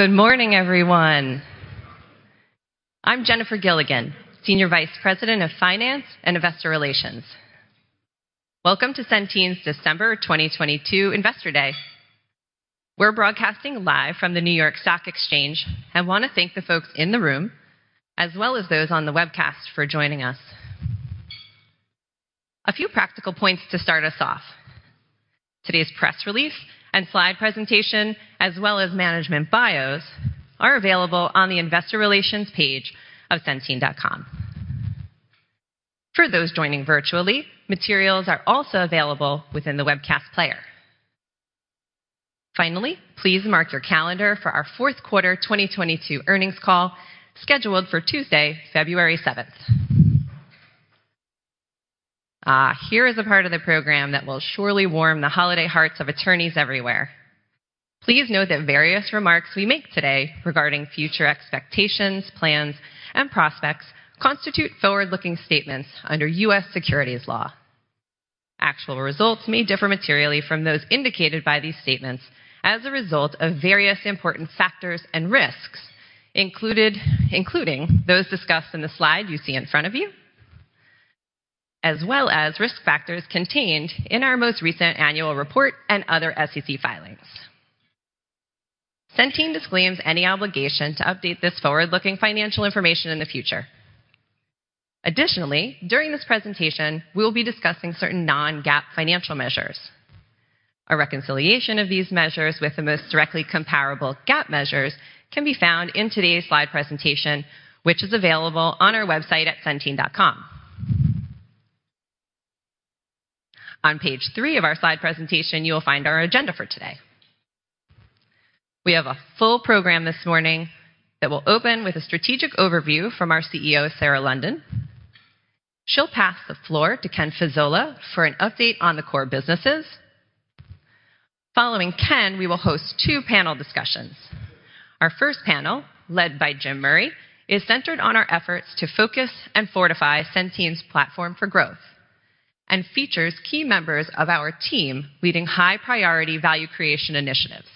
Good morning, everyone. I'm Jennifer Gilligan, Senior Vice President of Finance and Investor Relations. Welcome to Centene's December 2022 Investor Day. We're broadcasting live from the New York Stock Exchange. I wanna thank the folks in the room, as well as those on the webcast for joining us. A few practical points to start us off. Today's press release and slide presentation, as well as management bios, are available on the investor relations page of centene.com. For those joining virtually, materials are also available within the webcast player. Finally, please mark your calendar for our Q4 2022 earnings call, scheduled for Tuesday, February seventh. Here is a part of the program that will surely warm the holiday hearts of attorneys everywhere. Please note that various remarks we make today regarding future expectations, plans, and prospects constitute forward-looking statements under U.S. securities law. Actual results may differ materially from those indicated by these statements as a result of various important factors and risks included, including those discussed in the slide you see in front of you, as well as risk factors contained in our most recent annual report and other SEC filings. Centene disclaims any obligation to update this forward-looking financial information in the future. Additionally, during this presentation, we'll be discussing certain non-GAAP financial measures. A reconciliation of these measures with the most directly comparable GAAP measures can be found in today's slide presentation, which is available on our website at centene.com. On page three of our slide presentation, you will find our agenda for today. We have a full program this morning that will open with a strategic overview from our CEO, Sarah London. She'll pass the floor to Ken Fasola for an update on the core businesses. Following Ken, we will host two panel discussions. Our first panel, led by Jim Murray, is centered on our efforts to focus and fortify Centene's platform for growth and features key members of our team leading high-priority value creation initiatives.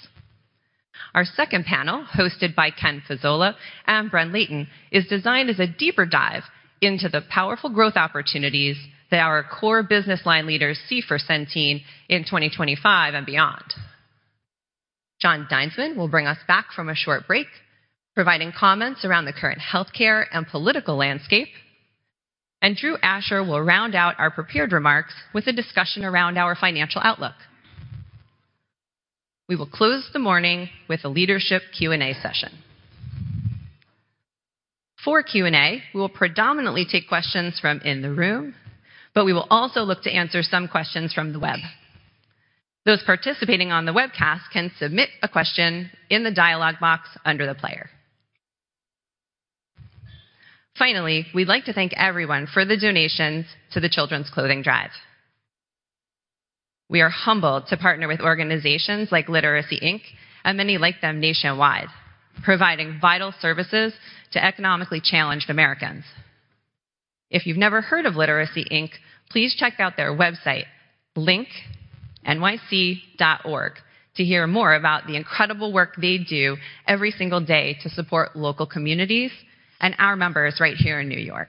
Our second panel, hosted by Ken Fasola and Brent Layton, is designed as a deeper dive into the powerful growth opportunities that our core business line leaders see for Centene in 2025 and beyond. John Dinesman will bring us back from a short break, providing comments around the current healthcare and political landscape, and Drew Asher will round out our prepared remarks with a discussion around our financial outlook. We will close the morning with a leadership Q&A session. For Q&A, we will predominantly take questions from in the room, but we will also look to answer some questions from the web. Those participating on the webcast can submit a question in the dialog box under the player. Finally, we'd like to thank everyone for the donations to the children's clothing drive. We are humbled to partner with organizations like Literacy Inc. many like them nationwide, providing vital services to economically challenged Americans. If you've never heard of Literacy Inc., please check out their website, link.nyc, to hear more about the incredible work they do every single day to support local communities and our members right here in New York.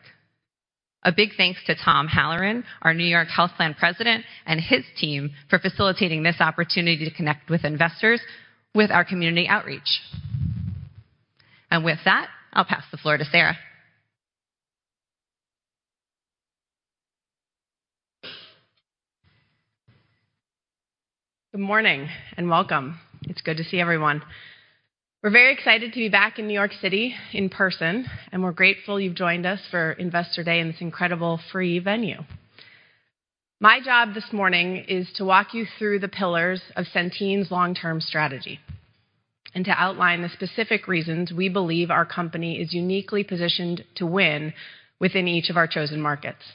A big thanks to Tom Halloran, our New York Health Plan President, and his team for facilitating this opportunity to connect with investors with our community outreach. With that, I'll pass the floor to Sarah. Good morning, welcome. It's good to see everyone. We're very excited to be back in New York City in person, and we're grateful you've joined us for Investor Day in this incredible free venue. My job this morning is to walk you through the pillars of Centene's long-term strategy and to outline the specific reasons we believe our company is uniquely positioned to win within each of our chosen markets.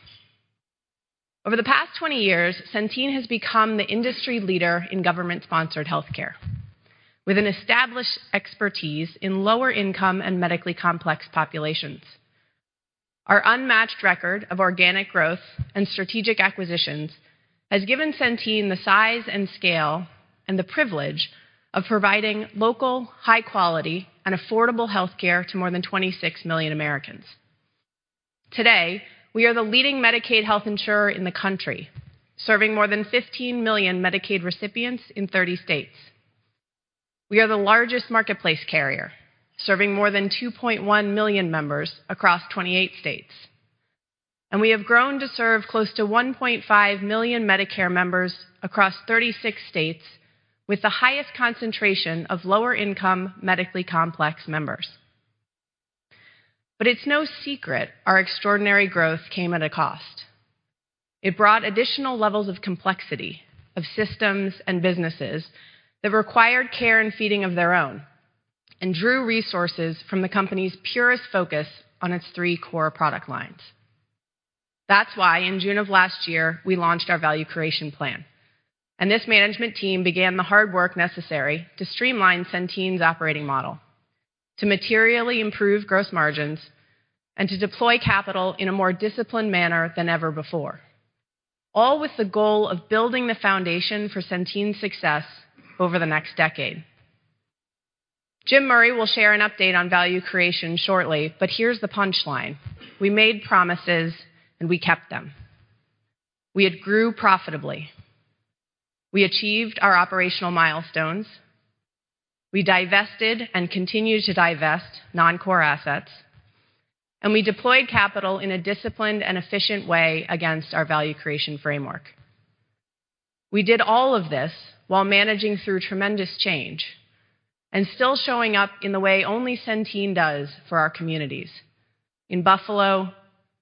Over the past 20 years, Centene has become the industry leader in government-sponsored healthcare with an established expertise in lower-income and medically complex populations. Our unmatched record of organic growth and strategic acquisitions has given Centene the size and scale and the privilege of providing local, high quality, and affordable healthcare to more than 26 million Americans. Today, we are the leading Medicaid health insurer in the country, serving more than 15 million Medicaid recipients in 30 states. We are the largest marketplace carrier, serving more than 2.1 million members across 28 states. We have grown to serve close to 1.5 million Medicare members across 36 states with the highest concentration of lower-income, medically complex members. It's no secret our extraordinary growth came at a cost. It brought additional levels of complexity of systems and businesses that required care and feeding of their own and drew resources from the company's purest focus on its three core product lines. That's why in June of last year, we launched our value creation plan, and this management team began the hard work necessary to streamline Centene's operating model to materially improve gross margins and to deploy capital in a more disciplined manner than ever before. All with the goal of building the foundation for Centene's success over the next decade. Jim Murray will share an update on value creation shortly. Here's the punchline. We made promises. We kept them. We had grew profitably. We achieved our operational milestones. We divested and continue to divest non-core assets. We deployed capital in a disciplined and efficient way against our value creation framework. We did all of this while managing through tremendous change and still showing up in the way only Centene does for our communities. In Buffalo,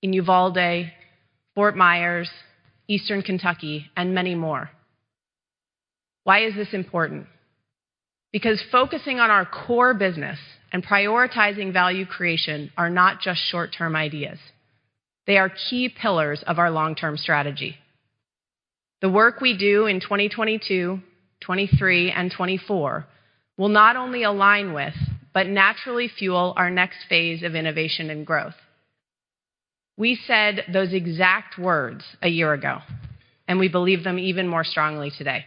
in Uvalde, Fort Myers, Eastern Kentucky, and many more. Why is this important? Focusing on our core business and prioritizing value creation are not just short-term ideas. They are key pillars of our long-term strategy. The work we do in 2022, 2023, and 2024 will not only align with but naturally fuel our next phase of innovation and growth. We said those exact words a year ago, and we believe them even more strongly today.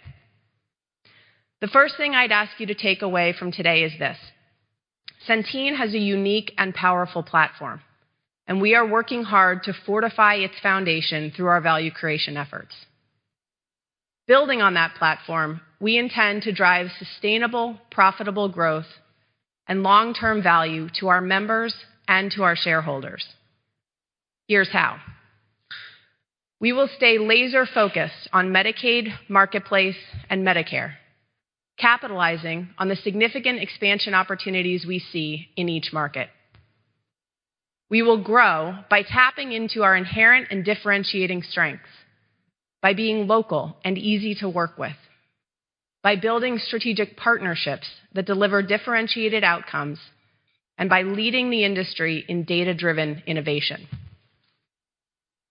The first thing I'd ask you to take away from today is this, Centene has a unique and powerful platform, and we are working hard to fortify its foundation through our value creation efforts. Building on that platform, we intend to drive sustainable, profitable growth and long-term value to our members and to our shareholders. Here's how. We will stay laser-focused on Medicaid, Marketplace, and Medicare, capitalizing on the significant expansion opportunities we see in each market. We will grow by tapping into our inherent and differentiating strengths, by being local and easy to work with, by building strategic partnerships that deliver differentiated outcomes, and by leading the industry in data-driven innovation.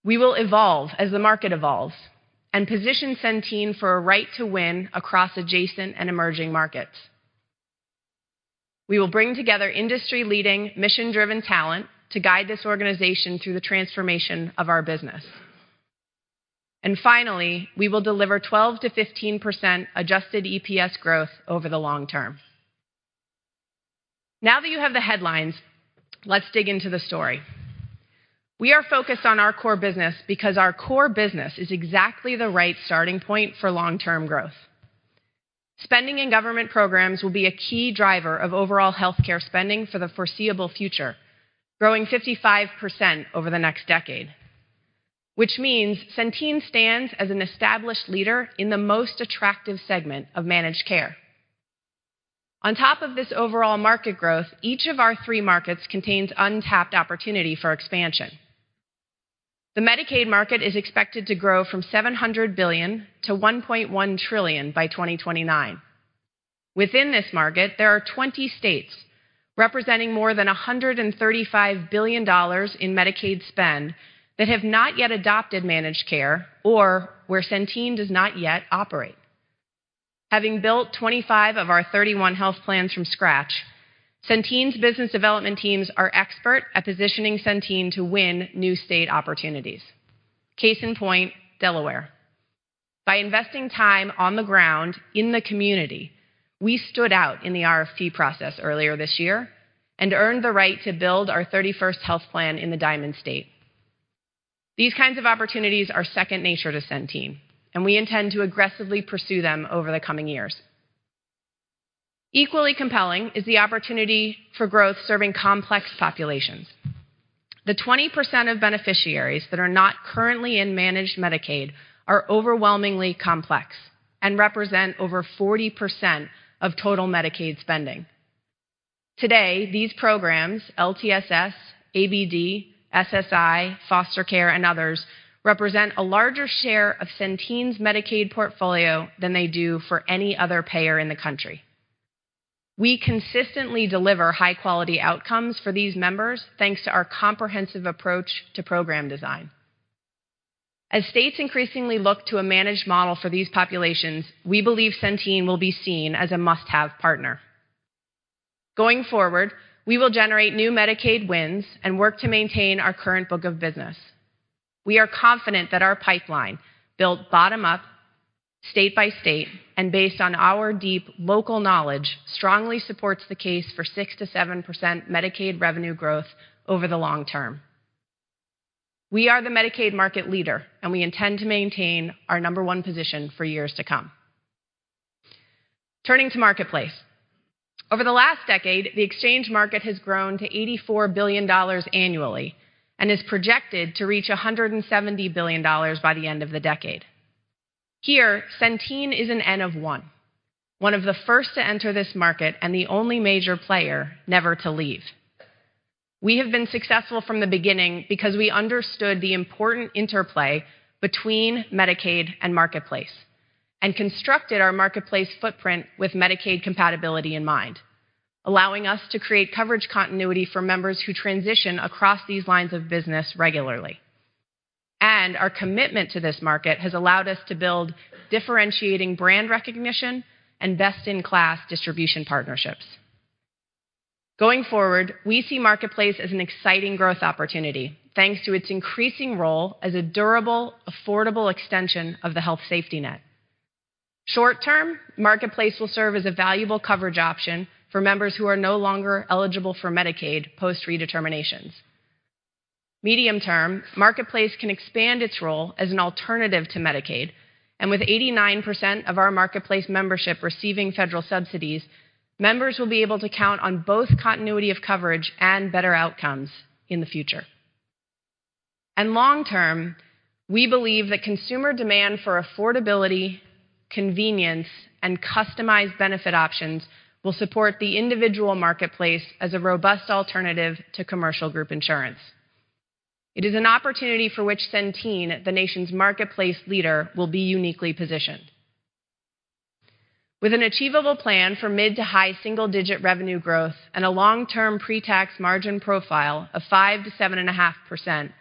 We will evolve as the market evolves and position Centene for a right to win across adjacent and emerging markets. We will bring together industry-leading, mission-driven talent to guide this organization through the transformation of our business. Finally, we will deliver 12%-15% adjusted EPS growth over the long term. Now that you have the headlines, let's dig into the story. We are focused on our core business because our core business is exactly the right starting point for long-term growth. Spending in government programs will be a key driver of overall healthcare spending for the foreseeable future, growing 55% over the next decade, which means Centene stands as an established leader in the most attractive segment of managed care. On top of this overall market growth, each of our three markets contains untapped opportunity for expansion. The Medicaid market is expected to grow from $700 billion to $1.1 trillion by 2029. Within this market, there are 20 states representing more than $135 billion in Medicaid spend that have not yet adopted managed care or where Centene does not yet operate. Having built 25 of our 31 health plans from scratch, Centene's business development teams are expert at positioning Centene to win new state opportunities. Case in point, Delaware. By investing time on the ground in the community, we stood out in the RFP process earlier this year and earned the right to build our 31st health plan in the Diamond State. These kinds of opportunities are second nature to Centene, and we intend to aggressively pursue them over the coming years. Equally compelling is the opportunity for growth serving complex populations. The 20% of beneficiaries that are not currently in managed Medicaid are overwhelmingly complex and represent over 40% of total Medicaid spending. Today, these programs, LTSS, ABD, SSI, Foster Care, and others, represent a larger share of Centene's Medicaid portfolio than they do for any other payer in the country. We consistently deliver high-quality outcomes for these members, thanks to our comprehensive approach to program design. As states increasingly look to a managed model for these populations, we believe Centene will be seen as a must-have partner. Going forward, we will generate new Medicaid wins and work to maintain our current book of business. We are confident that our pipeline, built bottom-up, state by state, and based on our deep local knowledge, strongly supports the case for 6%-7% Medicaid revenue growth over the long term. We are the Medicaid market leader, and we intend to maintain our number one position for years to come. Turning to Marketplace. Over the last decade, the exchange market has grown to $84 billion annually and is projected to reach $170 billion by the end of the decade. Here, Centene is an N of one of the first to enter this market and the only major player never to leave. We have been successful from the beginning because we understood the important interplay between Medicaid and Marketplace and constructed our Marketplace footprint with Medicaid compatibility in mind, allowing us to create coverage continuity for members who transition across these lines of business regularly. Our commitment to this market has allowed us to build differentiating brand recognition and best-in-class distribution partnerships. Going forward, we see Marketplace as an exciting growth opportunity thanks to its increasing role as a durable, affordable extension of the health safety net. Short-term, Marketplace will serve as a valuable coverage option for members who are no longer eligible for Medicaid post redeterminations. Medium-term, Marketplace can expand its role as an alternative to Medicaid, and with 89% of our Marketplace membership receiving federal subsidies, members will be able to count on both continuity of coverage and better outcomes in the future. Long term, we believe that consumer demand for affordability, convenience, and customized benefit options will support the individual marketplace as a robust alternative to commercial group insurance. It is an opportunity for which Centene, the nation's marketplace leader, will be uniquely positioned. With an achievable plan for mid to high single-digit revenue growth and a long-term pre-tax margin profile of 5% to 7.5%,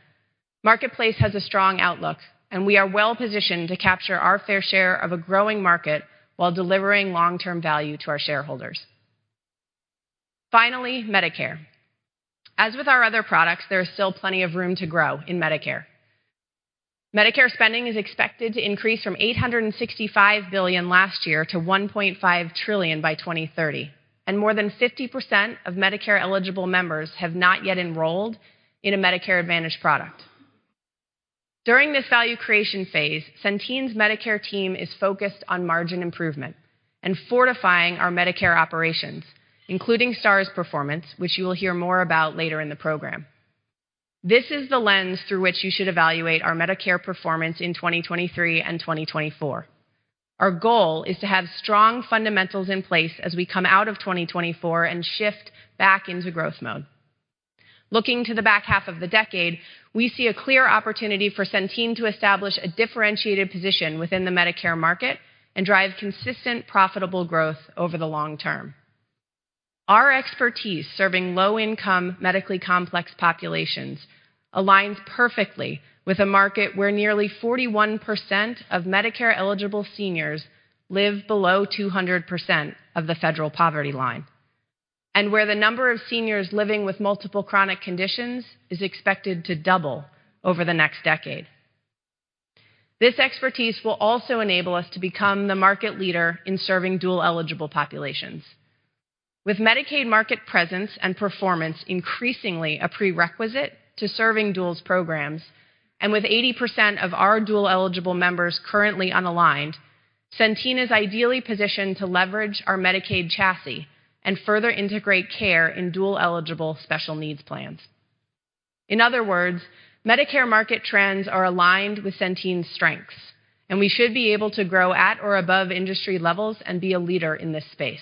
Marketplace has a strong outlook. We are well-positioned to capture our fair share of a growing market while delivering long-term value to our shareholders. Finally, Medicare. As with our other products, there is still plenty of room to grow in Medicare. Medicare spending is expected to increase from $865 billion last year to $1.5 trillion by 2030. More than 50% of Medicare-eligible members have not yet enrolled in a Medicare Advantage product. During this value creation phase, Centene's Medicare team is focused on margin improvement and fortifying our Medicare operations, including Stars performance, which you will hear more about later in the program. This is the lens through which you should evaluate our Medicare performance in 2023 and 2024. Our goal is to have strong fundamentals in place as we come out of 2024 and shift back into growth mode. Looking to the back half of the decade, we see a clear opportunity for Centene to establish a differentiated position within the Medicare market and drive consistent, profitable growth over the long term. Our expertise serving low-income, medically complex populations aligns perfectly with a market where nearly 41% of Medicare-eligible seniors live below 200% of the federal poverty line, and where the number of seniors living with multiple chronic conditions is expected to double over the next decade. This expertise will also enable us to become the market leader in serving dual-eligible populations. With Medicaid market presence and performance increasingly a prerequisite to serving duals programs, and with 80% of our dual-eligible members currently unaligned, Centene is ideally positioned to leverage our Medicaid chassis and further integrate care in dual-eligible special needs plans. In other words, Medicare market trends are aligned with Centene's strengths, and we should be able to grow at or above industry levels and be a leader in this space.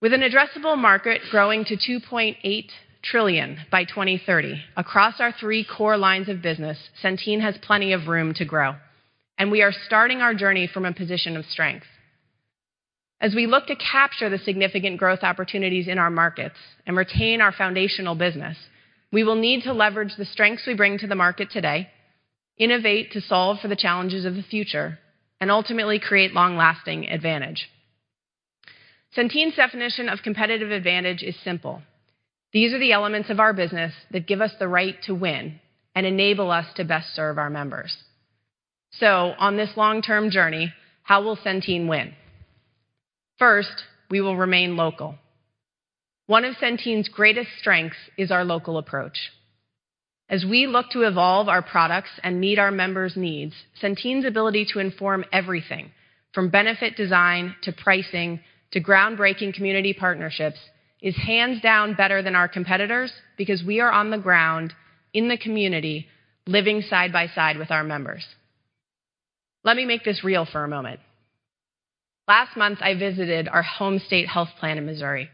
With an addressable market growing to $2.8 trillion by 2030 across our three core lines of business, Centene has plenty of room to grow, and we are starting our journey from a position of strength. As we look to capture the significant growth opportunities in our markets and retain our foundational business, we will need to leverage the strengths we bring to the market today, innovate to solve for the challenges of the future, and ultimately create long-lasting advantage. Centene's definition of competitive advantage is simple. These are the elements of our business that give us the right to win and enable us to best serve our members. On this long-term journey, how will Centene win? First, we will remain local. One of Centene's greatest strengths is our local approach. As we look to evolve our products and meet our members' needs, Centene's ability to inform everything from benefit design to pricing to groundbreaking community partnerships is hands down better than our competitors because we are on the ground in the community living side by side with our members. Let me make this real for a moment. Last month, I visited our home state health plan in Missouri.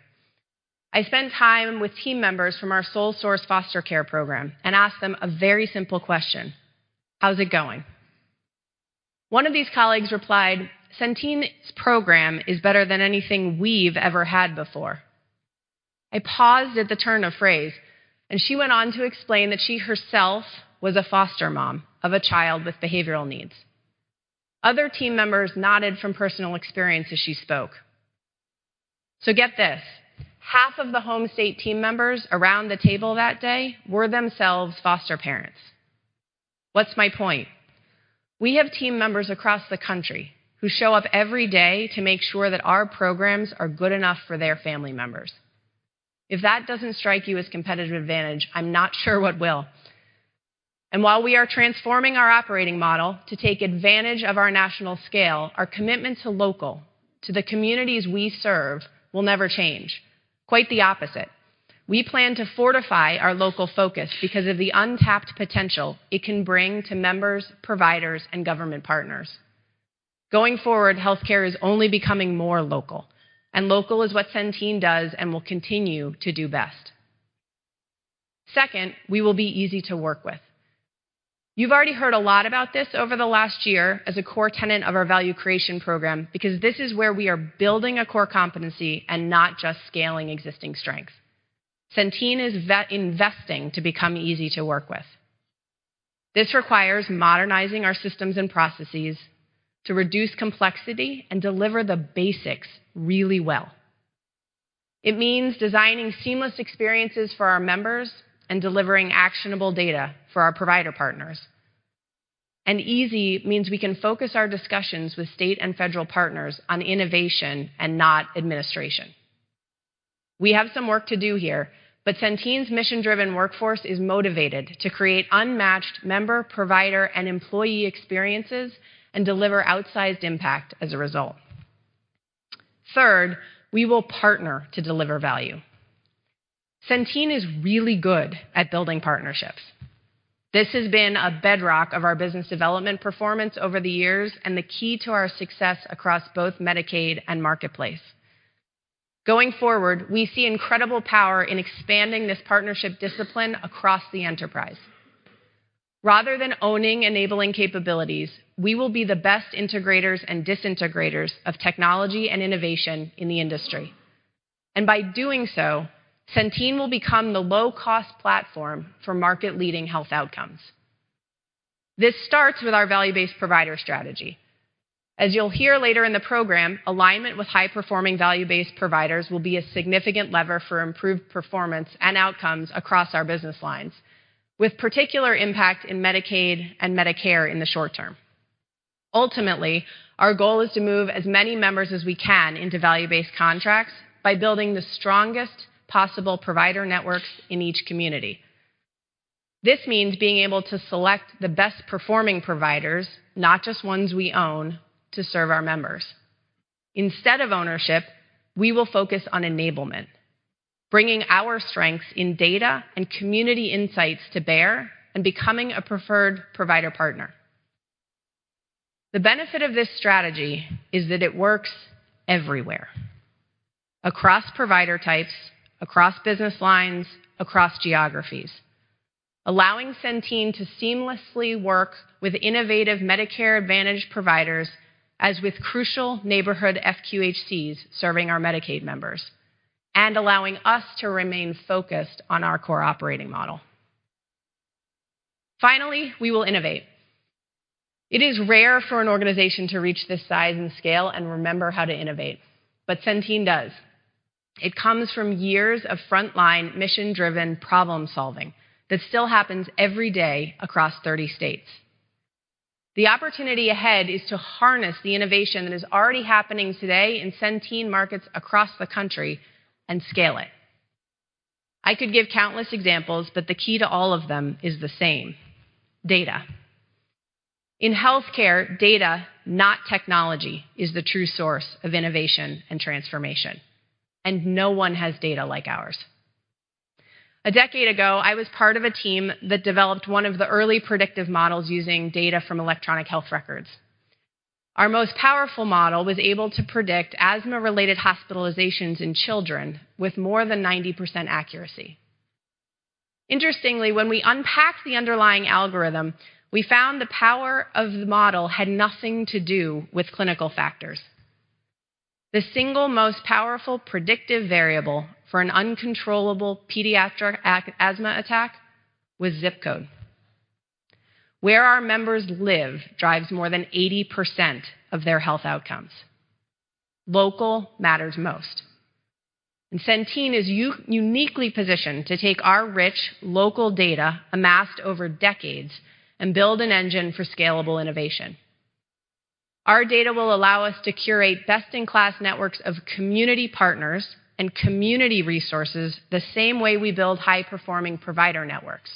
I spent time with team members from our sole source foster care program and asked them a very simple question: How's it going? One of these colleagues replied, "Centene's program is better than anything we've ever had before." I paused at the turn of phrase, and she went on to explain that she herself was a foster mom of a child with behavioral needs. Other team members nodded from personal experience as she spoke. Get this, half of the home state team members around the table that day were themselves foster parents. What's my point? We have team members across the country who show up every day to make sure that our programs are good enough for their family members. If that doesn't strike you as competitive advantage, I'm not sure what will. While we are transforming our operating model to take advantage of our national scale, our commitment to local, to the communities we serve, will never change. Quite the opposite. We plan to fortify our local focus because of the untapped potential it can bring to members, providers, and government partners. Going forward, healthcare is only becoming more local, and local is what Centene does and will continue to do best. Second, we will be easy to work with. You've already heard a lot about this over the last year as a core tenet of our value creation program because this is where we are building a core competency and not just scaling existing strengths. Centene is investing to become easy to work with. This requires modernizing our systems and processes to reduce complexity and deliver the basics really well. It means designing seamless experiences for our members and delivering actionable data for our provider partners. Easy means we can focus our discussions with state and federal partners on innovation and not administration. We have some work to do here, Centene's mission-driven workforce is motivated to create unmatched member, provider, and employee experiences and deliver outsized impact as a result. Third, we will partner to deliver value. Centene is really good at building partnerships. This has been a bedrock of our business development performance over the years and the key to our success across both Medicaid and Marketplace. Going forward, we see incredible power in expanding this partnership discipline across the enterprise. Rather than owning enabling capabilities, we will be the best integrators and disintegrators of technology and innovation in the industry. By doing so, Centene will become the low-cost platform for market-leading health outcomes. This starts with our value-based provider strategy. As you'll hear later in the program, alignment with high-performing value-based providers will be a significant lever for improved performance and outcomes across our business lines, with particular impact in Medicaid and Medicare in the short term. Ultimately, our goal is to move as many members as we can into value-based contracts by building the strongest possible provider networks in each community. This means being able to select the best-performing providers, not just ones we own, to serve our members. Instead of ownership, we will focus on enablement, bringing our strengths in data and community insights to bear and becoming a preferred provider partner. The benefit of this strategy is that it works everywhere, across provider types, across business lines, across geographies, allowing Centene to seamlessly work with innovative Medicare Advantage providers as with crucial neighborhood FQHCs serving our Medicaid members and allowing us to remain focused on our core operating model. We will innovate. It is rare for an organization to reach this size and scale and remember how to innovate, but Centene does. It comes from years of frontline mission-driven problem-solving that still happens every day across 30 states. The opportunity ahead is to harness the innovation that is already happening today in Centene markets across the country and scale it. I could give countless examples, but the key to all of them is the same: data. In healthcare, data, not technology, is the true source of innovation and transformation, and no one has data like ours. A decade ago, I was part of a team that developed one of the early predictive models using data from electronic health records. Our most powerful model was able to predict asthma-related hospitalizations in children with more than 90% accuracy. Interestingly, when we unpacked the underlying algorithm, we found the power of the model had nothing to do with clinical factors. The single most powerful predictive variable for an uncontrollable pediatric asthma attack was zip code. Where our members live drives more than 80% of their health outcomes. Local matters most. Centene is uniquely positioned to take our rich local data amassed over decades and build an engine for scalable innovation. Our data will allow us to curate best-in-class networks of community partners and community resources the same way we build high-performing provider networks.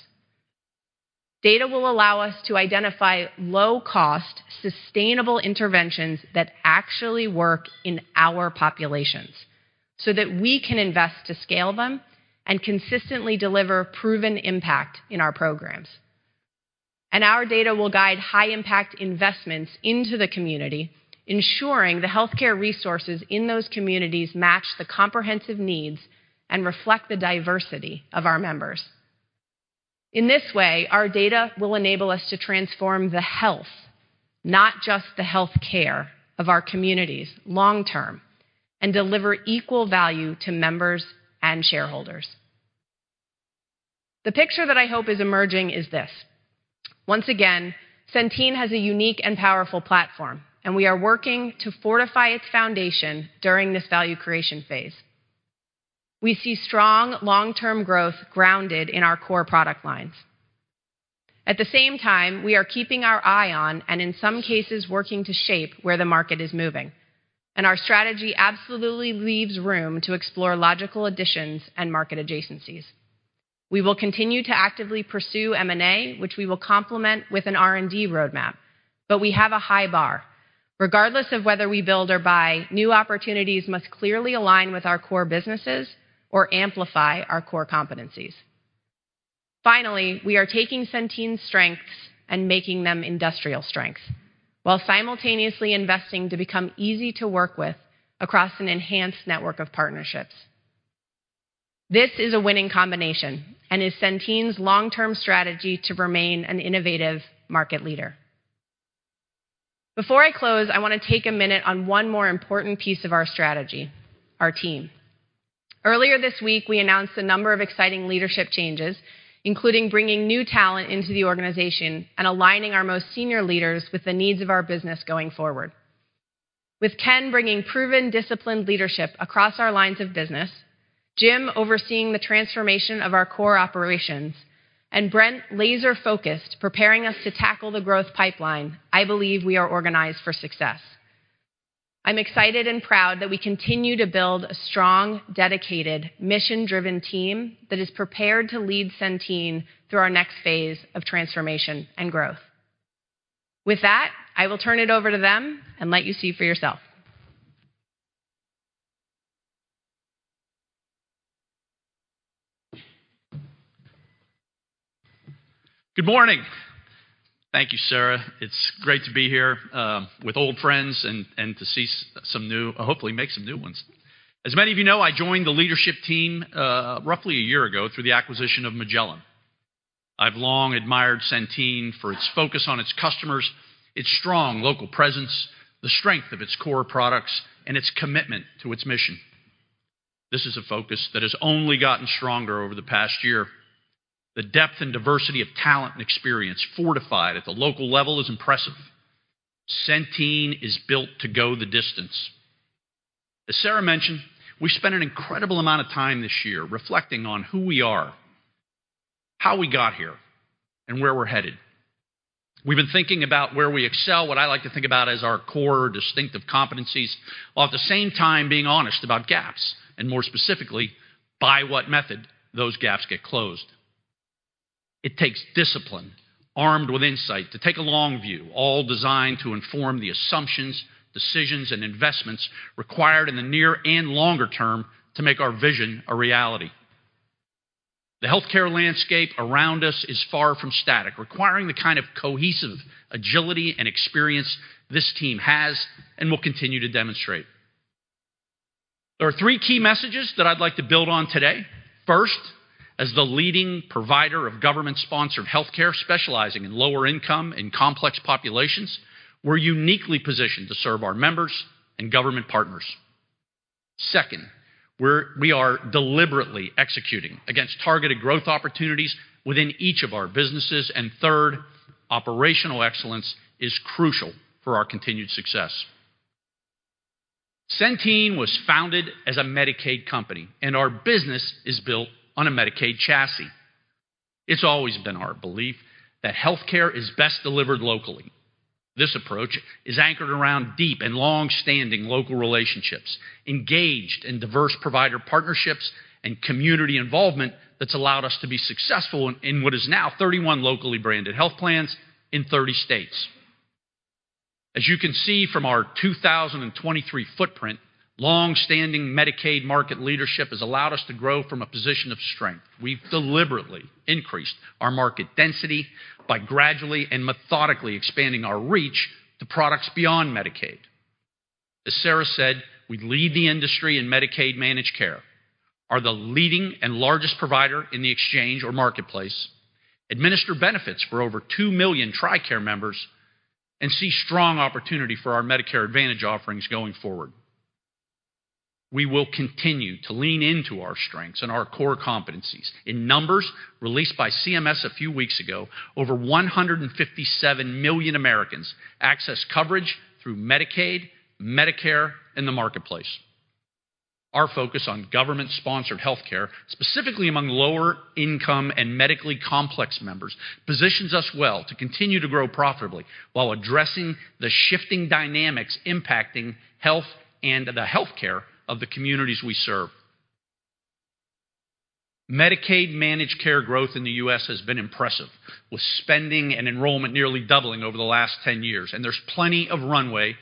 Data will allow us to identify low-cost, sustainable interventions that actually work in our populations so that we can invest to scale them and consistently deliver proven impact in our programs. Our data will guide high-impact investments into the community, ensuring the healthcare resources in those communities match the comprehensive needs and reflect the diversity of our members. In this way, our data will enable us to transform the health, not just the healthcare, of our communities long-term and deliver equal value to members and shareholders. The picture that I hope is emerging is this. Once again, Centene has a unique and powerful platform, and we are working to fortify its foundation during this value creation phase. We see strong long-term growth grounded in our core product lines. At the same time, we are keeping our eye on, and in some cases working to shape, where the market is moving. Our strategy absolutely leaves room to explore logical additions and market adjacencies. We will continue to actively pursue M&A, which we will complement with an R&D roadmap, but we have a high bar. Regardless of whether we build or buy, new opportunities must clearly align with our core businesses or amplify our core competencies. Finally, we are taking Centene's strengths and making them industrial strengths while simultaneously investing to become easy to work with across an enhanced network of partnerships. This is a winning combination and is Centene's long-term strategy to remain an innovative market leader. Before I close, I wanna take a minute on one more important piece of our strategy, our team. Earlier this week, we announced a number of exciting leadership changes, including bringing new talent into the organization and aligning our most senior leaders with the needs of our business going forward. With Ken bringing proven disciplined leadership across our lines of business, Jim overseeing the transformation of our core operations, and Brent laser-focused preparing us to tackle the growth pipeline, I believe we are organized for success. I'm excited and proud that we continue to build a strong, dedicated, mission-driven team that is prepared to lead Centene through our next phase of transformation and growth. With that, I will turn it over to them and let you see for yourself. Good morning. Thank you, Sarah. It's great to be here with old friends and to see some new hopefully make some new ones. As many of you know, I joined the leadership team roughly a year ago through the acquisition of Magellan. I've long admired Centene for its focus on its customers, its strong local presence, the strength of its core products, and its commitment to its mission. This is a focus that has only gotten stronger over the past year. The depth and diversity of talent and experience fortified at the local level is impressive. Centene is built to go the distance. As Sarah mentioned, we spent an incredible amount of time this year reflecting on who we are, how we got here, and where we're headed. We've been thinking about where we excel, what I like to think about as our core distinctive competencies, while at the same time being honest about gaps, and more specifically, by what method those gaps get closed. It takes discipline armed with insight to take a long view, all designed to inform the assumptions, decisions, and investments required in the near and longer term to make our vision a reality. The healthcare landscape around us is far from static, requiring the kind of cohesive agility and experience this team has and will continue to demonstrate. There are three key messages that I'd like to build on today. First, as the leading provider of government-sponsored healthcare specializing in lower income and complex populations, we're uniquely positioned to serve our members and government partners. Second, we are deliberately executing against targeted growth opportunities within each of our businesses. Third, operational excellence is crucial for our continued success. Centene was founded as a Medicaid company. Our business is built on a Medicaid chassis. It's always been our belief that healthcare is best delivered locally. This approach is anchored around deep and long-standing local relationships, engaged in diverse provider partnerships and community involvement that's allowed us to be successful in what is now 31 locally branded health plans in 30 states. As you can see from our 2023 footprint, long-standing Medicaid market leadership has allowed us to grow from a position of strength. We've deliberately increased our market density by gradually and methodically expanding our reach to products beyond Medicaid. As Sarah said, we lead the industry in Medicaid managed care, are the leading and largest provider in the exchange or marketplace, administer benefits for over two million TRICARE members, and see strong opportunity for our Medicare Advantage offerings going forward. We will continue to lean into our strengths and our core competencies. In numbers released by CMS a few weeks ago, over 157 million Americans access coverage through Medicaid, Medicare, and the marketplace. Our focus on government-sponsored healthcare, specifically among lower-income and medically complex members, positions us well to continue to grow profitably while addressing the shifting dynamics impacting health and the healthcare of the communities we serve. Medicaid managed care growth in the U.S. has been impressive, with spending and enrollment nearly doubling over the last 10 years, and there's plenty of runway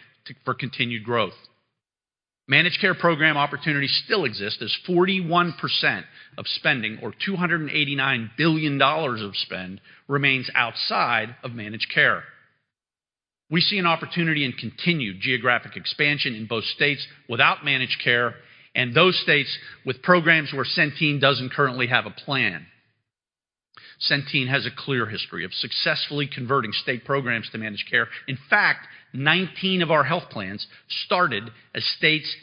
for continued growth. Managed care program opportunities still exist as 41% of spending or $289 billion of spend remains outside of managed care. We see an opportunity in continued geographic expansion in both states without managed care and those states with programs where Centene doesn't currently have a plan. Centene has a clear history of successfully converting state programs to managed care. In fact, 19 of our health plans started as states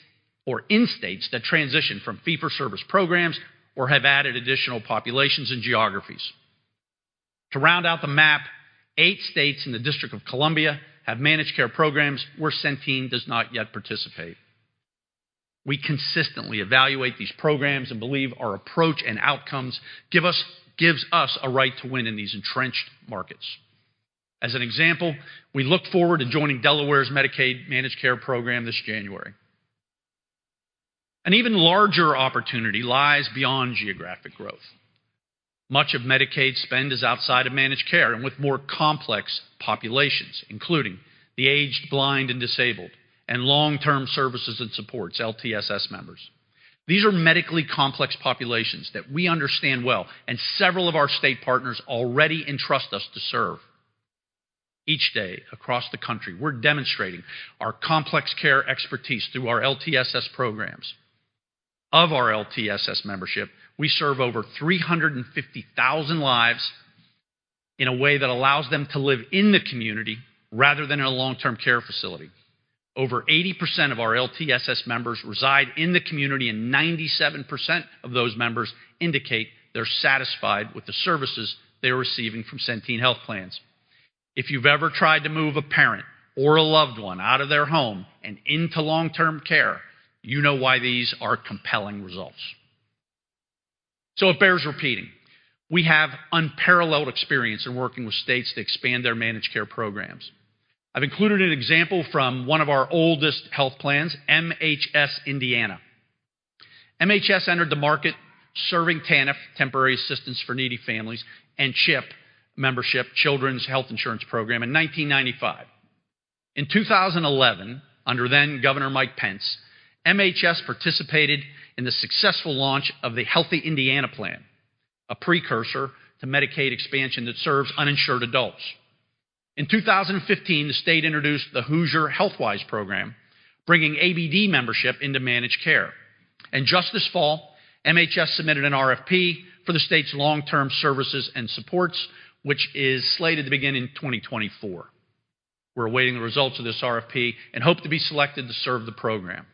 or in states that transitioned from fee-for-service programs or have added additional populations and geographies. To round out the map, eight states in the District of Columbia have managed care programs where Centene does not yet participate. We consistently evaluate these programs and believe our approach and outcomes gives us a right to win in these entrenched markets. As an example, we look forward to joining Delaware's Medicaid managed care program this January. An even larger opportunity lies beyond geographic growth. Much of Medicaid spend is outside of managed care and with more complex populations, including the aged, blind, and disabled, and long-term services and supports, LTSS members. These are medically complex populations that we understand well, and several of our state partners already entrust us to serve. Each day across the country, we're demonstrating our complex care expertise through our LTSS programs. Of our LTSS membership, we serve over 350,000 lives in a way that allows them to live in the community rather than in a long-term care facility. Over 80% of our LTSS members reside in the community, and 97% of those members indicate they're satisfied with the services they're receiving from Centene Health Plans. If you've ever tried to move a parent or a loved one out of their home and into long-term care, you know why these are compelling results. It bears repeating. We have unparalleled experience in working with states to expand their managed care programs. I've included an example from one of our oldest health plans, MHS Indiana. MHS entered the market serving TANF, Temporary Assistance for Needy Families, and CHIP membership, Children's Health Insurance Program, in 1995. In 2011, under then-Governor Mike Pence, MHS participated in the successful launch of the Healthy Indiana Plan, a precursor to Medicaid expansion that serves uninsured adults. In 2015, the state introduced the Hoosier Healthwise program, bringing ABD membership into managed care. Just this fall, MHS submitted an RFP for the state's long-term services and supports, which is slated to begin in 2024. We're awaiting the results of this RFP and hope to be selected to serve the program.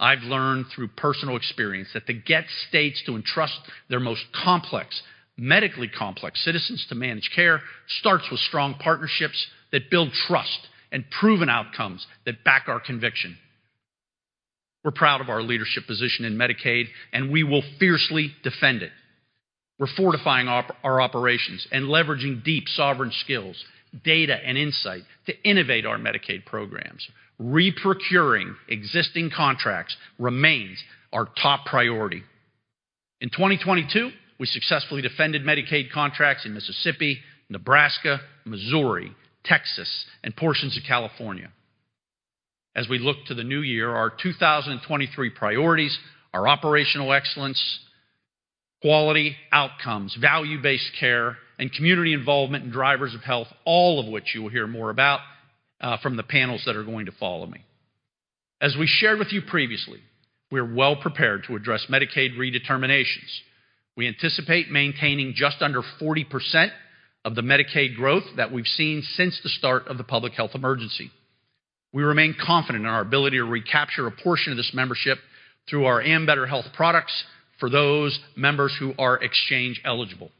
I've learned through personal experience that to get states to entrust their most complex, medically complex citizens to managed care starts with strong partnerships that build trust and proven outcomes that back our conviction. We're proud of our leadership position in Medicaid, and we will fiercely defend it. We're fortifying our operations and leveraging deep sovereign skills, data, and insight to innovate our Medicaid programs. Reprocuring existing contracts remains our top priority. In 2022, we successfully defended Medicaid contracts in Mississippi, Nebraska, Missouri, Texas, and portions of California. As we look to the new year, our 2023 priorities are operational excellence, quality outcomes, value-based care, and community involvement and drivers of health, all of which you will hear more about from the panels that are going to follow me. As we shared with you previously, we're well-prepared to address Medicaid redeterminations. We anticipate maintaining just under 40% of the Medicaid growth that we've seen since the start of the public health emergency. We remain confident in our ability to recapture a portion of this membership through our Ambetter Health products for those members who are exchange eligible.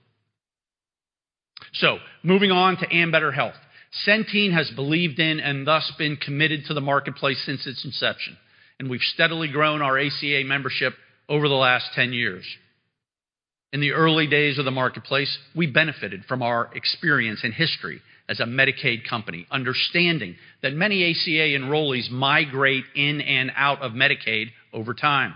Moving on to Ambetter Health. Centene has believed in and thus been committed to the marketplace since its inception, and we've steadily grown our ACA membership over the last 10 years. In the early days of the marketplace, we benefited from our experience and history as a Medicaid company, understanding that many ACA enrollees migrate in and out of Medicaid over time.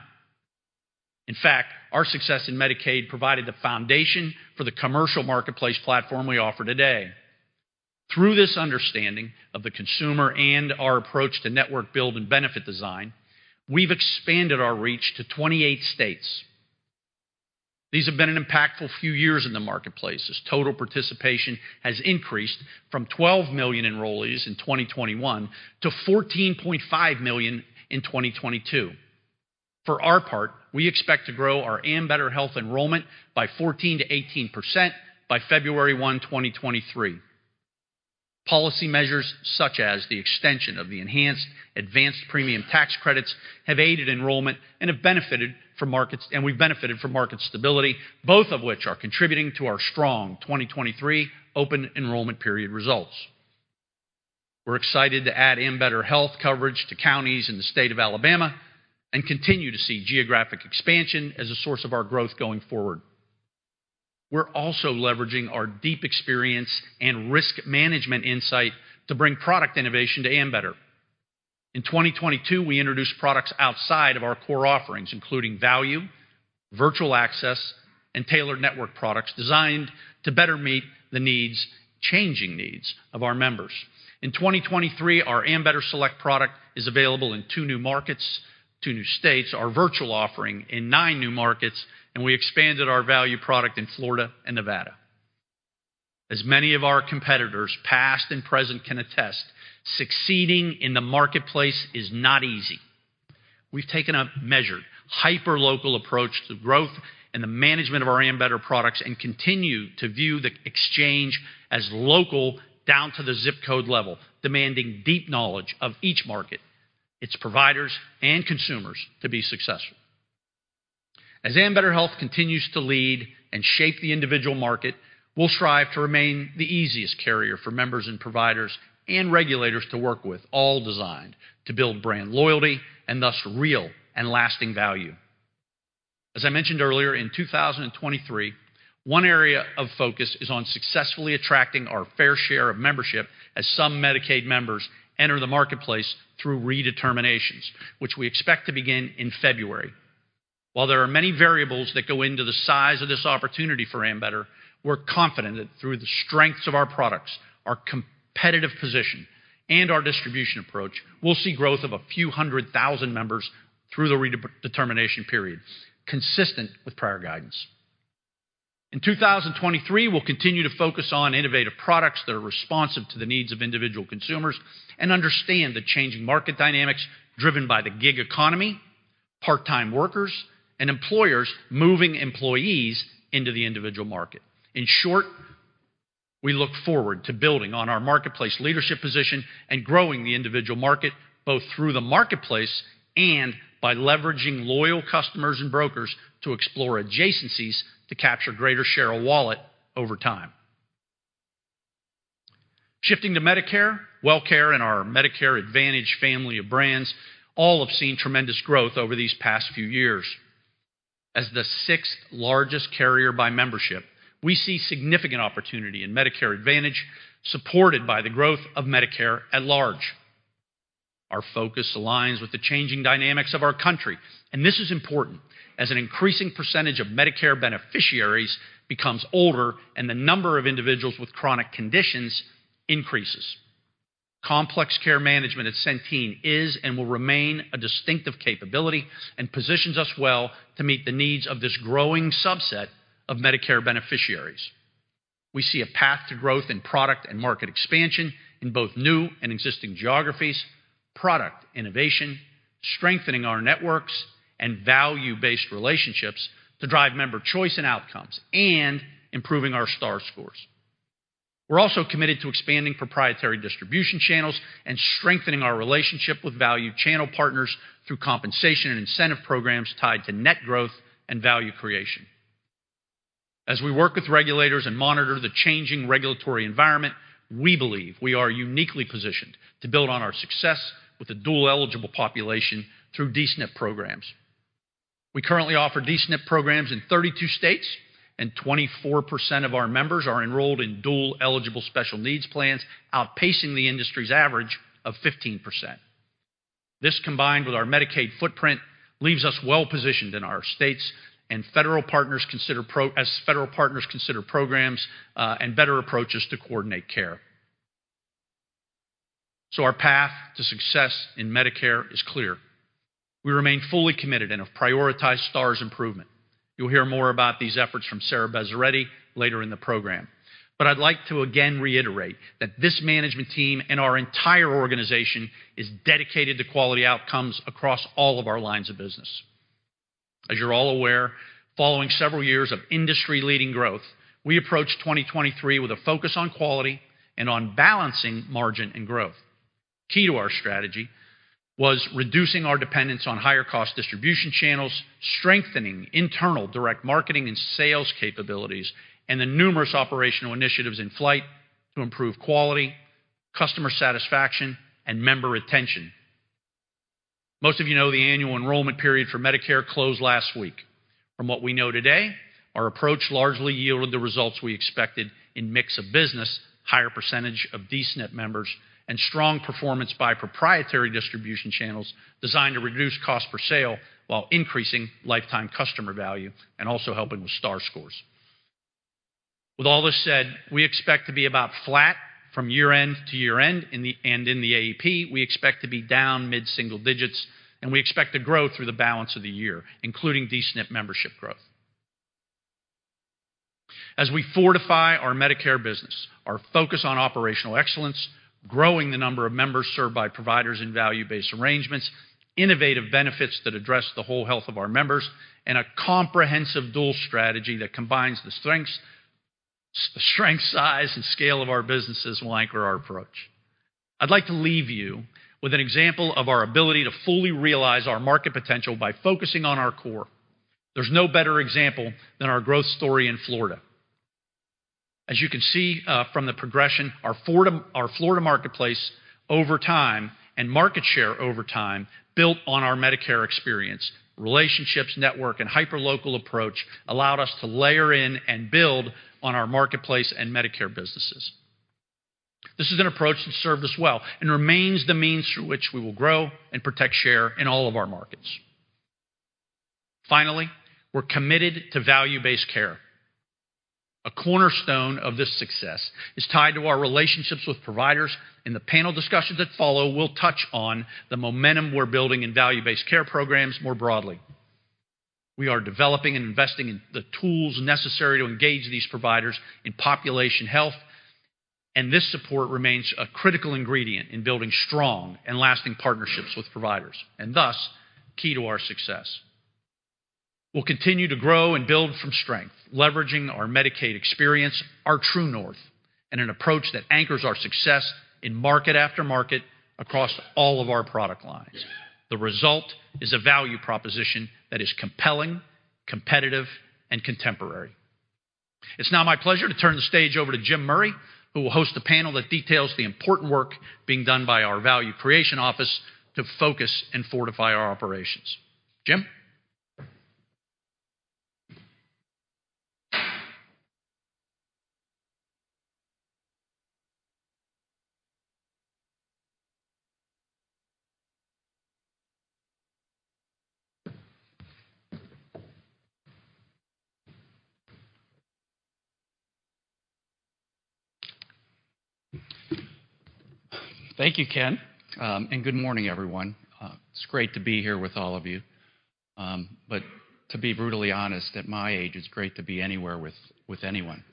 In fact, our success in Medicaid provided the foundation for the commercial marketplace platform we offer today. Through this understanding of the consumer and our approach to network build and benefit design, we've expanded our reach to 28 states. These have been an impactful few years in the marketplace as total participation has increased from 12 million enrollees in 2021 to 14.5 million in 2022. For our part, we expect to grow our Ambetter Health enrollment by 14%-18% by February 1, 2023. Policy measures such as the extension of the enhanced Advance Premium Tax Credits have aided enrollment and have benefited from markets, we've benefited from market stability, both of which are contributing to our strong 2023 open enrollment period results. We're excited to add Ambetter Health coverage to counties in the state of Alabama and continue to see geographic expansion as a source of our growth going forward. We're also leveraging our deep experience and risk management insight to bring product innovation to Ambetter. In 2022, we introduced products outside of our core offerings, including value, virtual access, and tailored network products designed to better meet the changing needs of our members. In 2023, our Ambetter Select product is available in two new markets, two new states, our virtual offering in nine new markets, we expanded our value product in Florida and Nevada. As many of our competitors, past and present, can attest, succeeding in the marketplace is not easy. We've taken a measured, hyperlocal approach to growth and the management of our Ambetter products and continue to view the exchange as local down to the zip code level, demanding deep knowledge of each market, its providers, and consumers to be successful. As Ambetter Health continues to lead and shape the individual market, we'll strive to remain the easiest carrier for members and providers and regulators to work with, all designed to build brand loyalty and thus real and lasting value. As I mentioned earlier, in 2023, one area of focus is on successfully attracting our fair share of membership as some Medicaid members enter the marketplace through redeterminations, which we expect to begin in February. While there are many variables that go into the size of this opportunity for Ambetter, we're confident that through the strengths of our products, our competitive position, and our distribution approach, we'll see growth of a few hundred thousand members through the redetermination period, consistent with prior guidance. In 2023, we'll continue to focus on innovative products that are responsive to the needs of individual consumers and understand the changing market dynamics driven by the gig economy, part-time workers, and employers moving employees into the individual market. In short, we look forward to building on our marketplace leadership position and growing the individual market, both through the marketplace and by leveraging loyal customers and brokers to explore adjacencies to capture greater share of wallet over time. Shifting to Medicare, WellCare and our Medicare Advantage family of brands all have seen tremendous growth over these past few years. As the sixth-largest carrier by membership, we see significant opportunity in Medicare Advantage, supported by the growth of Medicare at large. Our focus aligns with the changing dynamics of our country, and this is important as an increasing percentage of Medicare beneficiaries becomes older and the number of individuals with chronic conditions increases. Complex care management at Centene is and will remain a distinctive capability and positions us well to meet the needs of this growing subset of Medicare beneficiaries. We see a path to growth in product and market expansion in both new and existing geographies, product innovation, strengthening our networks and value-based relationships to drive member choice and outcomes, and improving our Star scores. We're also committed to expanding proprietary distribution channels and strengthening our relationship with value channel partners through compensation and incentive programs tied to net growth and value creation. As we work with regulators and monitor the changing regulatory environment, we believe we are uniquely positioned to build on our success with the dual-eligible population through D-SNP programs. We currently offer D-SNP programs in 32 states, and 24% of our members are enrolled in dual-eligible special needs plans, outpacing the industry's average of 15%. This, combined with our Medicaid footprint, leaves us well-positioned in our states, as federal partners consider programs and better approaches to coordinate care. Our path to success in Medicare is clear. We remain fully committed and have prioritized Stars improvement. You'll hear more about these efforts from Sarah Bezeredi later in the program. I'd like to again reiterate that this management team and our entire organization is dedicated to quality outcomes across all of our lines of business. As you're all aware, following several years of industry-leading growth, we approached 2023 with a focus on quality and on balancing margin and growth. Key to our strategy was reducing our dependence on higher-cost distribution channels, strengthening internal direct marketing and sales capabilities, and the numerous operational initiatives in flight to improve quality, customer satisfaction, and member retention. Most of you know the annual enrollment period for Medicare closed last week. From what we know today, our approach largely yielded the results we expected in mix of business, higher % of D-SNP members, and strong performance by proprietary distribution channels designed to reduce cost per sale while increasing lifetime customer value and also helping with Star scores. With all this said, we expect to be about flat from year-end to year-end in the AEP, we expect to be down mid-single digits, and we expect to grow through the balance of the year, including D-SNP membership growth. As we fortify our Medicare business, our focus on operational excellence, growing the number of members served by providers in value-based arrangements, innovative benefits that address the whole health of our members, and a comprehensive dual strategy that combines the strength, size, and scale of our businesses will anchor our approach. I'd like to leave you with an example of our ability to fully realize our market potential by focusing on our core. There's no better example than our growth story in Florida. As you can see, from the progression, our Florida marketplace over time and market share over time built on our Medicare experience. Relationships, network, and hyperlocal approach allowed us to layer in and build on our marketplace and Medicare businesses. This is an approach that served us well and remains the means through which we will grow and protect share in all of our markets. We're committed to value-based care. A cornerstone of this success is tied to our relationships with providers, the panel discussions that follow will touch on the momentum we're building in value-based care programs more broadly. We are developing and investing in the tools necessary to engage these providers in population health, this support remains a critical ingredient in building strong and lasting partnerships with providers and, thus, key to our success. We'll continue to grow and build from strength, leveraging our Medicaid experience, our true north, and an approach that anchors our success in market after market across all of our product lines. The result is a value proposition that is compelling, competitive, and contemporary. It's now my pleasure to turn the stage over to Jim Murray, who will host a panel that details the important work being done by our value creation office to focus and fortify our operations. Jim? Thank you, Ken. Good morning, everyone. It's great to be here with all of you. To be brutally honest, at my age, it's great to be anywhere with anyone.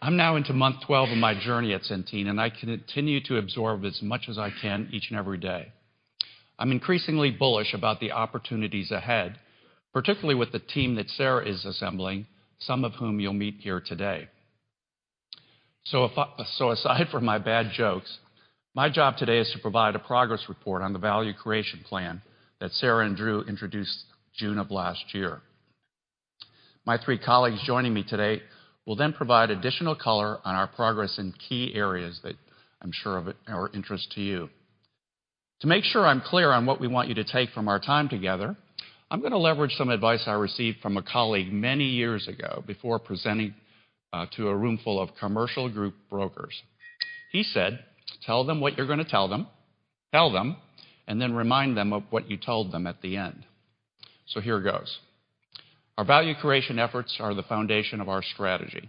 I'm now into month 12 of my journey at Centene, and I continue to absorb as much as I can each and every day. I'm increasingly bullish about the opportunities ahead, particularly with the team that Sarah is assembling, some of whom you'll meet here today. Aside from my bad jokes, my job today is to provide a progress report on the value creation plan that Sarah and Drew introduced June of last year. My three colleagues joining me today will provide additional color on our progress in key areas that I'm sure of it are of interest to you. To make sure I'm clear on what we want you to take from our time together, I'm gonna leverage some advice I received from a colleague many years ago before presenting to a room full of commercial group brokers. He said, "Tell them what you're gonna tell them, tell them, and then remind them of what you told them at the end." Here goes. Our value creation efforts are the foundation of our strategy.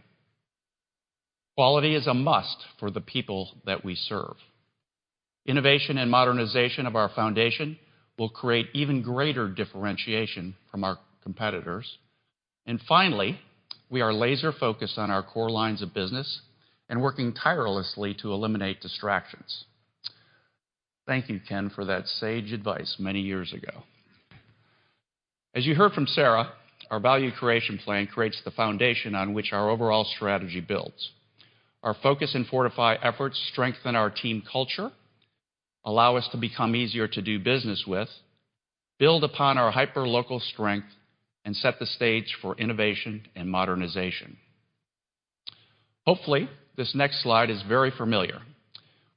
Quality is a must for the people that we serve. Innovation and modernization of our foundation will create even greater differentiation from our competitors. Finally, we are laser-focused on our core lines of business and working tirelessly to eliminate distractions. Thank you, Ken, for that sage advice many years ago. As you heard from Sarah, our value creation plan creates the foundation on which our overall strategy builds. Our focus and fortify efforts strengthen our team culture, allow us to become easier to do business with, build upon our hyperlocal strength, and set the stage for innovation and modernization. Hopefully, this next slide is very familiar.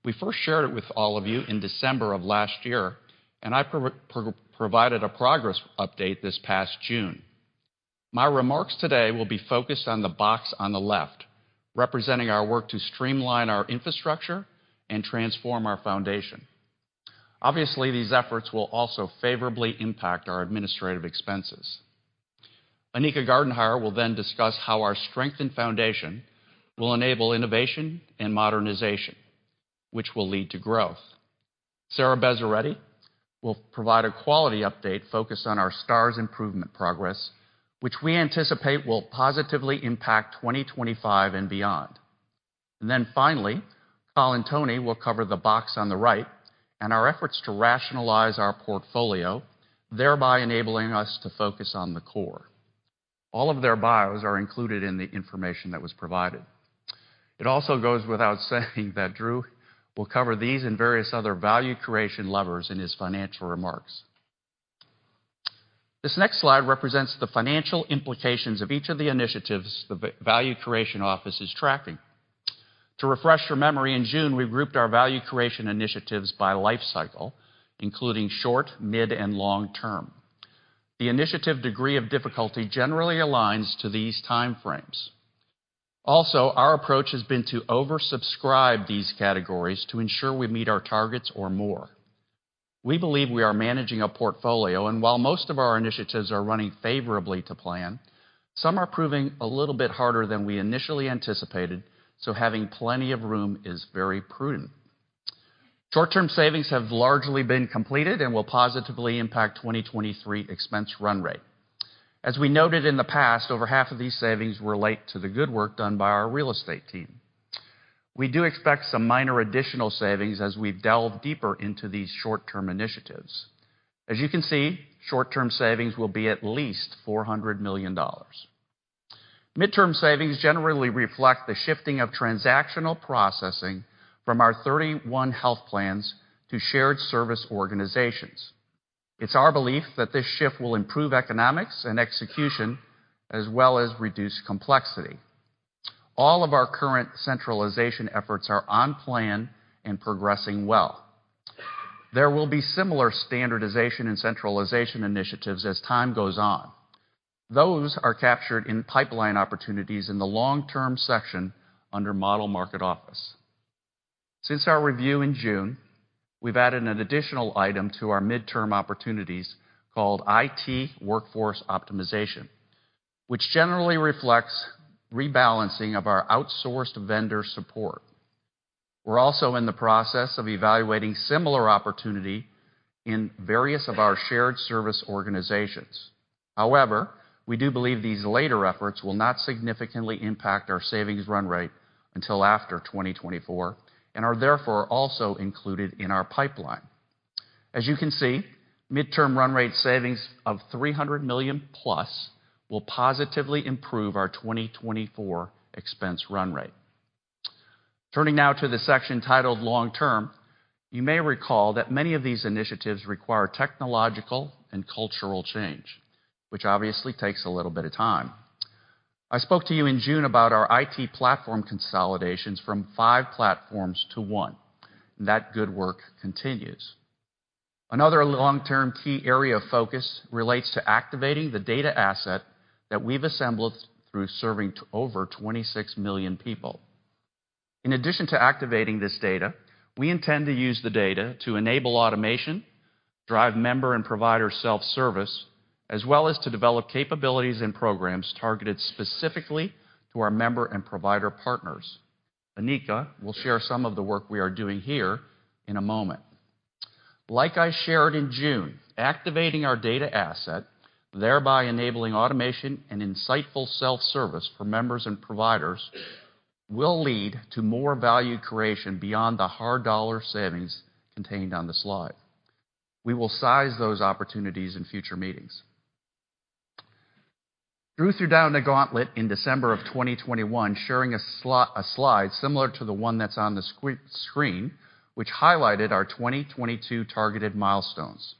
We first shared it with all of you in December of last year. I provided a progress update this past June. My remarks today will be focused on the box on the left, representing our work to streamline our infrastructure and transform our foundation. Obviously, these efforts will also favorably impact our administrative expenses. Anika Gardenhire will discuss how our strengthened foundation will enable innovation and modernization, which will lead to growth. Sarah Bezeredi will provide a quality update focused on our Stars improvement progress, which we anticipate will positively impact 2025 and beyond. Finally, Colin Toney will cover the box on the right and our efforts to rationalize our portfolio, thereby enabling us to focus on the core. All of their bios are included in the information that was provided. It also goes without saying that Drew will cover these and various other value creation levers in his financial remarks. This next slide represents the financial implications of each of the initiatives the value creation office is tracking. To refresh your memory, in June, we grouped our value creation initiatives by life cycle, including short, mid, and long term. The initiative degree of difficulty generally aligns to these time frames. Also, our approach has been to oversubscribe these categories to ensure we meet our targets or more. We believe we are managing a portfolio, and while most of our initiatives are running favorably to plan, some are proving a little bit harder than we initially anticipated, so having plenty of room is very prudent. Short-term savings have largely been completed and will positively impact 2023 expense run rate. As we noted in the past, over half of these savings relate to the good work done by our real estate team. We do expect some minor additional savings as we delve deeper into these short-term initiatives. As you can see, short-term savings will be at least $400 million. Midterm savings generally reflect the shifting of transactional processing from our 31 health plans to shared service organizations. It's our belief that this shift will improve economics and execution as well as reduce complexity. All of our current centralization efforts are on plan and progressing well. There will be similar standardization and centralization initiatives as time goes on. Those are captured in pipeline opportunities in the long-term section under model market office. Since our review in June, we've added an additional item to our midterm opportunities called IT Workforce Optimization, which generally reflects rebalancing of our outsourced vendor support. We're also in the process of evaluating similar opportunity in various of our shared service organizations. We do believe these later efforts will not significantly impact our savings run rate until after 2024 and are therefore also included in our pipeline. You can see, midterm run rate savings of $300 million+ will positively improve our 2024 expense run rate. Turning now to the section titled Long Term, you may recall that many of these initiatives require technological and cultural change, which obviously takes a little bit of time. I spoke to you in June about our IT platform consolidations from five platforms to one. That good work continues. Another long-term key area of focus relates to activating the data asset that we've assembled through serving over 26 million people. In addition to activating this data, we intend to use the data to enable automation, drive member and provider self-service, as well as to develop capabilities and programs targeted specifically to our member and provider partners. Anika will share some of the work we are doing here in a moment. Like I shared in June, activating our data asset, thereby enabling automation and insightful self-service for members and providers, will lead to more value creation beyond the hard dollar savings contained on the slide. We will size those opportunities in future meetings. Drew threw down the gauntlet in December of 2021, sharing a slide similar to the one that's on the screen, which highlighted our 2022 targeted milestones.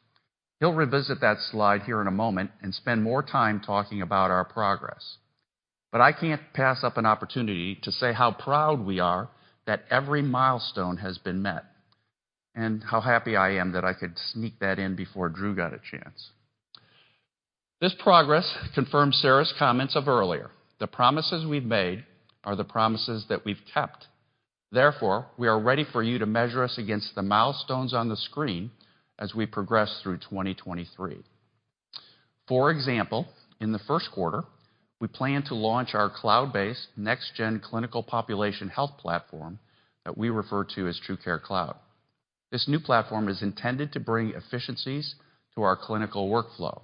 He'll revisit that slide here in a moment and spend more time talking about our progress. I can't pass up an opportunity to say how proud we are that every milestone has been met, and how happy I am that I could sneak that in before Drew got a chance. This progress confirms Sarah's comments of earlier. The promises we've made are the promises that we've kept. We are ready for you to measure us against the milestones on the screen as we progress through 2023. For example, in the Q1, we plan to launch our cloud-based next gen clinical population health platform that we refer to as Truecare Cloud. This new platform is intended to bring efficiencies to our clinical workflow.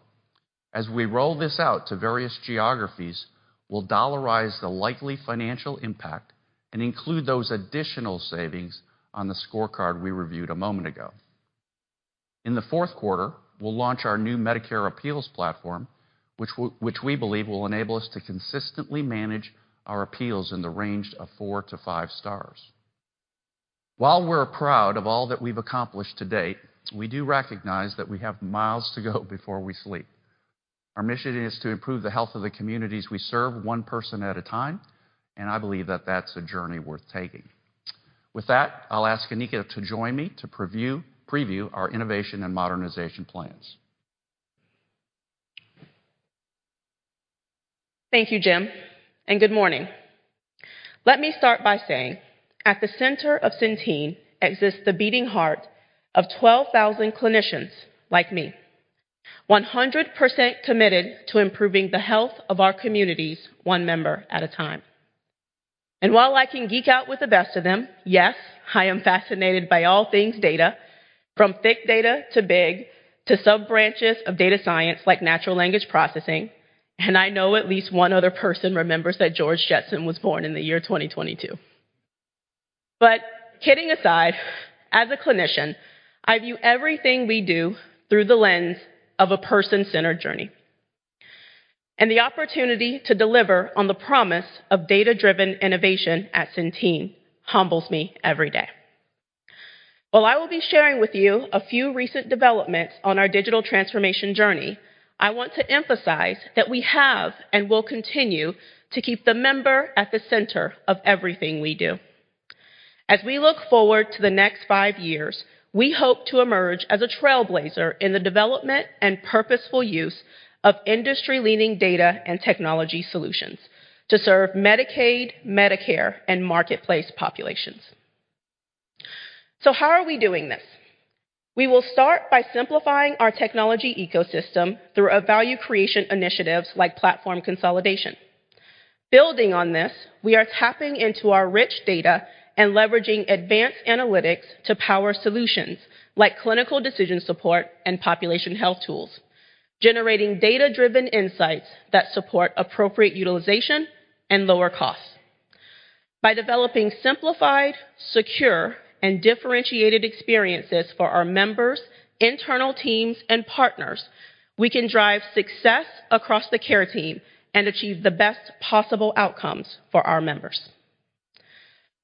As we roll this out to various geographies, we'll dollarize the likely financial impact and include those additional savings on the scorecard we reviewed a moment ago. In the Q4, we'll launch our new Medicare appeals platform, which we believe will enable us to consistently manage our appeals in the range of four to five stars. While we're proud of all that we've accomplished to date, we do recognize that we have miles to go before we sleep. Our mission is to improve the health of the communities we serve one person at a time, and I believe that that's a journey worth taking. With that, I'll ask Anika to join me to preview our innovation and modernization plans. Thank you, Jim. Good morning. Let me start by saying, at the center of Centene exists the beating heart of 12,000 clinicians like me, 100% committed to improving the health of our communities one member at a time. While I can geek out with the best of them, yes, I am fascinated by all things data, from thick data to big, to sub-branches of data science like natural language processing, I know at least one other person remembers that George Jetson was born in the year 2022. Kidding aside, as a clinician, I view everything we do through the lens of a person-centered journey. The opportunity to deliver on the promise of data-driven innovation at Centene humbles me every day. While I will be sharing with you a few recent developments on our digital transformation journey, I want to emphasize that we have and will continue to keep the member at the center of everything we do. As we look forward to the next five years, we hope to emerge as a trailblazer in the development and purposeful use of industry-leading data and technology solutions to serve Medicaid, Medicare, and marketplace populations. How are we doing this? We will start by simplifying our technology ecosystem through a value creation initiatives like platform consolidation. Building on this, we are tapping into our rich data and leveraging advanced analytics to power solutions like clinical decision support and population health tools, generating data-driven insights that support appropriate utilization and lower costs. By developing simplified, secure, and differentiated experiences for our members, internal teams, and partners, we can drive success across the care team and achieve the best possible outcomes for our members.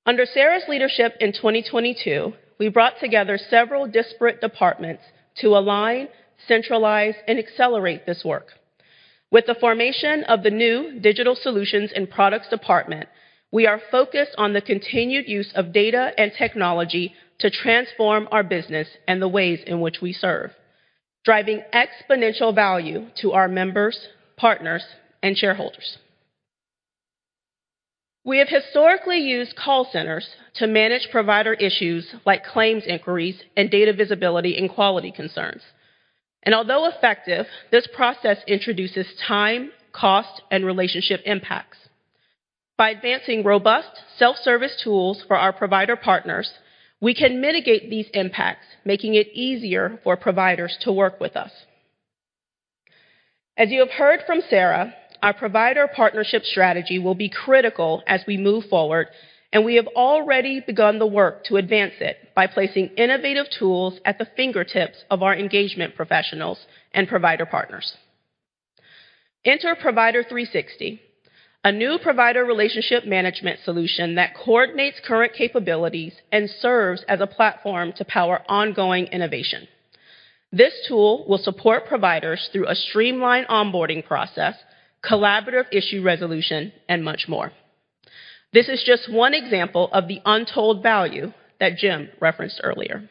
Under Sarah's leadership in 2022, we brought together several disparate departments to align, centralize, and accelerate this work. With the formation of the new Digital Solutions and Products Department, we are focused on the continued use of data and technology to transform our business and the ways in which we serve, driving exponential value to our members, partners, and shareholders. We have historically used call centers to manage provider issues like claims inquiries and data visibility and quality concerns. Although effective, this process introduces time, cost, and relationship impacts. By advancing robust self-service tools for our provider partners, we can mitigate these impacts, making it easier for providers to work with us. As you have heard from Sarah, our provider partnership strategy will be critical as we move forward. We have already begun the work to advance it by placing innovative tools at the fingertips of our engagement professionals and provider partners. Enter Provider 360, a new provider relationship management solution that coordinates current capabilities and serves as a platform to power ongoing innovation. This tool will support providers through a streamlined onboarding process, collaborative issue resolution, and much more. This is just one example of the untold value that Jim referenced earlier.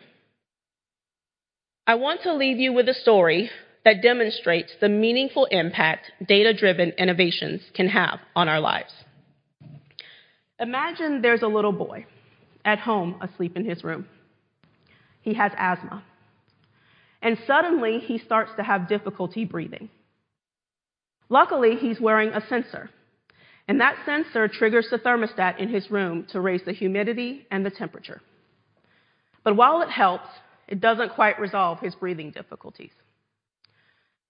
I want to leave you with a story that demonstrates the meaningful impact data-driven innovations can have on our lives. Imagine there's a little boy at home asleep in his room. He has asthma, and suddenly he starts to have difficulty breathing. Luckily, he's wearing a sensor, and that sensor triggers the thermostat in his room to raise the humidity and the temperature. While it helps, it doesn't quite resolve his breathing difficulties.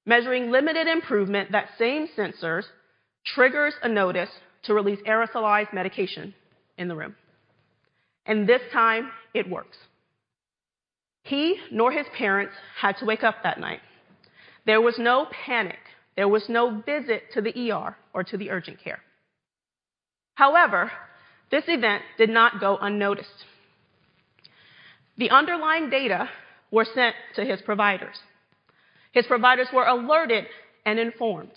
Measuring limited improvement, that same sensor triggers a notice to release aerosolized medication in the room. This time it works. He nor his parents had to wake up that night. There was no panic. There was no visit to the ER or to the urgent care. This event did not go unnoticed. The underlying data were sent to his providers. His providers were alerted and informed.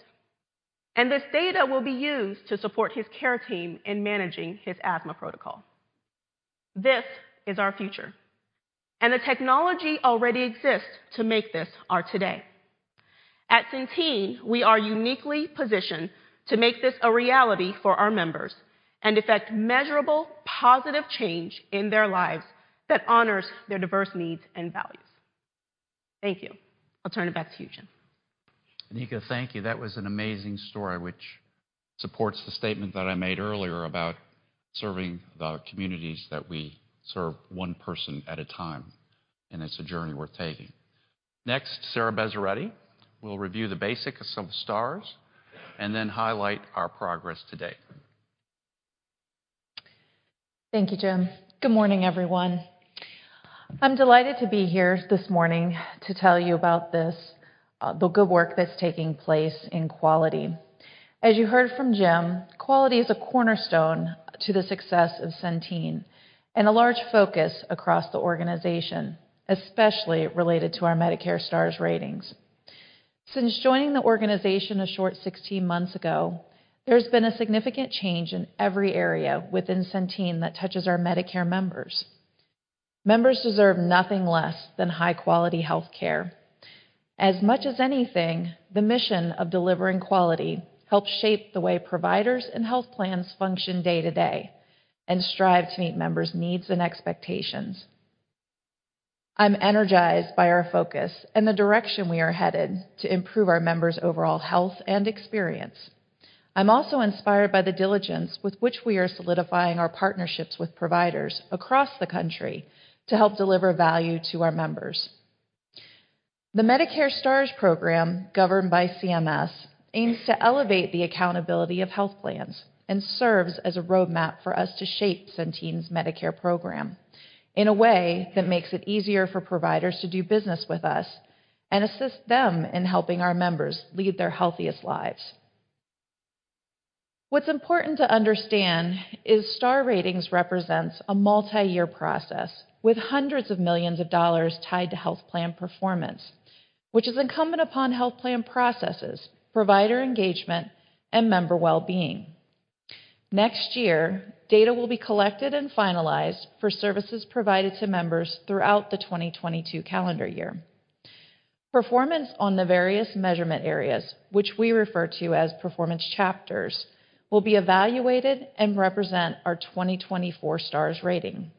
This data will be used to support his care team in managing his asthma protocol. This is our future. The technology already exists to make this our today. At Centene, we are uniquely positioned to make this a reality for our members and effect measurable, positive change in their lives that honors their diverse needs and values. Thank you. I'll turn it back to you, Jim. Anika, thank you. That was an amazing story which supports the statement that I made earlier about serving the communities that we serve one person at a time. It's a journey worth taking. Next, Sarah Bezeredi will review the basics of Stars and then highlight our progress to date. Thank you, Jim. Good morning, everyone. I'm delighted to be here this morning to tell you about this, the good work that's taking place in quality. As you heard from Jim, quality is a cornerstone to the success of Centene and a large focus across the organization, especially related to our Medicare Stars ratings. Since joining the organization a short 16 months ago, there's been a significant change in every area within Centene that touches our Medicare members. Members deserve nothing less than high-quality health care. As much as anything, the mission of delivering quality helps shape the way providers and health plans function day to day and strive to meet members' needs and expectations. I'm energized by our focus and the direction we are headed to improve our members' overall health and experience. I'm also inspired by the diligence with which we are solidifying our partnerships with providers across the country to help deliver value to our members. The Medicare Stars program, governed by CMS, aims to elevate the accountability of health plans and serves as a roadmap for us to shape Centene's Medicare program in a way that makes it easier for providers to do business with us and assist them in helping our members lead their healthiest lives. What's important to understand is Star ratings represents a multiyear process with hundreds of millions of dollars tied to health plan performance, which is incumbent upon health plan processes, provider engagement, and member well-being. Next year, data will be collected and finalized for services provided to members throughout the 2022 calendar year. Performance on the various measurement areas, which we refer to as performance chapters, will be evaluated and represent our 2024 Stars rating.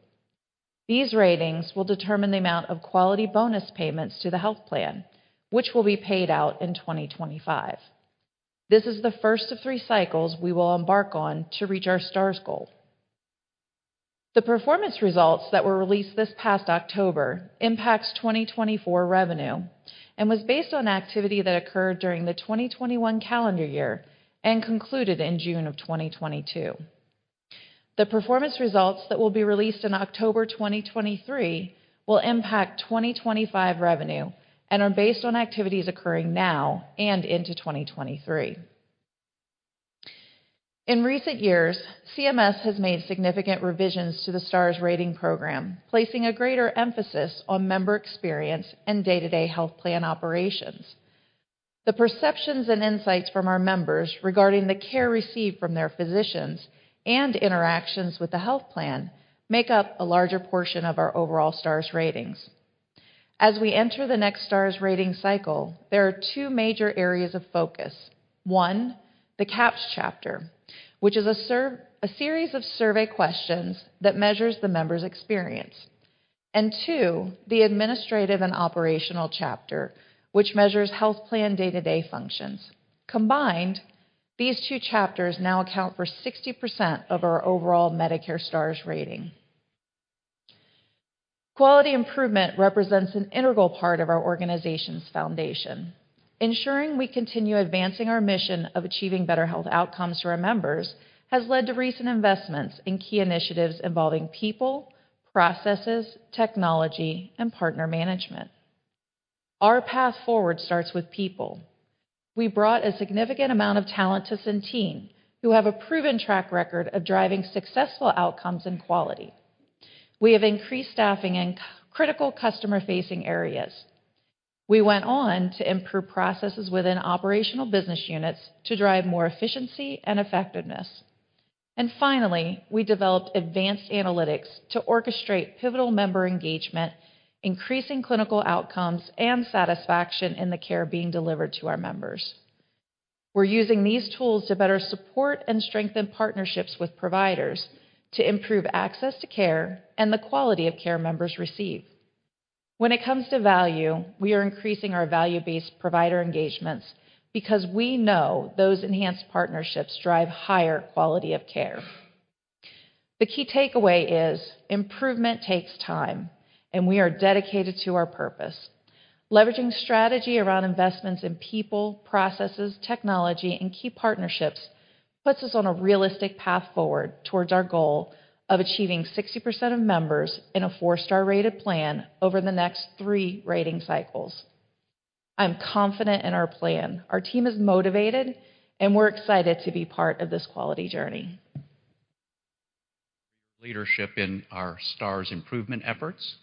These ratings will determine the amount of quality bonus payments to the health plan, which will be paid out in 2025. This is the first of three cycles we will embark on to reach our Stars goal. The performance results that were released this past October impacts 2024 revenue and was based on activity that occurred during the 2021 calendar year and concluded in June of 2022. The performance results that will be released in October 2023 will impact 2025 revenue and are based on activities occurring now and into 2023. In recent years, CMS has made significant revisions to the Stars rating program, placing a greater emphasis on member experience and day-to-day health plan operations. The perceptions and insights from our members regarding the care received from their physicians and interactions with the health plan make up a larger portion of our overall Stars ratings. As we enter the next Stars rating cycle, there are two major areas of focus. One, the CAHPS chapter, which is a series of survey questions that measures the members' experience. Two, the administrative and operational chapter, which measures health plan day-to-day functions. Combined, these two chapters now account for 60% of our overall Medicare Stars rating. Quality improvement represents an integral part of our organization's foundation. Ensuring we continue advancing our mission of achieving better health outcomes for our members has led to recent investments in key initiatives involving people, processes, technology, and partner management. Our path forward starts with people. We brought a significant amount of talent to Centene who have a proven track record of driving successful outcomes and quality. We have increased staffing in critical customer-facing areas. We went on to improve processes within operational business units to drive more efficiency and effectiveness. Finally, we developed advanced analytics to orchestrate pivotal member engagement, increasing clinical outcomes and satisfaction in the care being delivered to our members. We're using these tools to better support and strengthen partnerships with providers to improve access to care and the quality of care members receive. When it comes to value, we are increasing our value-based provider engagements because we know those enhanced partnerships drive higher quality of care. The key takeaway is improvement takes time, and we are dedicated to our purpose. Leveraging strategy around investments in people, processes, technology, and key partnerships puts us on a realistic path forward towards our goal of achieving 60% of members in a four-star rated plan over the next three rating cycles. I'm confident in our plan. Our team is motivated, and we're excited to be part of this quality journey. Leadership in our Stars improvement efforts.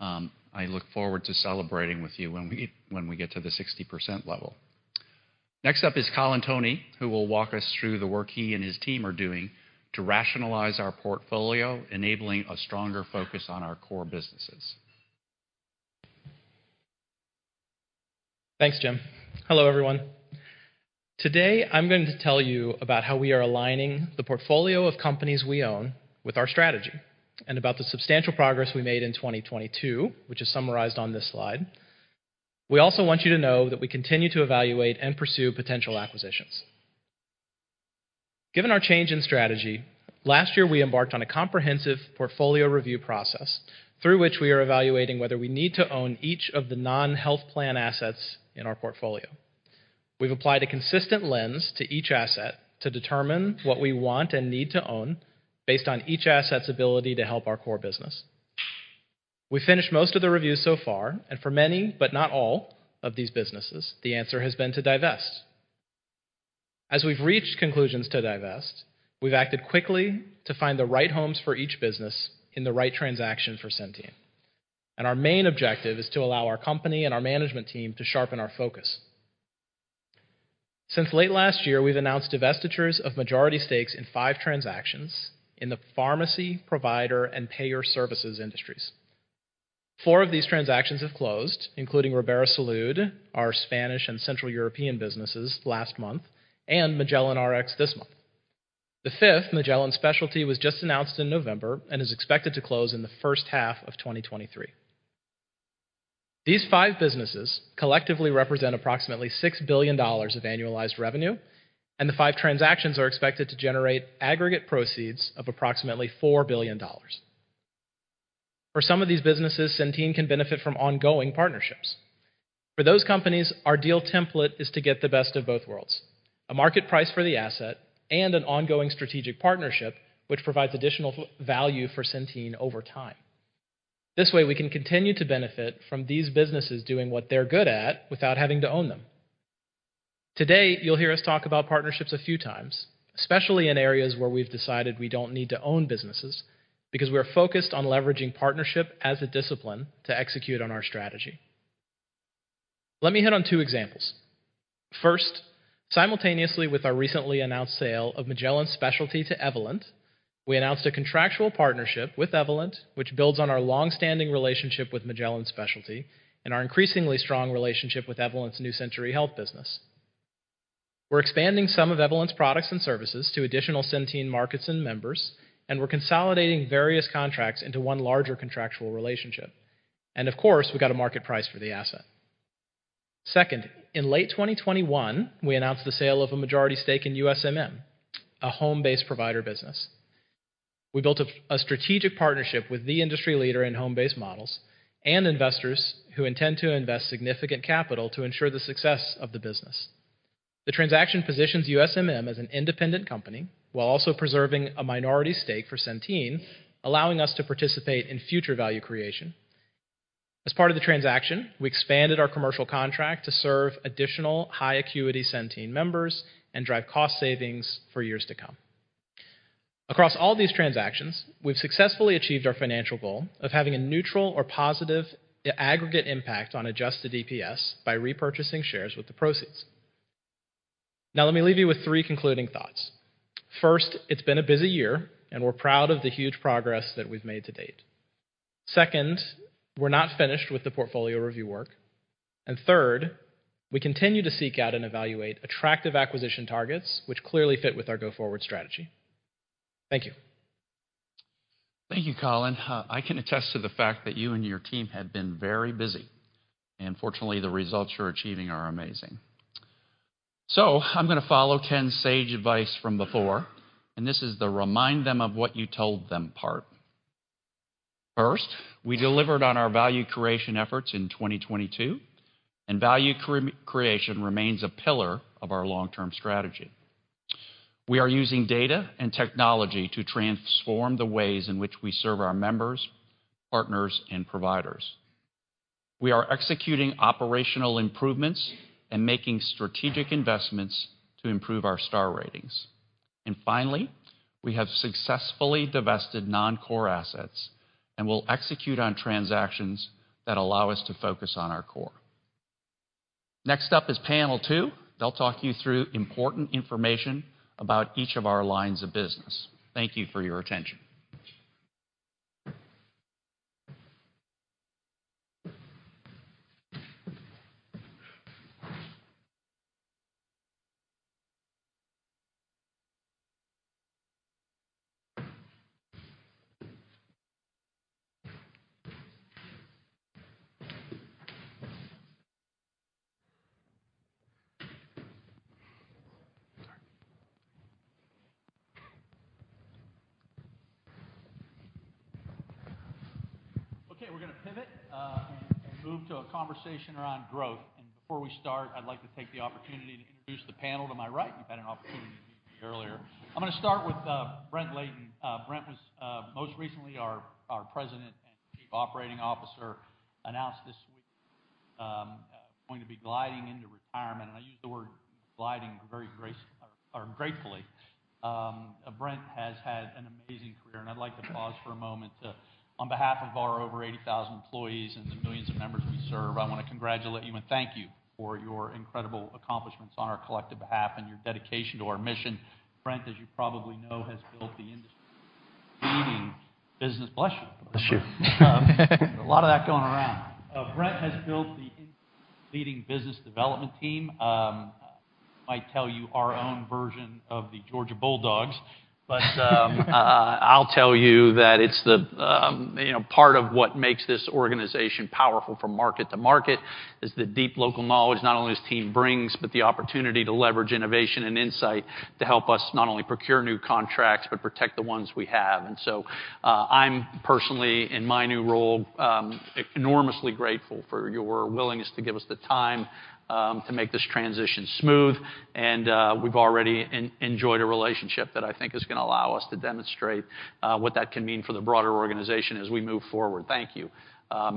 I look forward to celebrating with you when we get to the 60% level. Next up is Colin Toney, who will walk us through the work he and his team are doing to rationalize our portfolio, enabling a stronger focus on our core businesses. Thanks, Jim. Hello, everyone. Today, I'm going to tell you about how we are aligning the portfolio of companies we own with our strategy and about the substantial progress we made in 2022, which is summarized on this slide. We also want you to know that we continue to evaluate and pursue potential acquisitions. Given our change in strategy, last year, we embarked on a comprehensive portfolio review process through which we are evaluating whether we need to own each of the non-health plan assets in our portfolio. We've applied a consistent lens to each asset to determine what we want and need to own based on each asset's ability to help our core business. We finished most of the reviews so far, and for many, but not all of these businesses, the answer has been to divest. We've reached conclusions to divest, we've acted quickly to find the right homes for each business in the right transaction for Centene. Our main objective is to allow our company and our management team to sharpen our focus. Since late last year, we've announced divestitures of majority stakes in five transactions in the pharmacy, provider, and payer services industries. Four of these transactions have closed, including Ribera Salud, our Spanish and Central European businesses last month, and Magellan Rx this month. The 5th, Magellan Specialty, was just announced in November and is expected to close in the H1 of 2023. These five businesses collectively represent approximately $6 billion of annualized revenue, and the five transactions are expected to generate aggregate proceeds of approximately $4 billion. For some of these businesses, Centene can benefit from ongoing partnerships. For those companies, our deal template is to get the best of both worlds, a market price for the asset and an ongoing strategic partnership which provides additional value for Centene over time. This way, we can continue to benefit from these businesses doing what they're good at without having to own them. Today, you'll hear us talk about partnerships a few times, especially in areas where we've decided we don't need to own businesses because we are focused on leveraging partnership as a discipline to execute on our strategy. Let me hit on two examples. First, simultaneously with our recently announced sale of Magellan Specialty to Evolent, we announced a contractual partnership with Evolent, which builds on our long-standing relationship with Magellan Specialty and our increasingly strong relationship with Evolent's New Century Health business. We're expanding some of Evolent's products and services to additional Centene markets and members, we're consolidating various contracts into one larger contractual relationship. Of course, we got a market price for the asset. Second, in late 2021, we announced the sale of a majority stake in USMM, a home-based provider business. We built a strategic partnership with the industry leader in home-based models and investors who intend to invest significant capital to ensure the success of the business. The transaction positions USMM as an independent company while also preserving a minority stake for Centene, allowing us to participate in future value creation. As part of the transaction, we expanded our commercial contract to serve additional high acuity Centene members and drive cost savings for years to come. Across all these transactions, we've successfully achieved our financial goal of having a neutral or positive aggregate impact on adjusted EPS by repurchasing shares with the proceeds. Now, let me leave you with three concluding thoughts. First, it's been a busy year, and we're proud of the huge progress that we've made to date. Second, we're not finished with the portfolio review work. Third, we continue to seek out and evaluate attractive acquisition targets which clearly fit with our go-forward strategy. Thank you. Thank you, Colin. I can attest to the fact that you and your team have been very busy, and fortunately, the results you're achieving are amazing. I'm gonna follow Ken's sage advice from before, and this is the remind them of what you told them part. First, we delivered on our value creation efforts in 2022, and value creation remains a pillar of our long-term strategy. We are using data and technology to transform the ways in which we serve our members, partners, and providers. We are executing operational improvements and making strategic investments to improve our star ratings. Finally, we have successfully divested non-core assets and will execute on transactions that allow us to focus on our core. Next up is panel two. They'll talk you through important information about each of our lines of business. Thank you for your attention. We're gonna pivot and move to a conversation around growth. Before we start, I'd like to take the opportunity to introduce the panel to my right. You've had an opportunity to hear from me earlier. I'm gonna start with Brent Layton. Brent was most recently our President and Chief Operating Officer, announced this week, going to be gliding into retirement. I use the word gliding very gratefully. Brent has had an amazing career, and I'd like to pause for a moment to, on behalf of our over 80,000 employees and the millions of members we serve, I wanna congratulate you and thank you for your incredible accomplishments on our collective behalf and your dedication to our mission. Brent, as you probably know, has built the industry's leading business. Bless you. Bless you. A lot of that going around. Brent has built the industry's leading business development team. I tell you our own version of the Georgia Bulldogs. I'll tell you that it's the, you know, part of what makes this organization powerful from market to market is the deep local knowledge, not only his team brings, but the opportunity to leverage innovation and insight to help us not only procure new contracts, but protect the ones we have. I'm personally, in my new role, enormously grateful for your willingness to give us the time to make this transition smooth. We've already enjoyed a relationship that I think is gonna allow us to demonstrate what that can mean for the broader organization as we move forward. Thank you.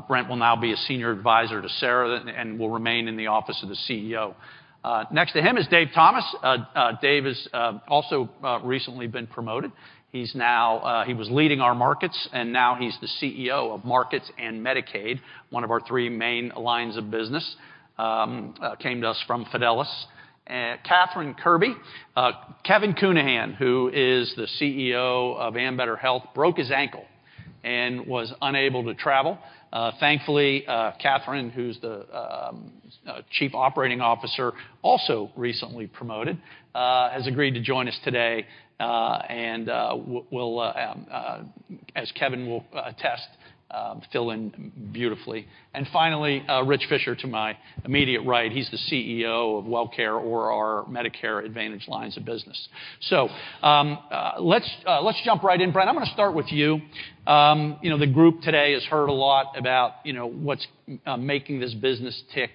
Brent will now be a Senior Advisor to Sarah and will remain in the Office of the CEO. Next to him is Dave Thomas. Dave has also recently been promoted. He's now, he was leading our markets, and now he's the CEO of Markets and Medicaid, one of our three main lines of business. Came to us from Fidelis. Katherine Kirby. Kevin Counihan, who is the CEO of Ambetter Health, broke his ankle and was unable to travel. Thankfully, Katherine, who's the Chief Operating Officer, also recently promoted, has agreed to join us today. Will, as Kevin will attest, fill in beautifully. Finally, Rich Fisher to my immediate right. He's the CEO of Wellcare or our Medicare Advantage lines of business. Let's jump right in. Brent, I'm gonna start with you. You know, the group today has heard a lot about, you know, what's making this business tick.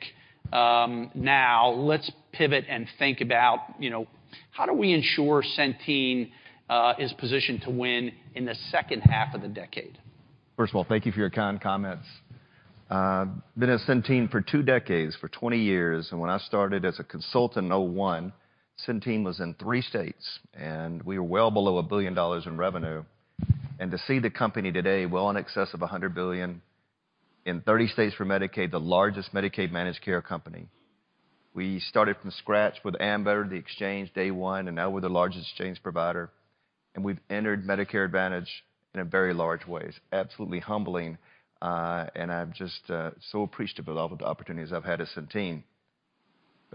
Now let's pivot and think about, you know, how do we ensure Centene is positioned to win in the H2 of the decade? First of all, thank you for your kind comments. Been at Centene for two decades, for 20 years, and when I started as a consultant in 2001, Centene was in 3 states, and we were well below $1 billion in revenue. To see the company today well in excess of $100 billion, in 30 states for Medicaid, the largest Medicaid managed care company. We started from scratch with Ambetter, the exchange day one, and now we're the largest exchange provider, and we've entered Medicare Advantage in a very large ways. Absolutely humbling. I'm just so appreciative of all of the opportunities I've had at Centene.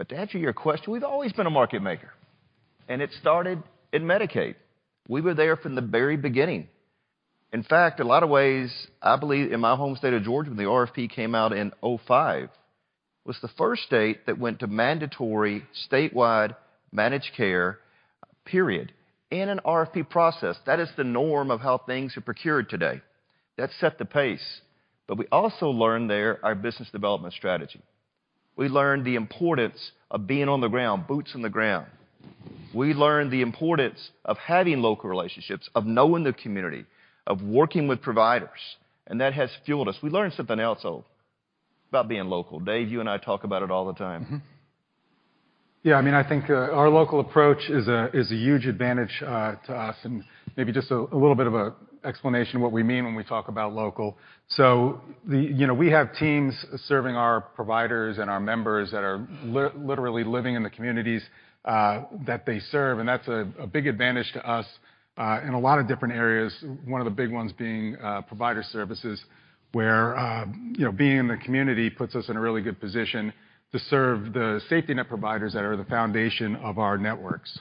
To answer your question, we've always been a market maker, and it started in Medicaid. We were there from the very beginning. In fact, a lot of ways, I believe in my home state of Georgia, when the RFP came out in 2005, was the first state that went to mandatory statewide managed care period in an RFP process. That is the norm of how things are procured today. That set the pace. We also learned there our business development strategy. We learned the importance of being on the ground, boots on the ground. We learned the importance of having local relationships, of knowing the community, of working with providers, and that has fueled us. We learned something else, though, about being local. Dave, you and I talk about it all the time. Mm-hmm. Yeah, I mean, I think our local approach is a huge advantage to us and maybe just a little bit of a explanation of what we mean when we talk about local. You know, we have teams serving our providers and our members that are literally living in the communities that they serve, and that's a big advantage to us in a lot of different areas. One of the big ones being provider services, where, you know, being in the community puts us in a really good position to serve the safety net providers that are the foundation of our networks,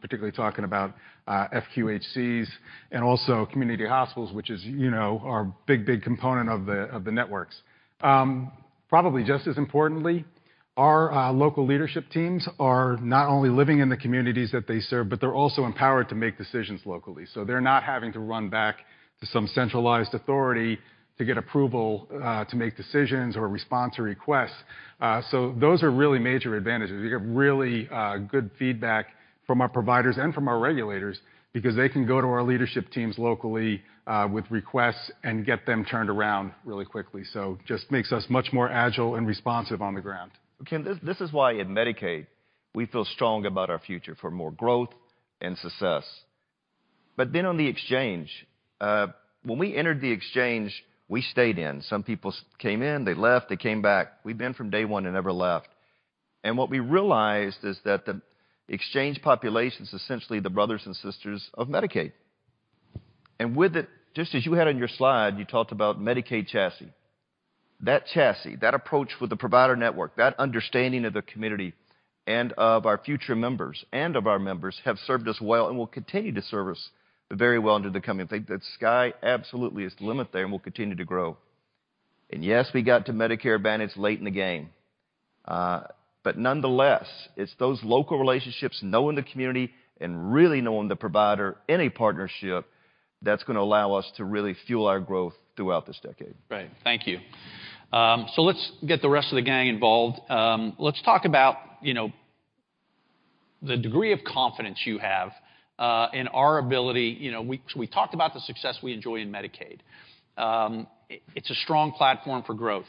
particularly talking about FQHCs and also community hospitals, which is, you know, are a big component of the networks. Probably just as importantly, our local leadership teams are not only living in the communities that they serve, but they're also empowered to make decisions locally. They're not having to run back to some centralized authority to get approval to make decisions or respond to requests. Those are really major advantages. We get really good feedback from our providers and from our regulators because they can go to our leadership teams locally with requests and get them turned around really quickly. Just makes us much more agile and responsive on the ground. Ken, this is why in Medicaid, we feel strong about our future for more growth and success. On the exchange, when we entered the exchange, we stayed in. Some people came in, they left, they came back. We've been from day one and never left. What we realized is that the exchange population's essentially the brothers and sisters of Medicaid. With it, just as you had on your slide, you talked about Medicaid chassis. That chassis, that approach with the provider network, that understanding of the community and of our future members and of our members have served us well and will continue to serve us very well into the coming. Think the sky absolutely is the limit there, and we'll continue to grow. Yes, we got to Medicare Advantage late in the game. Nonetheless, it's those local relationships, knowing the community and really knowing the provider, any partnership, that's gonna allow us to really fuel our growth throughout this decade. Right. Thank you. Let's get the rest of the gang involved. Let's talk about, you know, the degree of confidence you have, in our ability you know, we talked about the success we enjoy in Medicaid. It's a strong platform for growth.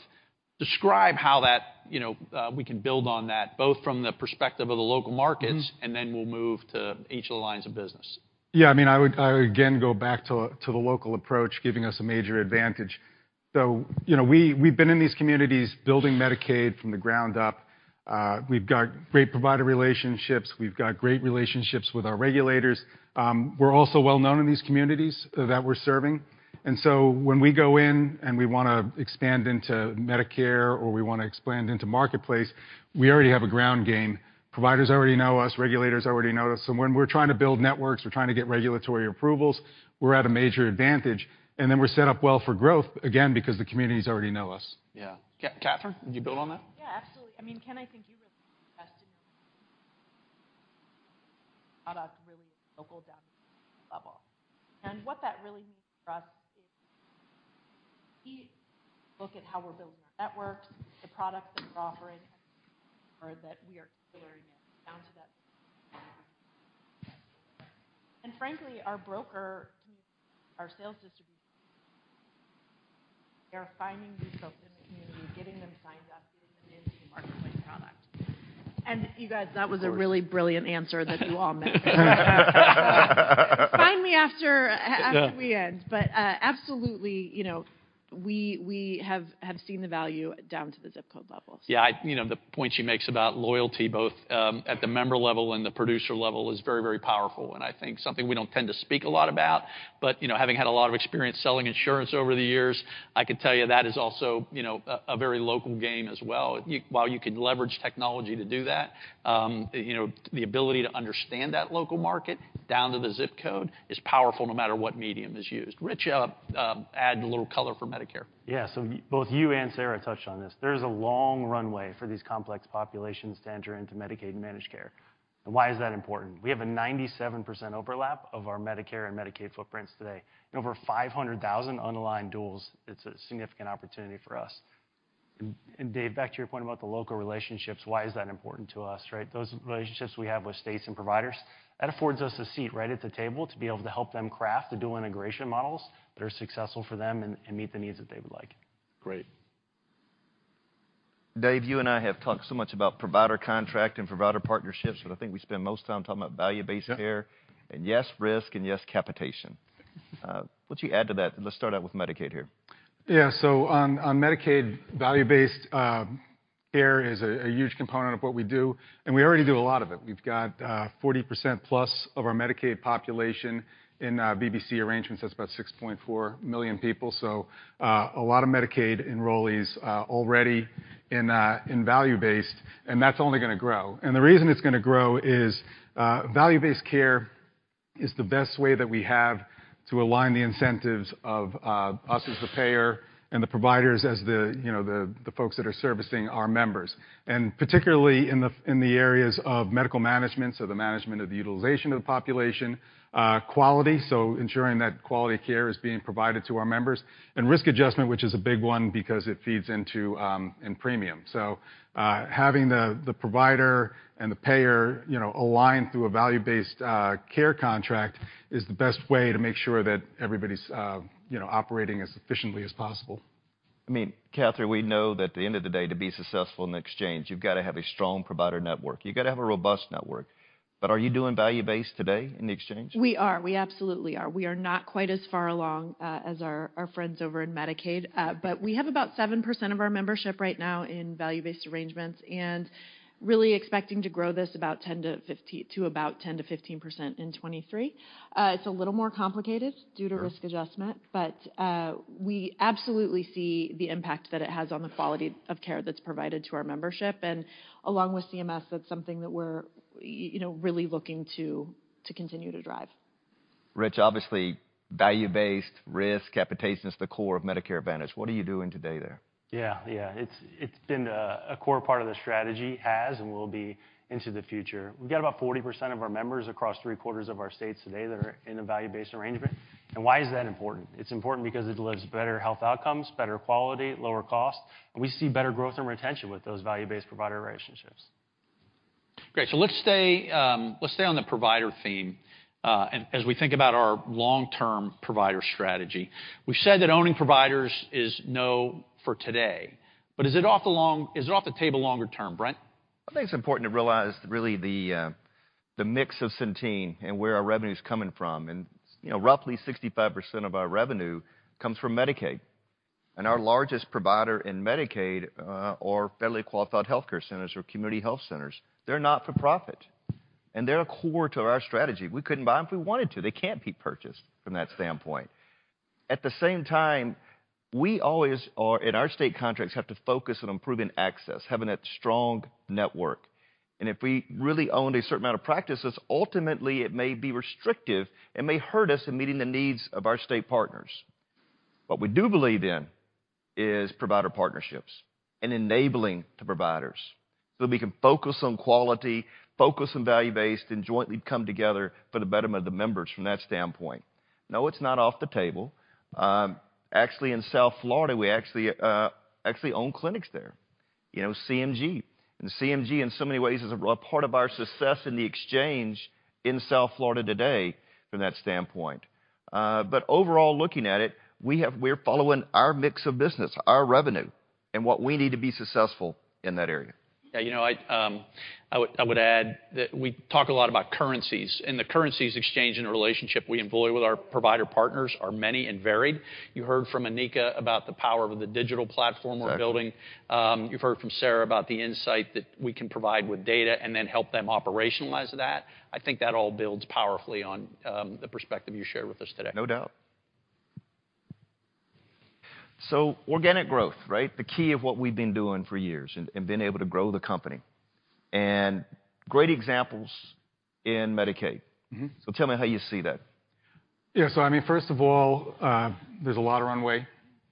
Describe how that, you know, we can build on that, both from the perspective of the local markets. Mm-hmm. We'll move to each of the lines of business. Yeah, I mean, I would again go back to the local approach giving us a major advantage. You know, we've been in these communities building Medicaid from the ground up. We've got great provider relationships. We've got great relationships with our regulators. We're also well-known in these communities that we're serving. When we go in and we wanna expand into Medicare, or we wanna expand into Marketplace, we already have a ground game. Providers already know us, regulators already know us. When we're trying to build networks, we're trying to get regulatory approvals, we're at a major advantage. We're set up well for growth, again, because the communities already know us. Yeah. Katherine, could you build on that? Yeah, absolutely. I mean, Ken, I think you really product really local down level. What that really means for us is we look at how we're building our networks, the product that we're offering, or that we are tailoring it down to the. Frankly, our broker, our sales distribution they're finding these folks in the community, getting them signed up, getting them into the marketplace product. You guys, that was a really brilliant answer that you all made. Find me after we end. Absolutely, you know, we have seen the value down to the zip code level. Yeah, you know, the point she makes about loyalty both at the member level and the producer level is very, very powerful, and I think something we don't tend to speak a lot about. You know, having had a lot of experience selling insurance over the years, I could tell you that is also, you know, a very local game as well. While you can leverage technology to do that, you know, the ability to understand that local market down to the zip code is powerful no matter what medium is used. Rich, add a little color for Medicare. Yeah. Both you and Sarah touched on this. There's a long runway for these complex populations to enter into Medicaid and managed care. Why is that important? We have a 97% overlap of our Medicare and Medicaid footprints today. Over 500,000 unaligned duals, it's a significant opportunity for us. Dave, back to your point about the local relationships, why is that important to us, right? Those relationships we have with states and providers, that affords us a seat right at the table to be able to help them craft the dual integration models that are successful for them and meet the needs that they would like. Great. Dave, you and I have talked so much about provider contract and provider partnerships, but I think we spend most time talking about Value-Based Care. Yeah. yes, risk, and yes, capitation. What you add to that? Let's start out with Medicaid here. Yeah. On, on Medicaid, value-based care is a huge component of what we do, and we already do a lot of it. We've got 40%+ of our Medicaid population in VBC arrangements. That's about 6.4 million people. A lot of Medicaid enrollees already in value-based, and that's only gonna grow. The reason it's gonna grow is value-based care is the best way that we have to align the incentives of us as the payer and the providers as the, you know, the folks that are servicing our members. Particularly in the areas of medical management, so the management of the utilization of the population. Quality, so ensuring that quality care is being provided to our members. Risk adjustment, which is a big one because it feeds into, in premium. Having the provider and the payer, you know, aligned through a value-based care contract is the best way to make sure that everybody's, you know, operating as efficiently as possible. I mean, Katherine, we know that at the end of the day, to be successful in the exchange, you've got to have a strong provider network. You've got to have a robust network. Are you doing value-based today in the exchange? We are. We absolutely are. We are not quite as far along as our friends over in Medicaid. But we have about 7% of our membership right now in value-based arrangements, and really expecting to grow this about 10%-15% in 2023. It's a little more complicated due to risk adjustment, but we absolutely see the impact that it has on the quality of care that's provided to our membership. Along with CMS, that's something that we're, you know, really looking to continue to drive. Rich, obviously, value-based risk, capitation is the core of Medicare Advantage. What are you doing today there? Yeah. Yeah. It's been a core part of the strategy, has and will be into the future. We've got about 40% of our members across three-quarters of our states today that are in a value-based arrangement. Why is that important? It's important because it delivers better health outcomes, better quality, lower cost, and we see better growth and retention with those value-based provider relationships. Great. Let's stay, let's stay on the provider theme, and as we think about our long-term provider strategy. We've said that owning providers is no for today. Is it off the table longer term, Brent? I think it's important to realize really the mix of Centene and where our revenue's coming from. You know, roughly 65% of our revenue comes from Medicaid. Our largest provider in Medicaid, or Federally Qualified Health Centers or community health centers, they're not-for-profit, and they're core to our strategy. We couldn't buy them if we wanted to. They can't be purchased from that standpoint. At the same time, we always are, in our state contracts, have to focus on improving access, having a strong network. If we really owned a certain amount of practices, ultimately it may be restrictive and may hurt us in meeting the needs of our state partners. What we do believe in is provider partnerships and enabling the providers, so we can focus on quality, focus on value-based, and jointly come together for the betterment of the members from that standpoint. No, it's not off the table. Actually, in South Florida, we actually own clinics there. You know, CMG. CMG, in so many ways, is a part of our success in the exchange in South Florida today from that standpoint. Overall looking at it, we're following our mix of business, our revenue, and what we need to be successful in that area. Yeah, you know, I would add that we talk a lot about currencies, and the currencies exchange in a relationship we employ with our provider partners are many and varied. You heard from Anika about the power of the digital platform we're building. Exactly. You've heard from Sarah about the insight that we can provide with data and then help them operationalize that. I think that all builds powerfully on the perspective you shared with us today. No doubt. Organic growth, right? The key of what we've been doing for years and been able to grow the company. Great examples in Medicaid. Mm-hmm. Tell me how you see that. I mean, first of all, there's a lot of runway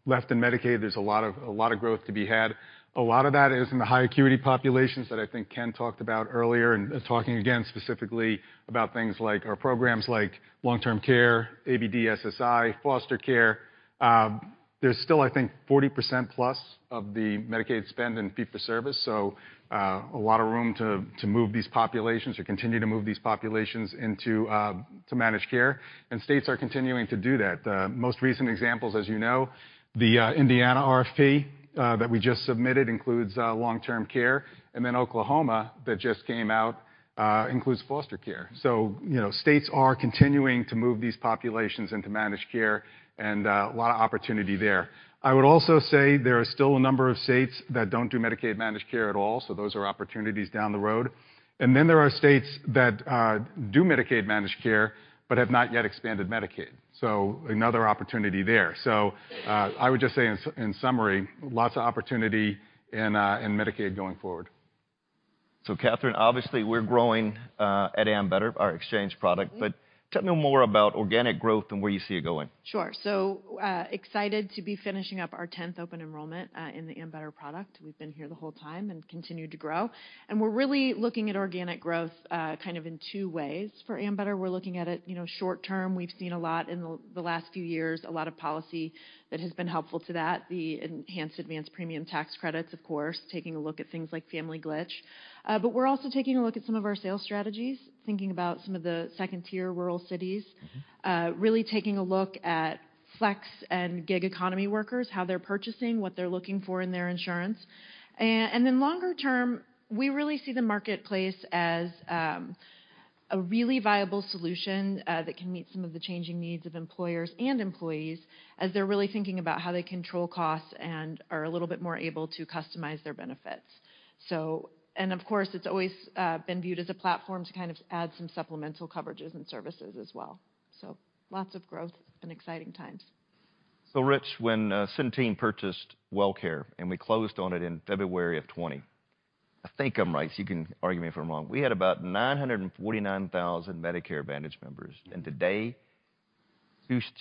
left in Medicaid. There's a lot of growth to be had. A lot of that is in the high acuity populations that I think Ken talked about earlier, and talking again specifically about things like our programs like long-term care, ABDSSI, foster care. There's still, I think 40% plus of the Medicaid spend in fee-for-service, a lot of room to move these populations or continue to move these populations into managed care. States are continuing to do that. The most recent examples, as you know, the Indiana RFP that we just submitted includes long-term care. Oklahoma that just came out includes foster care. You know, states are continuing to move these populations into managed care, and a lot of opportunity there. I would also say there are still a number of states that don't do Medicaid managed care at all, so those are opportunities down the road. Then there are states that do Medicaid managed care but have not yet expanded Medicaid, so another opportunity there. I would just say in summary, lots of opportunity in Medicaid going forward. Kathryn, obviously we're growing, at Ambetter, our exchange product. Mm-hmm. Tell me more about organic growth and where you see it going? Sure. Excited to be finishing up our 10th open enrollment in the Ambetter. We've been here the whole time and continued to grow. We're really looking at organic growth kind of in two ways for Ambetter. We're looking at it, you know, short term. We've seen a lot in the last few years, a lot of policy that has been helpful to that, the enhanced Advance Premium Tax Credits, of course, taking a look at things like Family Glitch. We're also taking a look at some of our sales strategies, thinking about some of the second-tier rural cities. Mm-hmm. Really taking a look at flex and gig economy workers, how they're purchasing, what they're looking for in their insurance. Longer term, we really see the marketplace as a really viable solution that can meet some of the changing needs of employers and employees as they're really thinking about how they control costs and are a little bit more able to customize their benefits. Of course, it's always been viewed as a platform to kind of add some supplemental coverages and services as well. Lots of growth and exciting times. Rich, when Centene purchased Wellcare, and we closed on it in February 2020, I think I'm right, you can argue me if I'm wrong, we had about 949,000 Medicare Advantage members. Mm-hmm. Today,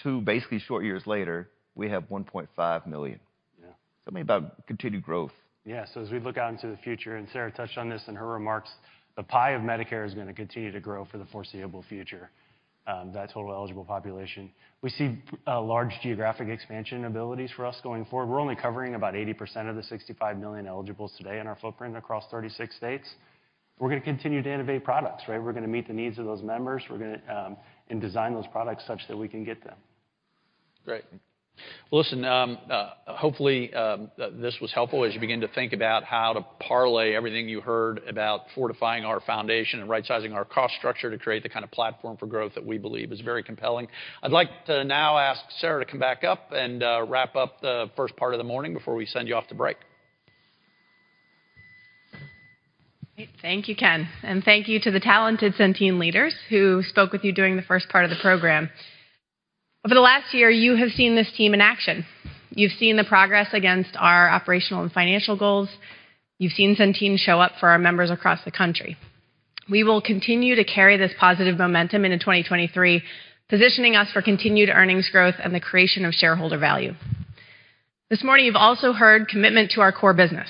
two basically short years later, we have 1.5 million. Yeah. Tell me about continued growth? Yeah. As we look out into the future, and Sarah touched on this in her remarks, the pie of Medicare is gonna continue to grow for the foreseeable future, that total eligible population. We see large geographic expansion abilities for us going forward. We're only covering about 80% of the 65 million eligibles today in our footprint across 36 states. We're gonna continue to innovate products, right? We're gonna meet the needs of those members. We're gonna design those products such that we can get them. Great. Well, listen, hopefully, this was helpful as you begin to think about how to parlay everything you heard about fortifying our foundation and rightsizing our cost structure to create the kind of platform for growth that we believe is very compelling. I'd like to now ask Sarah to come back up and wrap up the first part of the morning before we send you off to break. Great. Thank you, Ken. Thank you to the talented Centene leaders who spoke with you during the first part of the program. Over the last year, you have seen this team in action. You've seen the progress against our operational and financial goals. You've seen Centene show up for our members across the country. We will continue to carry this positive momentum into 2023, positioning us for continued earnings growth and the creation of shareholder value. This morning you've also heard commitment to our core business.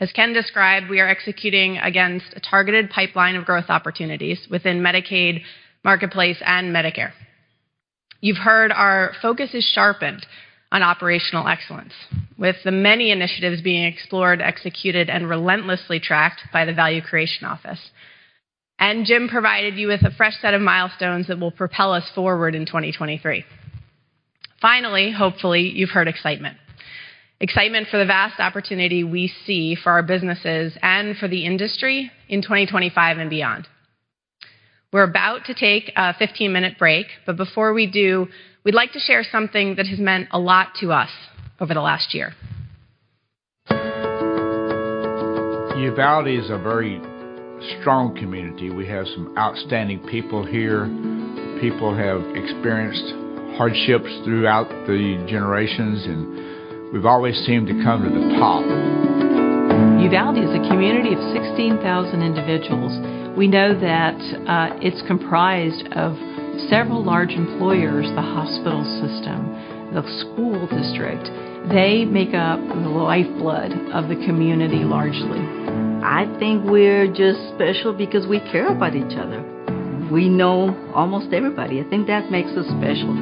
As Ken described, we are executing against a targeted pipeline of growth opportunities within Medicaid, Marketplace, and Medicare. You've heard our focus is sharpened on operational excellence, with the many initiatives being explored, executed, and relentlessly tracked by the value creation office. Jim provided you with a fresh set of milestones that will propel us forward in 2023. Finally, hopefully you've heard excitement. Excitement for the vast opportunity we see for our businesses and for the industry in 2025 and beyond. We're about to take a 15-minute break, but before we do, we'd like to share something that has meant a lot to us over the last year. Uvalde is a very strong community. We have some outstanding people here. People have experienced hardships throughout the generations. We've always seemed to come to the top. Uvalde is a community of 16,000 individuals. We know that it's comprised of several large employers: the hospital system, the school district. They make up the lifeblood of the community largely. I think we're just special because we care about each other. We know almost everybody. I think that makes us special.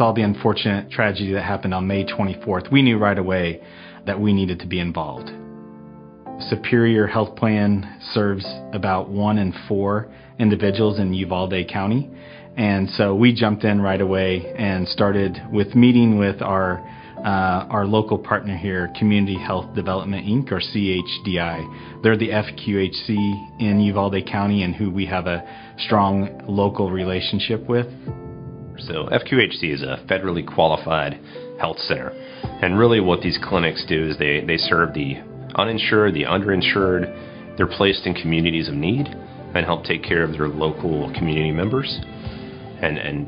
When we saw the unfortunate tragedy that happened on May twenty-fourth, we knew right away that we needed to be involved. Superior HealthPlan serves about one in four individuals in Uvalde County. We jumped in right away and started with meeting with our local partner here, Community Health Development, Inc., or CHDI. They're the FQHC in Uvalde County and who we have a strong local relationship with. FQHC is a federally qualified health center, and really what these clinics do is they serve the uninsured, the underinsured. They're placed in communities of need and help take care of their local community members.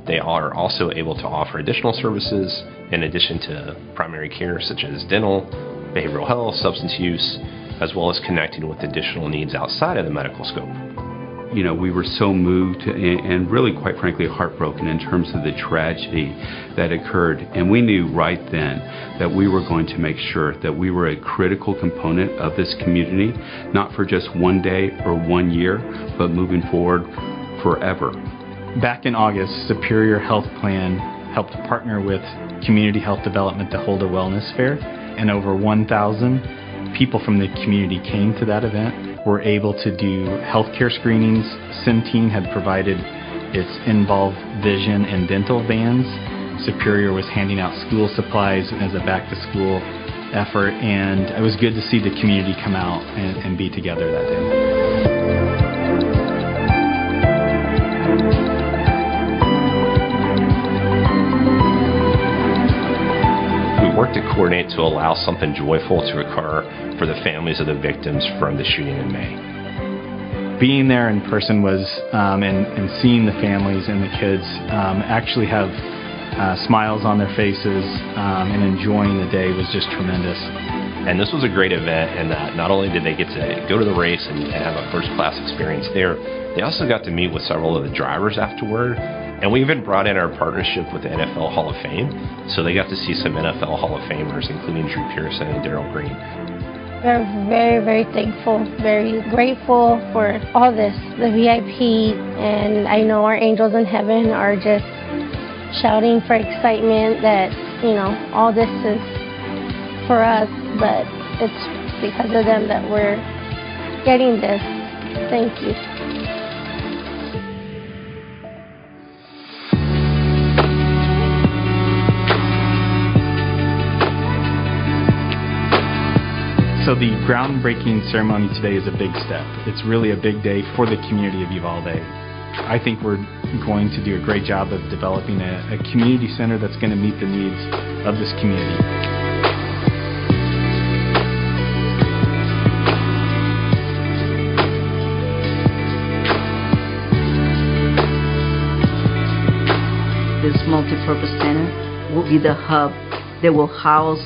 They are also able to offer additional services in addition to primary care such as dental, behavioral health, substance use, as well as connecting with additional needs outside of the medical scope. You know, we were so moved and really, quite frankly, heartbroken in terms of the tragedy that occurred. We knew right then that we were going to make sure that we were a critical component of this community, not for just one day or one year, but moving forward forever. Back in August, Superior HealthPlan helped partner with Community Health Development to hold a wellness fair. Over 1,000 people from the community came to that event, were able to do healthcare screenings. SIM team had provided its involved vision and dental vans. Superior was handing out school supplies as a back-to-school effort. It was good to see the community come out and be together that day. We worked to coordinate to allow something joyful to occur for the families of the victims from the shooting in May. Being there in person was, and seeing the families and the kids, actually have smiles on their faces, and enjoying the day was just tremendous. This was a great event in that not only did they get to go to the race and have a first-class experience there, they also got to meet with several of the drivers afterward. We even brought in our partnership with the NFL Hall of Fame, so they got to see some NFL Hall of Famers, including Drew Pearson and Darrell Green. We're very thankful, very grateful for all this, the VIP, and I know our angels in heaven are just shouting for excitement that, you know, all this is for us, but it's because of them that we're getting this. Thank you. The groundbreaking ceremony today is a big step. It's really a big day for the community of Uvalde. I think we're going to do a great job of developing a community center that's gonna meet the needs of this community. This multipurpose center will be the hub that will house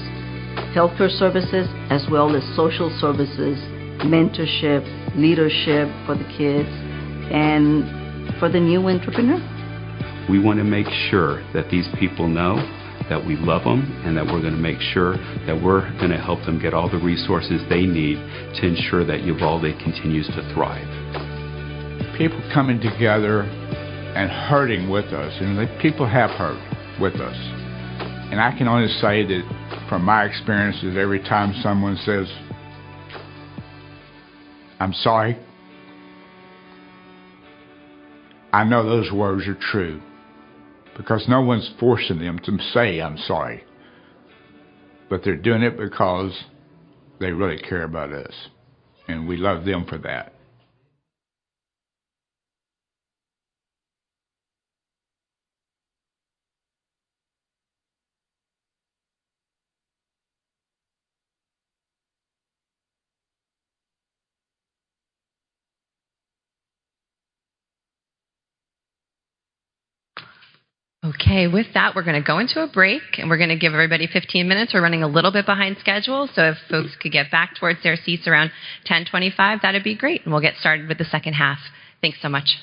healthcare services as well as social services, mentorship, leadership for the kids and for the new entrepreneur. We want to make sure that these people know that we love them and that we're gonna make sure that we're gonna help them get all the resources they need to ensure that Uvalde continues to thrive. People coming together and hurting with us, the people have hurt with us. I can only say that from my experiences, every time someone says, "I'm sorry," I know those words are true because no one's forcing them to say, "I'm sorry." They're doing it because they really care about us, and we love them for that. Okay. With that, we're gonna go into a break, and we're gonna give everybody 15 minutes. We're running a little bit behind schedule, so if folks could get back towards their seats around 10:25 A.M., that'd be great, and we'll get started with the H2. Thanks so much.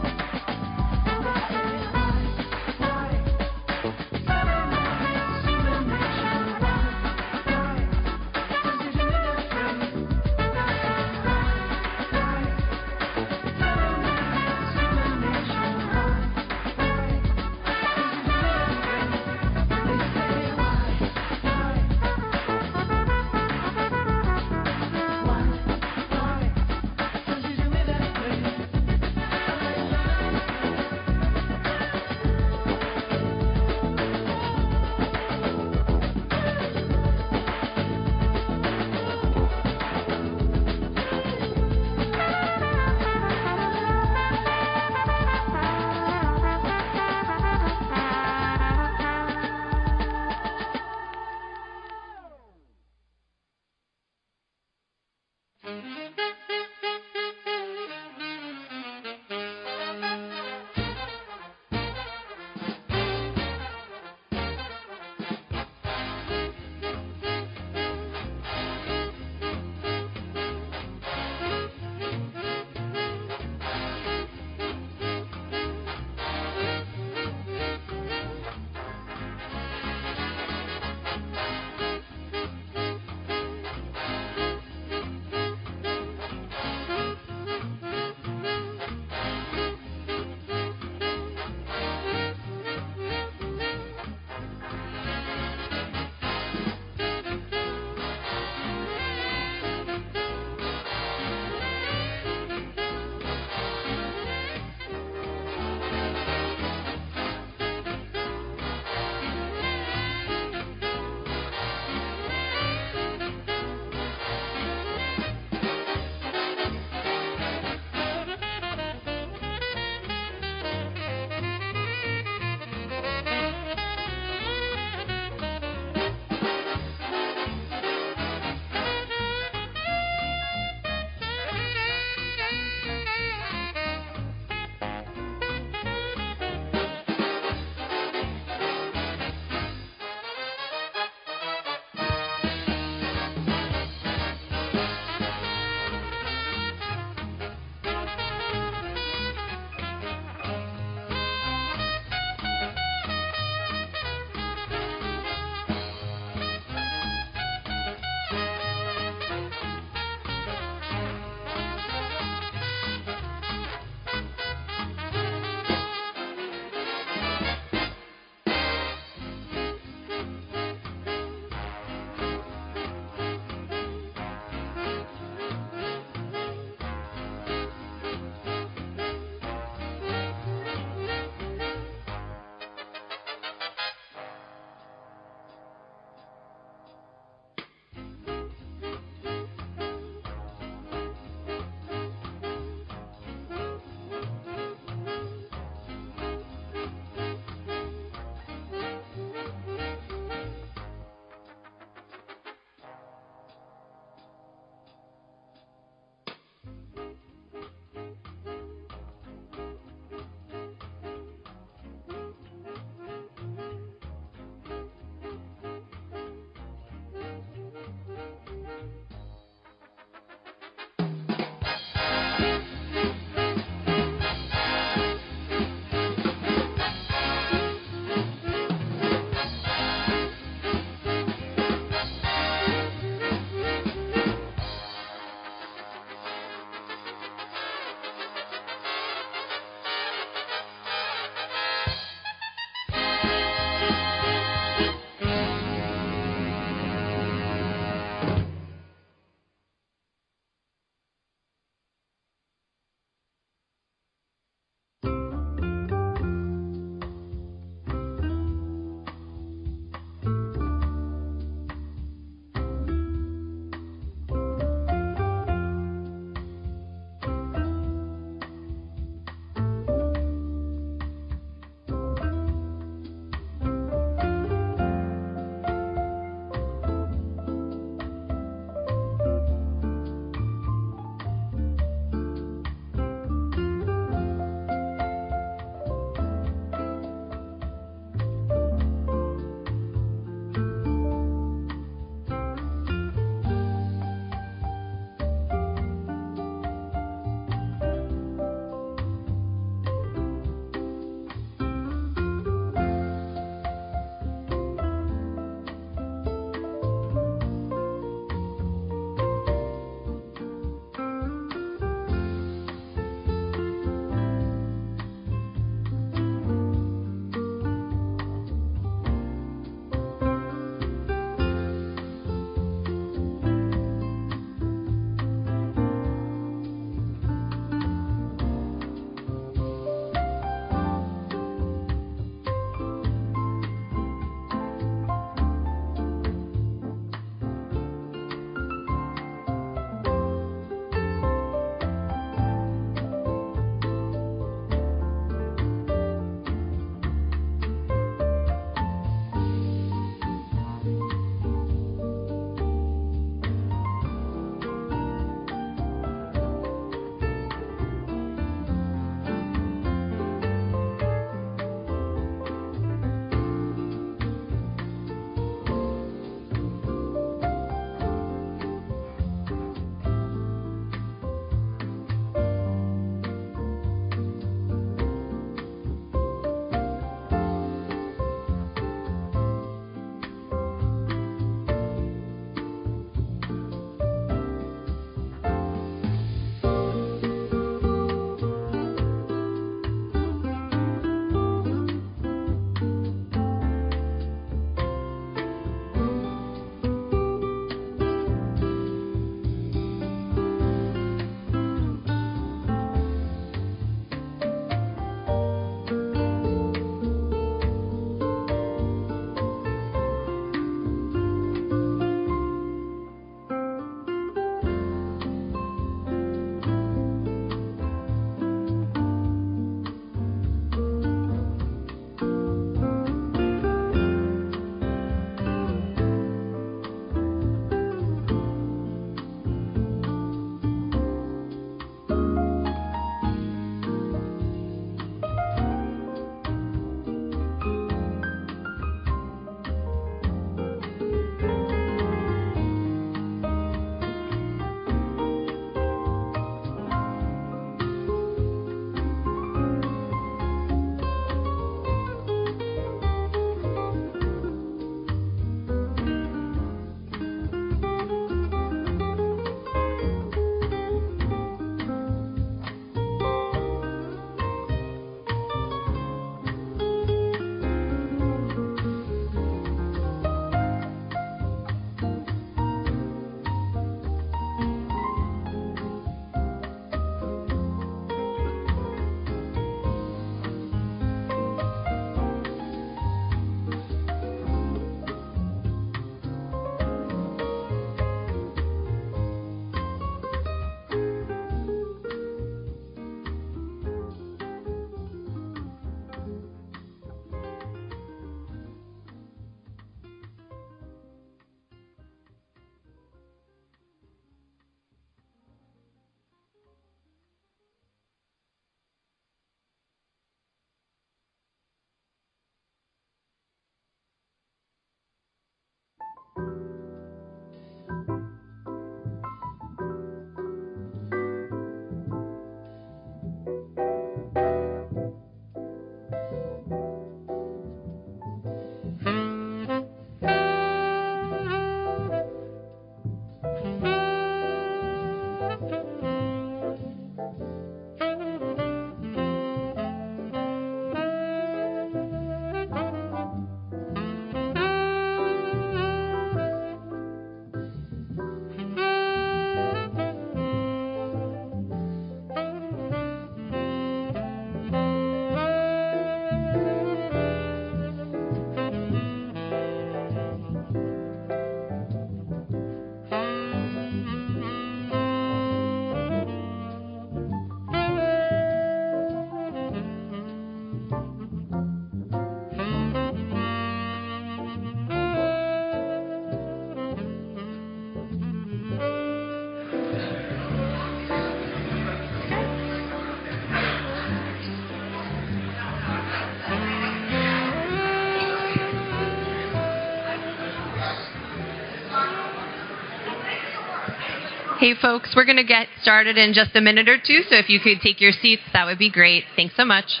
Hey, folks. We're gonna get started in just a minute or two, so if you could take your seats, that would be great. Thanks so much.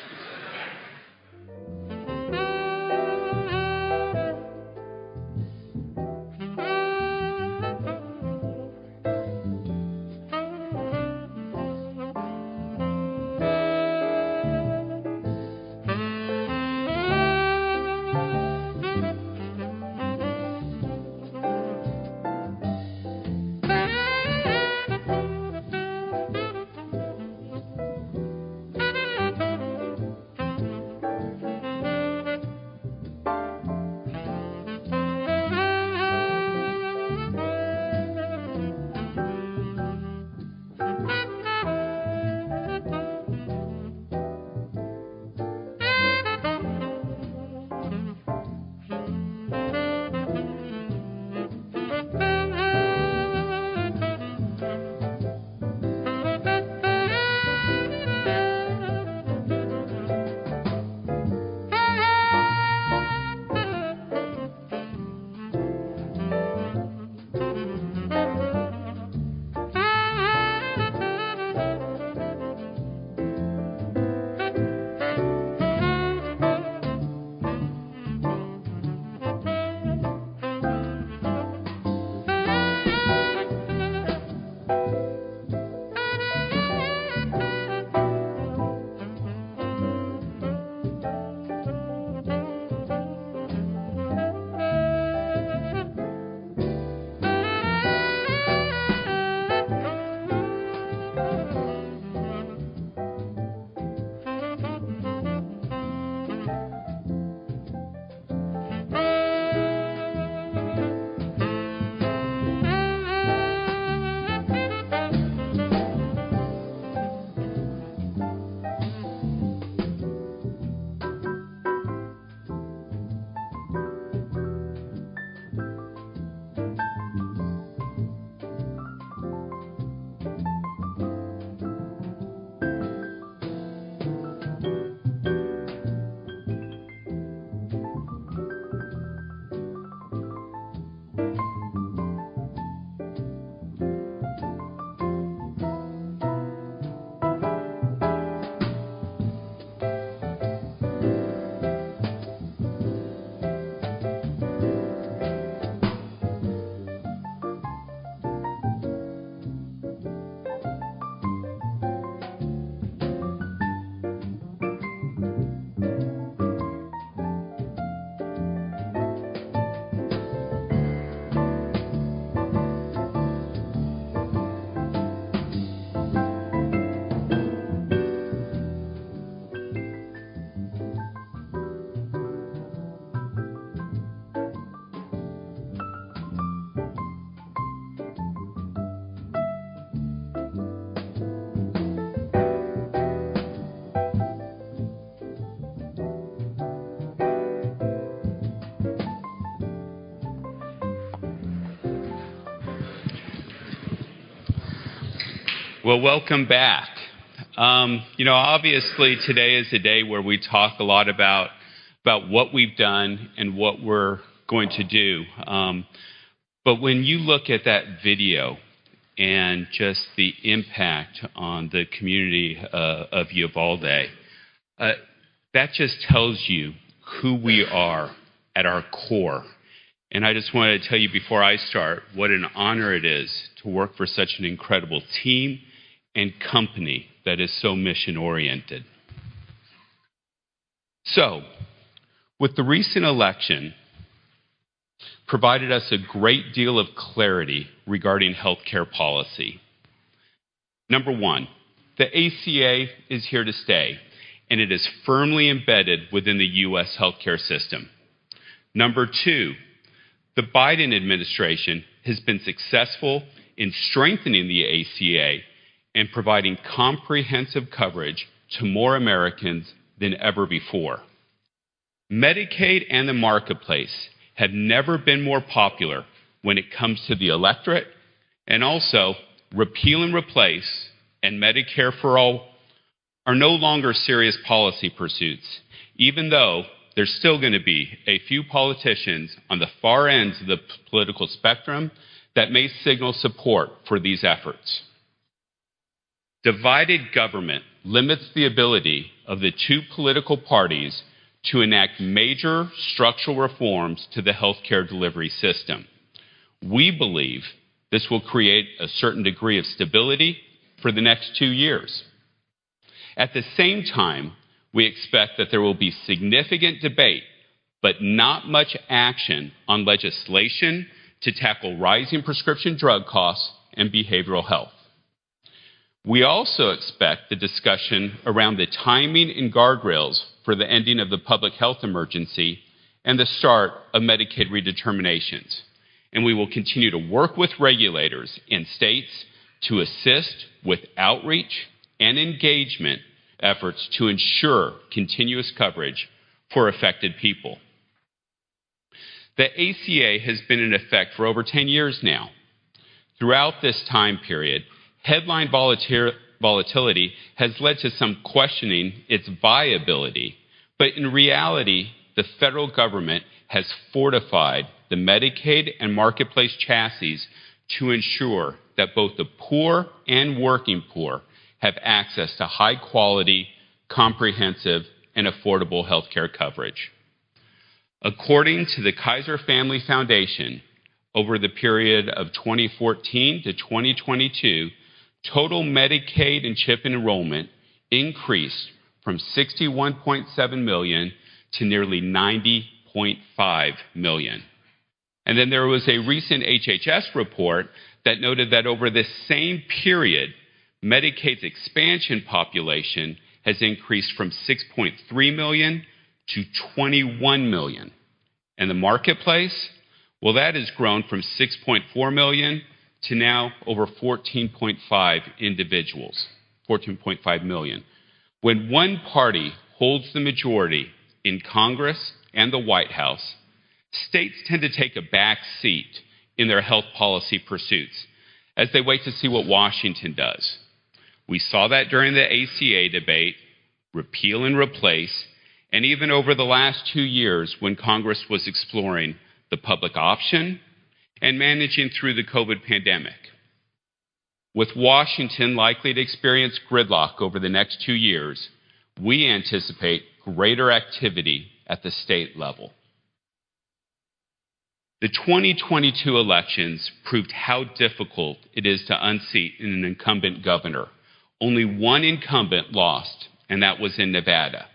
Well, welcome back. You know, obviously, today is the day where we talk a lot about what we've done and what we're going to do. When you look at that video and just the impact on the community of Uvalde, that just tells you who we are at our core. I just wanna tell you before I start, what an honor it is to work for such an incredible team and company that is so mission-oriented. With the recent election, provided us a great deal of clarity regarding healthcare policy. Number one, the ACA is here to stay, and it is firmly embedded within the U.S. healthcare system. Number two, the Biden administration has been successful in strengthening the ACA and providing comprehensive coverage to more Americans than ever before. Medicaid and the Marketplace have never been more popular when it comes to the electorate, and also repeal and replace and Medicare for all are no longer serious policy pursuits, even though there's still gonna be a few politicians on the far ends of the political spectrum that may signal support for these efforts. Divided government limits the ability of the two political parties to enact major structural reforms to the healthcare delivery system. We believe this will create a certain degree of stability for the next two years. At the same time, we expect that there will be significant debate, but not much action on legislation to tackle rising prescription drug costs and behavioral health. We also expect the discussion around the timing and guardrails for the ending of the public health emergency and the start of Medicaid redeterminations. We will continue to work with regulators in states to assist with outreach and engagement efforts to ensure continuous coverage for affected people. The ACA has been in effect for over 10 years now. Throughout this time period, headline volatility has led to some questioning its viability. In reality, the federal government has fortified the Medicaid and marketplace chassis to ensure that both the poor and working poor have access to high quality, comprehensive, and affordable healthcare coverage. According to the Kaiser Family Foundation, over the period of 2014 to 2022, total Medicaid and CHIP enrollment increased from 61.7 million to nearly 90.5 million. There was a recent HHS report that noted that over the same period, Medicaid's expansion population has increased from 6.3 million to 21 million. The marketplace? Well, that has grown from 6.4 million to now over 14.5 million. When one party holds the majority in Congress and the White House, states tend to take a back seat in their health policy pursuits as they wait to see what Washington does. We saw that during the ACA debate, repeal and replace, and even over the last two years when Congress was exploring the public option and managing through the COVID pandemic. With Washington likely to experience gridlock over the next two years, we anticipate greater activity at the state level. The 2022 elections proved how difficult it is to unseat an incumbent governor. Only one incumbent lost, and that was in Nevada.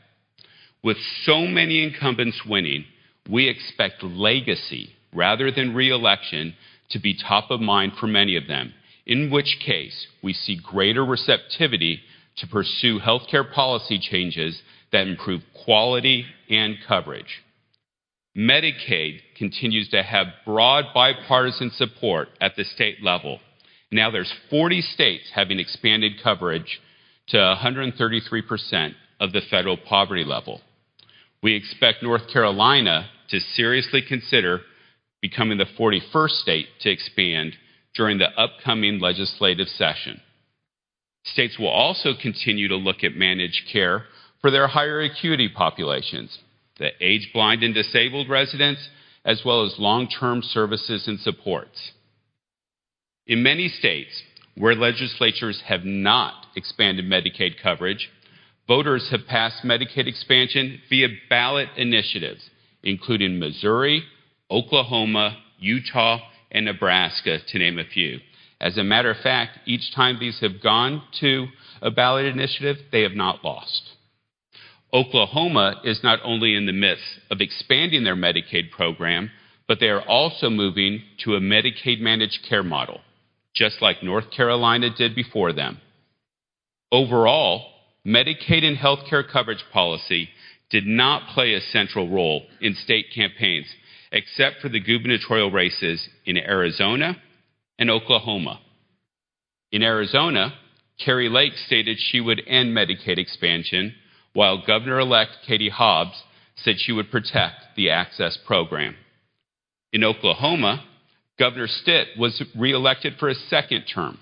With so many incumbents winning, we expect legacy rather than re-election to be top of mind for many of them, in which case we see greater receptivity to pursue healthcare policy changes that improve quality and coverage. Medicaid continues to have broad bipartisan support at the state level. There's 40 states having expanded coverage to 133% of the federal poverty level. We expect North Carolina to seriously consider becoming the 41st state to expand during the upcoming legislative session. States will also continue to look at managed care for their higher acuity populations, the aged, blind, and disabled residents, as well as long-term services and supports. In many states where legislatures have not expanded Medicaid coverage, voters have passed Medicaid expansion via ballot initiatives, including Missouri, Oklahoma, Utah, and Nebraska, to name a few. As a matter of fact, each time these have gone to a ballot initiative, they have not lost. Oklahoma is not only in the midst of expanding their Medicaid program, but they are also moving to a Medicaid managed care model, just like North Carolina did before them. Overall, Medicaid and healthcare coverage policy did not play a central role in state campaigns, except for the gubernatorial races in Arizona and Oklahoma. In Arizona, Kari Lake stated she would end Medicaid expansion, while Governor-elect Katie Hobbs said she would protect the access program. In Oklahoma, Governor Stitt was re-elected for a second term.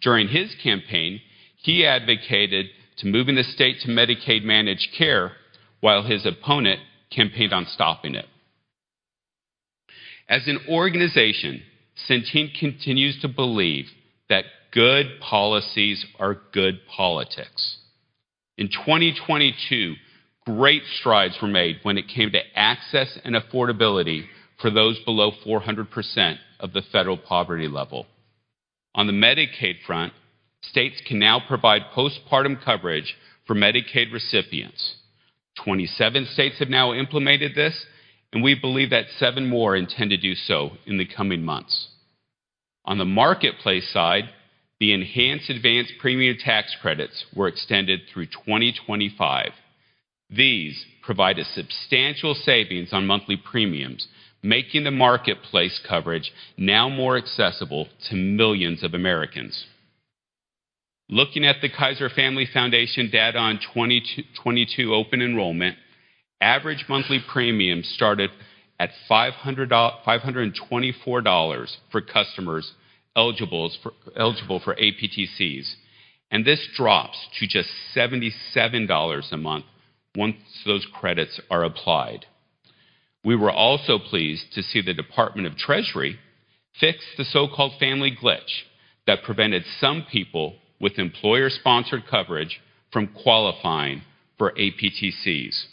During his campaign, he advocated to moving the state to Medicaid-managed care while his opponent campaigned on stopping it. As an organization, Centene continues to believe that good policies are good politics. In 2022, great strides were made when it came to access and affordability for those below 400% of the federal poverty level. On the Medicaid front, states can now provide postpartum coverage for Medicaid recipients. 27 states have now implemented this. We believe that seven more intend to do so in the coming months. On the marketplace side, the enhanced Advance Premium Tax Credits were extended through 2025. These provide a substantial savings on monthly premiums, making the marketplace coverage now more accessible to millions of Americans. Looking at the Kaiser Family Foundation data on 2022 open enrollment, average monthly premiums started at $524 for customers eligible for APTCs. This drops to just $77 a month once those credits are applied. We were also pleased to see the Department of the Treasury fix the so-called Family Glitch that prevented some people with employer-sponsored coverage from qualifying for APTCs.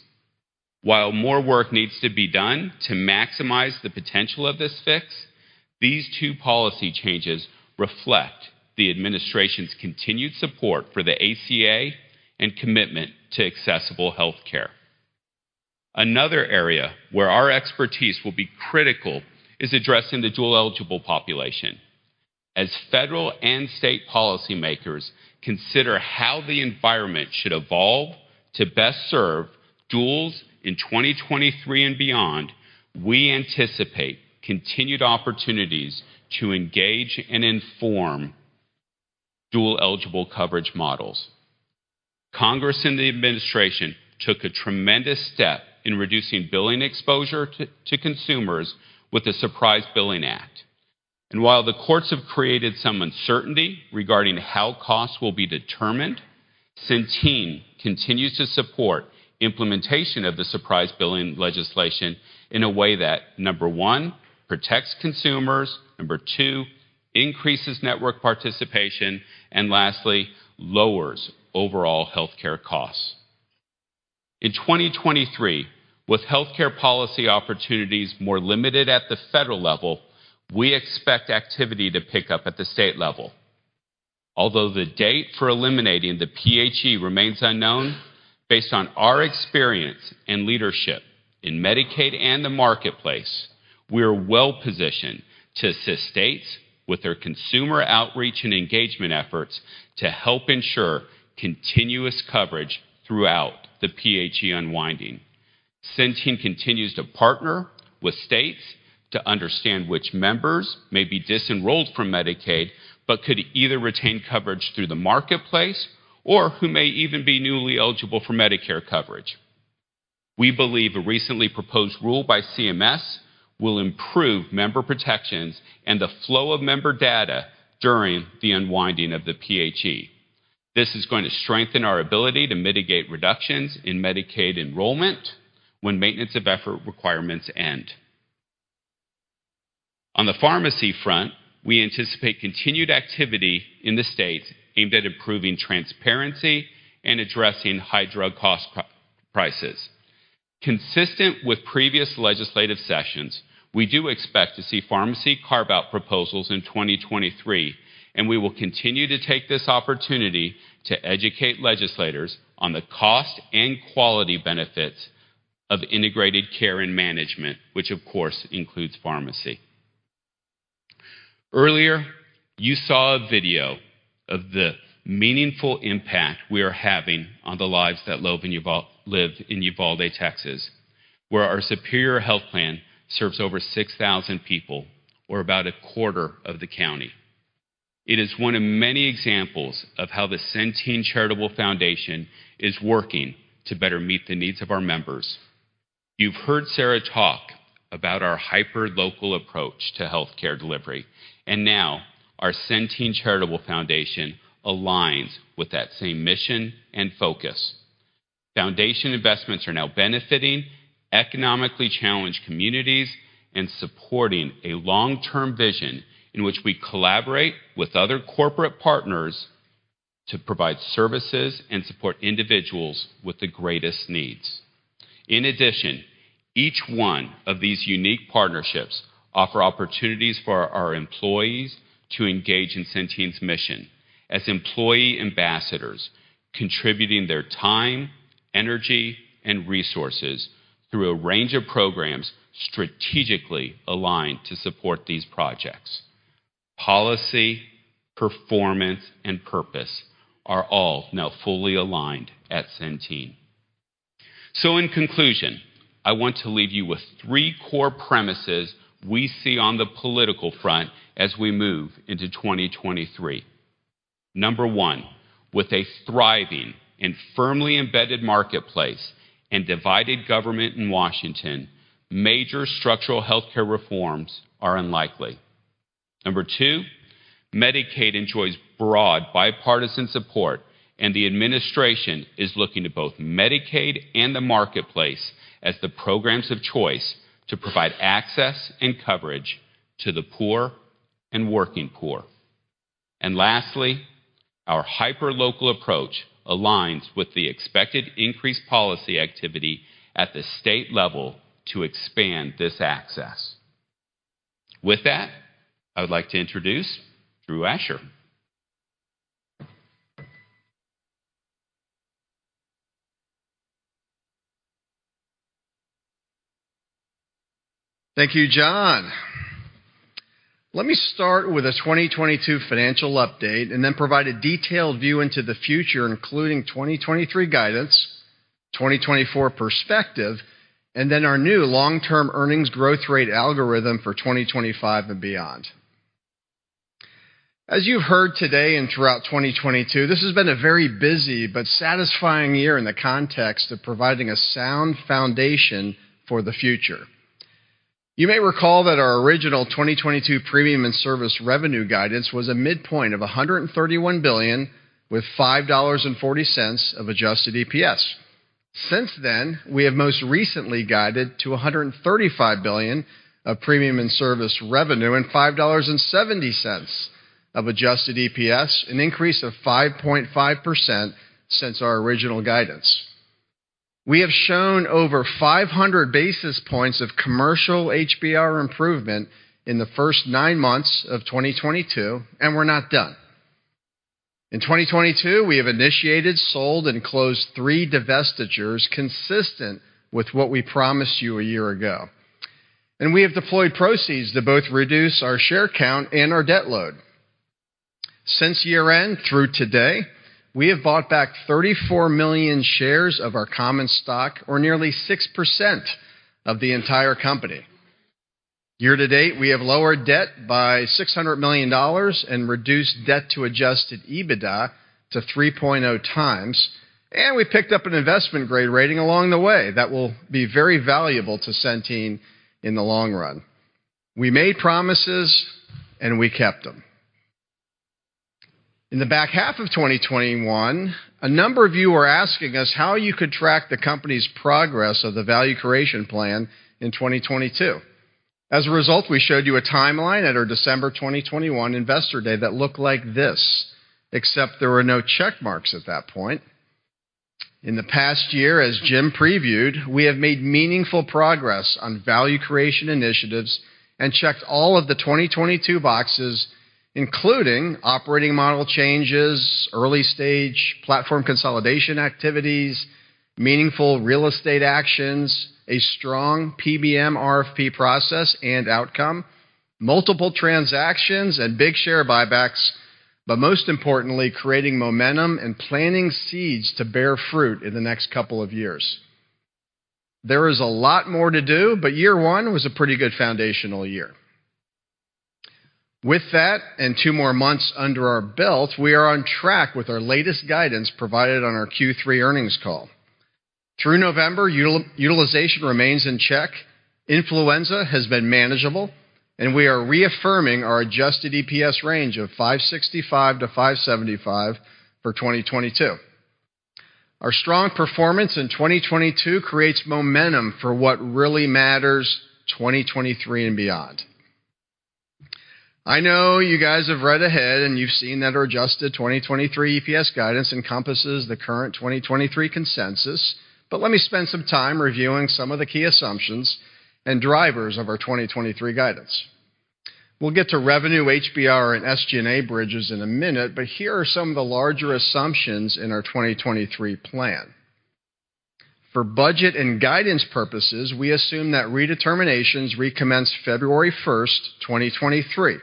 While more work needs to be done to maximize the potential of this fix, these two policy changes reflect the administration's continued support for the ACA and commitment to accessible healthcare. Another area where our expertise will be critical is addressing the dual-eligible population. As federal and state policymakers consider how the environment should evolve to best serve duals in 2023 and beyond, we anticipate continued opportunities to engage and inform dual-eligible coverage models. Congress and the administration took a tremendous step in reducing billing exposure to consumers with the Surprise Billing Act. While the courts have created some uncertainty regarding how costs will be determined, Centene continues to support implementation of the surprise billing legislation in a way that, number one, protects consumers, number two, increases network participation, and lastly, lowers overall healthcare costs. In 2023, with healthcare policy opportunities more limited at the federal level, we expect activity to pick up at the state level. Although the date for eliminating the PHE remains unknown, based on our experience and leadership in Medicaid and the marketplace, we are well-positioned to assist states with their consumer outreach and engagement efforts to help ensure continuous coverage throughout the PHE unwinding. Centene continues to partner with states to understand which members may be disenrolled from Medicaid but could either retain coverage through the marketplace or who may even be newly eligible for Medicare coverage. We believe a recently proposed rule by CMS will improve member protections and the flow of member data during the unwinding of the PHE. This is going to strengthen our ability to mitigate reductions in Medicaid enrollment when maintenance of effort requirements end. On the pharmacy front, we anticipate continued activity in the states aimed at improving transparency and addressing high drug prices. Consistent with previous legislative sessions, we do expect to see pharmacy carve-out proposals in 2023, and we will continue to take this opportunity to educate legislators on the cost and quality benefits of integrated care and management, which of course includes pharmacy. Earlier, you saw a video of the meaningful impact we are having on the lives that live in Uvalde, Texas, where our Superior HealthPlan serves over 6,000 people or about a quarter of the county. It is one of many examples of how the Centene Charitable Foundation is working to better meet the needs of our members. You've heard Sarah talk about our hyperlocal approach to healthcare delivery. Now our Centene Charitable Foundation aligns with that same mission and focus. Foundation investments are now benefiting economically challenged communities and supporting a long-term vision in which we collaborate with other corporate partners to provide services and support individuals with the greatest needs. In addition, each one of these unique partnerships offer opportunities for our employees to engage in Centene's mission as employee ambassadors contributing their time, energy, and resources through a range of programs strategically aligned to support these projects. Policy, performance, and purpose are all now fully aligned at Centene. In conclusion, I want to leave you with three core premises we see on the political front as we move into 2023. Number one, with a thriving and firmly embedded Marketplace and divided government in Washington, major structural healthcare reforms are unlikely. Number two, Medicaid enjoys broad bipartisan support, the Administration is looking to both Medicaid and the Marketplace as the programs of choice to provide access and coverage to the poor and working poor. Lastly, our hyperlocal approach aligns with the expected increased policy activity at the state level to expand this access. With that, I would like to introduce Drew Asher. Thank you, Jon. Let me start with a 2022 financial update and then provide a detailed view into the future, including 2023 guidance, 2024 perspective, and then our new long-term earnings growth rate algorithm for 2025 and beyond. As you've heard today and throughout 2022, this has been a very busy but satisfying year in the context of providing a sound foundation for the future. You may recall that our original 2022 premium and service revenue guidance was a midpoint of $131 billion, with $5.40 of adjusted EPS. We have most recently guided to $135 billion of premium and service revenue and $5.70 of adjusted EPS, an increase of 5.5% since our original guidance. We have shown over 500 basis points of commercial HBR improvement in the first nine months of 2022, and we're not done. In 2022, we have initiated, sold, and closed three divestitures consistent with what we promised you a year ago. We have deployed proceeds to both reduce our share count and our debt load. Since year-end through today, we have bought back 34 million shares of our common stock, or nearly 6% of the entire company. Year-to-date, we have lowered debt by $600 million and reduced debt to adjusted EBITDA to 3.0x. We picked up an investment-grade rating along the way that will be very valuable to Centene in the long run. We made promises, and we kept them. In the back half of 2021, a number of you were asking us how you could track the company's progress of the value creation plan in 2022. As a result, we showed you a timeline at our December 2021 Investor Day that looked like this, except there were no check marks at that point. In the past year, as Jim previewed, we have made meaningful progress on value creation initiatives and checked all of the 2022 boxes, including operating model changes, early-stage platform consolidation activities, meaningful real estate actions, a strong PBM RFP process and outcome, multiple transactions, and big share buybacks, but most importantly, creating momentum and planting seeds to bear fruit in the next couple of years. There is a lot more to do, but year one was a pretty good foundational year. With that and two more months under our belt, we are on track with our latest guidance provided on our Q3 earnings call. Through November, utilization remains in check, influenza has been manageable, and we are reaffirming our adjusted EPS range of $5.65-$5.75 for 2022. Our strong performance in 2022 creates momentum for what really matters, 2023 and beyond. I know you guys have read ahead, and you've seen that our adjusted 2023 EPS guidance encompasses the current 2023 consensus, but let me spend some time reviewing some of the key assumptions and drivers of our 2023 guidance. We'll get to revenue, HBR, and SG&A bridges in a minute, but here are some of the larger assumptions in our 2023 plan. For budget and guidance purposes, we assume that redeterminations recommence February first, 2023.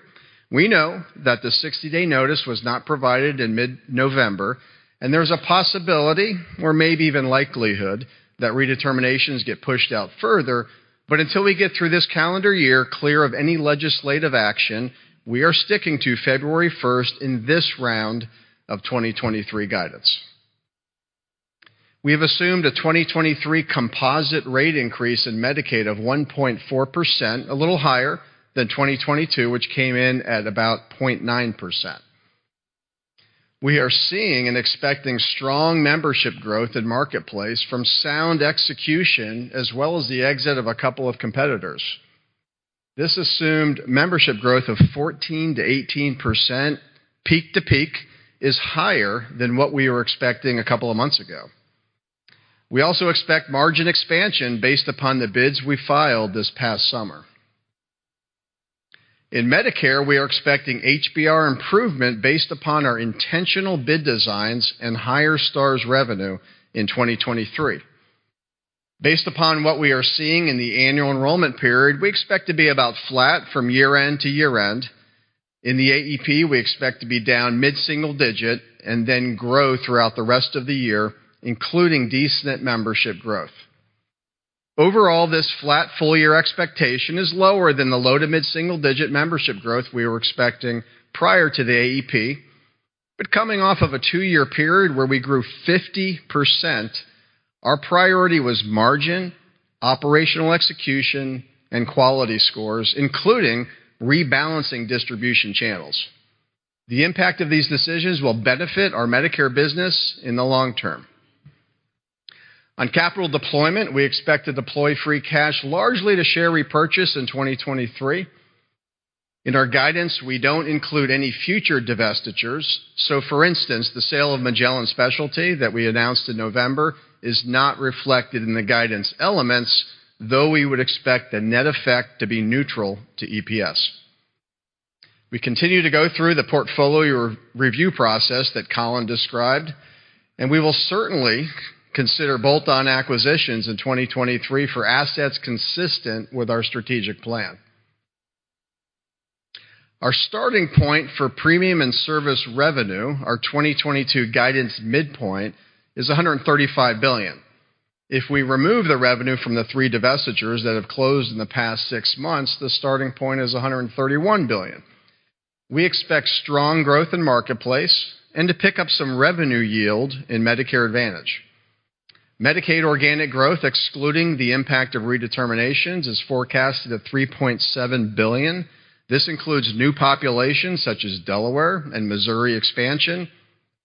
We know that the 60-day notice was not provided in mid-November, and there's a possibility, or maybe even likelihood, that redeterminations get pushed out further. Until we get through this calendar year clear of any legislative action, we are sticking to February 1st in this round of 2023 guidance. We have assumed a 2023 composite rate increase in Medicaid of 1.4%, a little higher than 2022, which came in at about 0.9%. We are seeing and expecting strong membership growth in Marketplace from sound execution as well as the exit of a couple of competitors. This assumed membership growth of 14%-18% peak-to-peak is higher than what we were expecting a couple of months ago. We also expect margin expansion based upon the bids we filed this past summer. In Medicare, we are expecting HBR improvement based upon our intentional bid designs and higher stars revenue in 2023. Based upon what we are seeing in the annual enrollment period, we expect to be about flat from year-end to year-end. In the AEP, we expect to be down mid-single-digit and then grow throughout the rest of the year, including decent membership growth. Overall, this flat full-year expectation is lower than the low- to mid-single-digit membership growth we were expecting prior to the AEP. Coming off of a two-year period where we grew 50%, our priority was margin, operational execution, and quality scores, including rebalancing distribution channels. The impact of these decisions will benefit our Medicare business in the long term. On capital deployment, we expect to deploy free cash largely to share repurchase in 2023. In our guidance, we don't include any future divestitures. For instance, the sale of Magellan Specialty that we announced in November is not reflected in the guidance elements, though we would expect the net effect to be neutral to EPS. We continue to go through the portfolio re-review process that Colin described, and we will certainly consider bolt-on acquisitions in 2023 for assets consistent with our strategic plan. Our starting point for premium and service revenue, our 2022 guidance midpoint, is $135 billion. If we remove the revenue from the three divestitures that have closed in the past six months, the starting point is $131 billion. We expect strong growth in marketplace and to pick up some revenue yield in Medicare Advantage. Medicaid organic growth, excluding the impact of redeterminations, is forecasted at $3.7 billion. This includes new populations such as Delaware and Missouri expansion,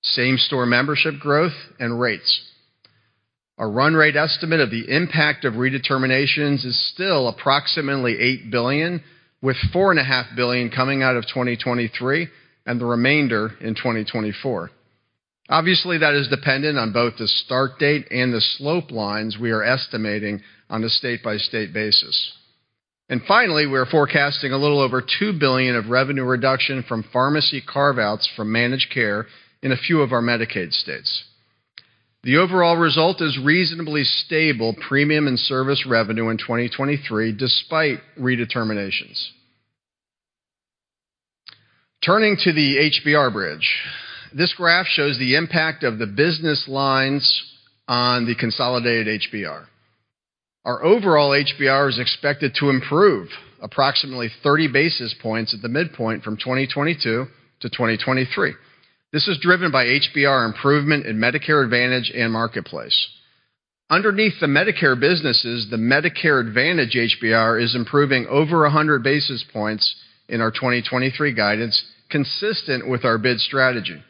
same-store membership growth, and rates. Our run rate estimate of the impact of redeterminations is still approximately $8 billion, with four and a half billion coming out of 2023 and the remainder in 2024. Obviously, that is dependent on both the start date and the slope lines we are estimating on a state-by-state basis. Finally, we are forecasting a little over $2 billion of revenue reduction from pharmacy carve-outs from managed care in a few of our Medicaid states. The overall result is reasonably stable premium and service revenue in 2023 despite redeterminations. Turning to the HBR bridge. This graph shows the impact of the business lines on the consolidated HBR. Our overall HBR is expected to improve approximately 30 basis points at the midpoint from 2022 to 2023. This is driven by HBR improvement in Medicare Advantage and Marketplace. Underneath the Medicare businesses, the Medicare Advantage HBR is improving over 100 basis points in our 2023 guidance, consistent with our bid strategy.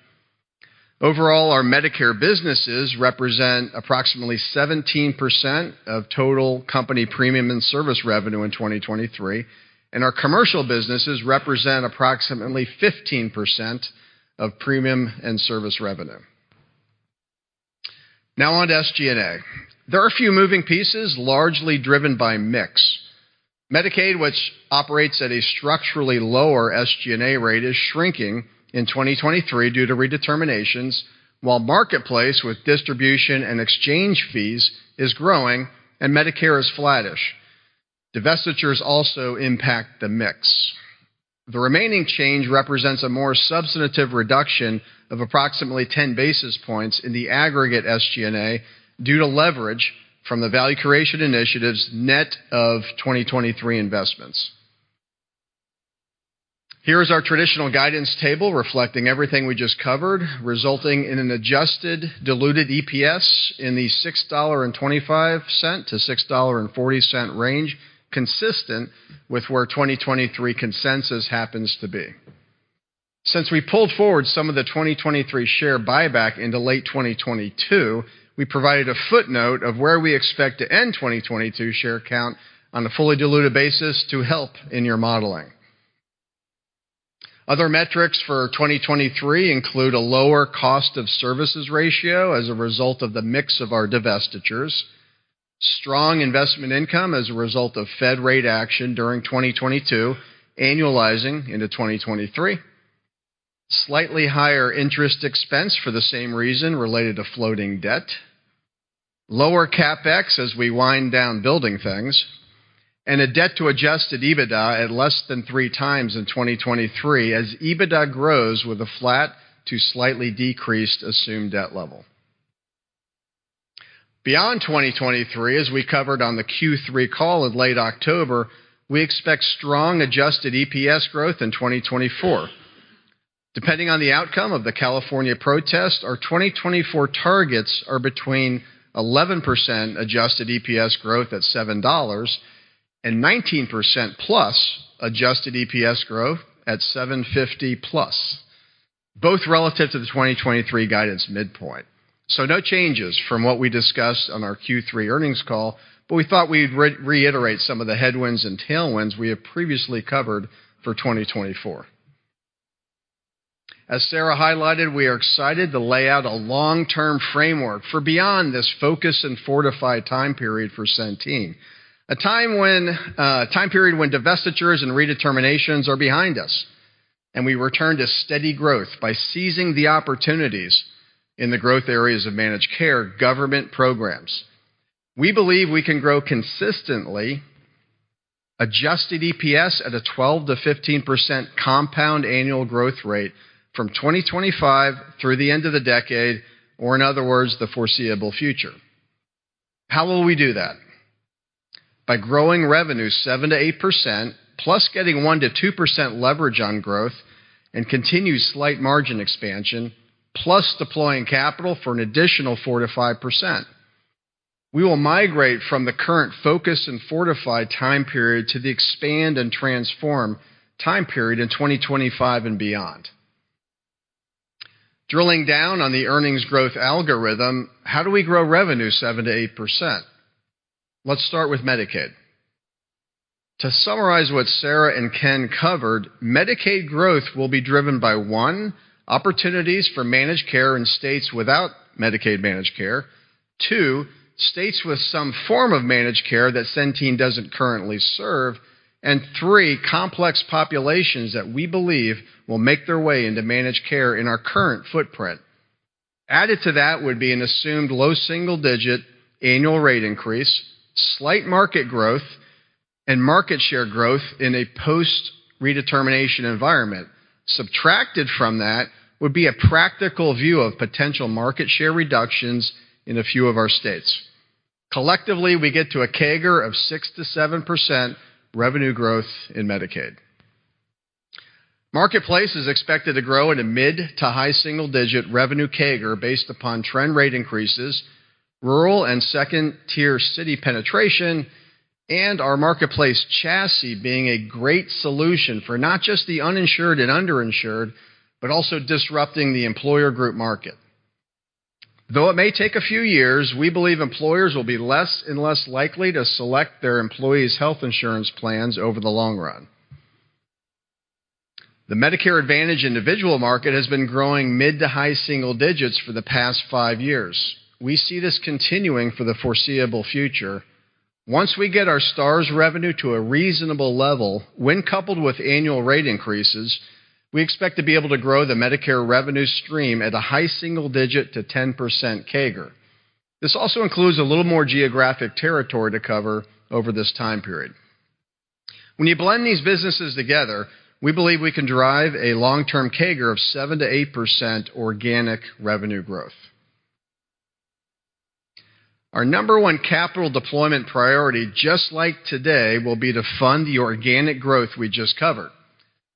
Overall, our Medicare businesses represent approximately 17% of total company premium and service revenue in 2023, and our commercial businesses represent approximately 15% of premium and service revenue. On to SG&A. There are a few moving pieces largely driven by mix. Medicaid, which operates at a structurally lower SG&A rate, is shrinking in 2023 due to redeterminations, while Marketplace, with distribution and exchange fees, is growing and Medicare is flattish. Divestitures also impact the mix. The remaining change represents a more substantive reduction of approximately 10 basis points in the aggregate SG&A due to leverage from the value creation initiatives net of 2023 investments. Here is our traditional guidance table reflecting everything we just covered, resulting in an adjusted diluted EPS in the $6.25-$6.40 range, consistent with where 2023 consensus happens to be. Since we pulled forward some of the 2023 share buyback into late 2022, we provided a footnote of where we expect to end 2022 share count on a fully diluted basis to help in your modeling. Other metrics for 2023 include a lower cost of services ratio as a result of the mix of our divestitures, strong investment income as a result of Fed rate action during 2022 annualizing into 2023, slightly higher interest expense for the same reason related to floating debt, lower CapEx as we wind down building things, and a debt to adjusted EBITDA at less than three times in 2023 as EBITDA grows with a flat to slightly decreased assumed debt level. Beyond 2023, as we covered on the Q3 call in late October, we expect strong adjusted EPS growth in 2024. Depending on the outcome of the California protest, our 2024 targets are between 11% adjusted EPS growth at $7 and 19%+ adjusted EPS growth at $7.50+, both relative to the 2023 guidance midpoint. No changes from what we discussed on our Q3 earnings call, but we thought we'd reiterate some of the headwinds and tailwinds we have previously covered for 2024. As Sarah highlighted, we are excited to lay out a long-term framework for beyond this focus and fortify time period for Centene. A time when, a time period when divestitures and redeterminations are behind us, and we return to steady growth by seizing the opportunities in the growth areas of managed care government programs. We believe we can grow consistently adjusted EPS at a 12%-15% compound annual growth rate from 2025 through the end of the decade, or in other words, the foreseeable future. How will we do that? By growing revenue 7%-8%, plus getting 1%-2% leverage on growth and continued slight margin expansion, plus deploying capital for an additional 4%-5%. We will migrate from the current focus and fortify time period to the expand and transform time period in 2025 and beyond. Drilling down on the earnings growth algorithm, how do we grow revenue 7%-8%? Let's start with Medicaid. To summarize what Sarah and Ken covered, Medicaid growth will be driven by: One - opportunities for managed care in states without Medicaid managed care. Two- states with some form of managed care that Centene doesn't currently serve. Three- complex populations that we believe will make their way into managed care in our current footprint. Added to that would be an assumed low single-digit annual rate increase, slight market growth, and market share growth in a post-redetermination environment. Subtracted from that would be a practical view of potential market share reductions in a few of our states. Collectively, we get to a CAGR of 6%-7% revenue growth in Medicaid. Marketplace is expected to grow at a mid to high single-digit revenue CAGR based upon trend rate increases, rural and second-tier city penetration, and our marketplace chassis being a great solution for not just the uninsured and underinsured, but also disrupting the employer group market. Though it may take a few years, we believe employers will be less and less likely to select their employees' health insurance plans over the long run. The Medicare Advantage individual market has been growing mid to high single-digits for the past five years. We see this continuing for the foreseeable future. Once we get our Stars revenue to a reasonable level, when coupled with annual rate increases, we expect to be able to grow the Medicare revenue stream at a high single digit to 10% CAGR. This also includes a little more geographic territory to cover over this time period. When you blend these businesses together, we believe we can drive a long-term CAGR of 7%-8% organic revenue growth. Our number one capital deployment priority, just like today, will be to fund the organic growth we just covered.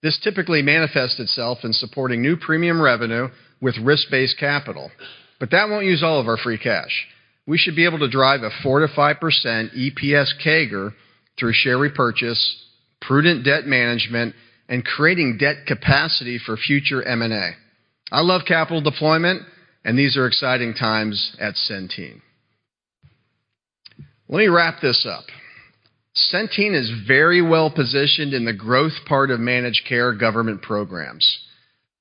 This typically manifests itself in supporting new premium revenue with risk-based capital, that won't use all of our free cash. We should be able to drive a 4%-5% EPS CAGR through share repurchase, prudent debt management, and creating debt capacity for future M&A. I love capital deployment. These are exciting times at Centene. Let me wrap this up. Centene is very well positioned in the growth part of managed care government programs.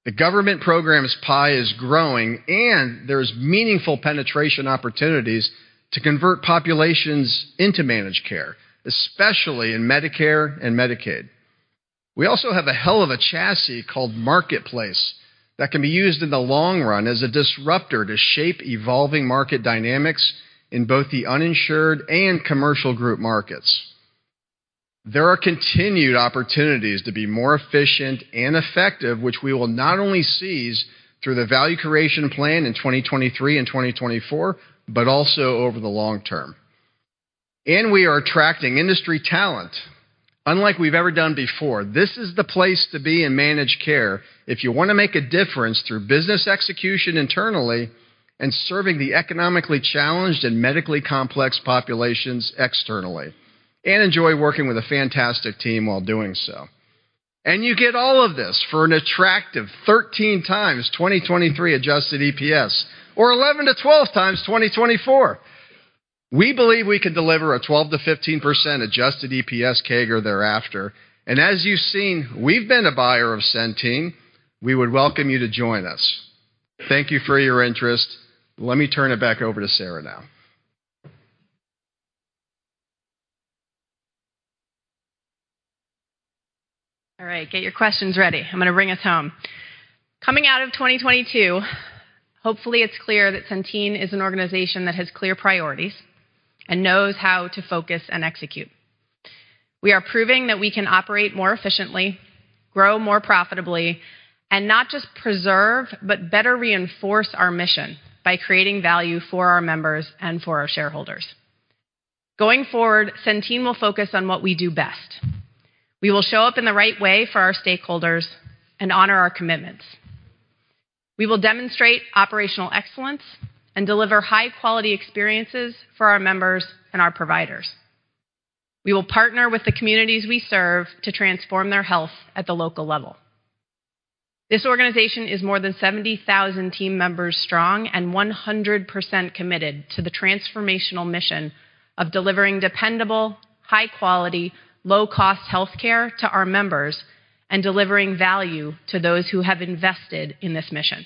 The government programs pie is growing, and there's meaningful penetration opportunities to convert populations into managed care, especially in Medicare and Medicaid. We also have a hell of a chassis called Marketplace that can be used in the long run as a disruptor to shape evolving market dynamics in both the uninsured and commercial group markets. There are continued opportunities to be more efficient and effective, which we will not only seize through the value creation plan in 2023 and 2024, but also over the long term. We are attracting industry talent unlike we've ever done before. This is the place to be in managed care if you want to make a difference through business execution internally and serving the economically challenged and medically complex populations externally, enjoy working with a fantastic team while doing so. You get all of this for an attractive 13x 2023 adjusted EPS or 11x-12x 2024. We believe we can deliver a 12%-15% adjusted EPS CAGR thereafter. As you've seen, we've been a buyer of Centene. We would welcome you to join us. Thank you for your interest. Let me turn it back over to Sarah now. All right, get your questions ready. I'm going to bring us home. Coming out of 2022, hopefully it's clear that Centene is an organization that has clear priorities and knows how to focus and execute. We are proving that we can operate more efficiently, grow more profitably, and not just preserve, but better reinforce our mission by creating value for our members and for our shareholders. Going forward, Centene will focus on what we do best. We will show up in the right way for our stakeholders and honor our commitments. We will demonstrate operational excellence and deliver high-quality experiences for our members and our providers. We will partner with the communities we serve to transform their health at the local level. This organization is more than 70,000 team members strong and 100% committed to the transformational mission of delivering dependable, high quality, low-cost health care to our members and delivering value to those who have invested in this mission.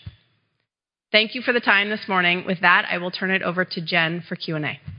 Thank you for the time this morning. With that, I will turn it over to Jen for Q&A. All right, you got to give me the intro again. All yours.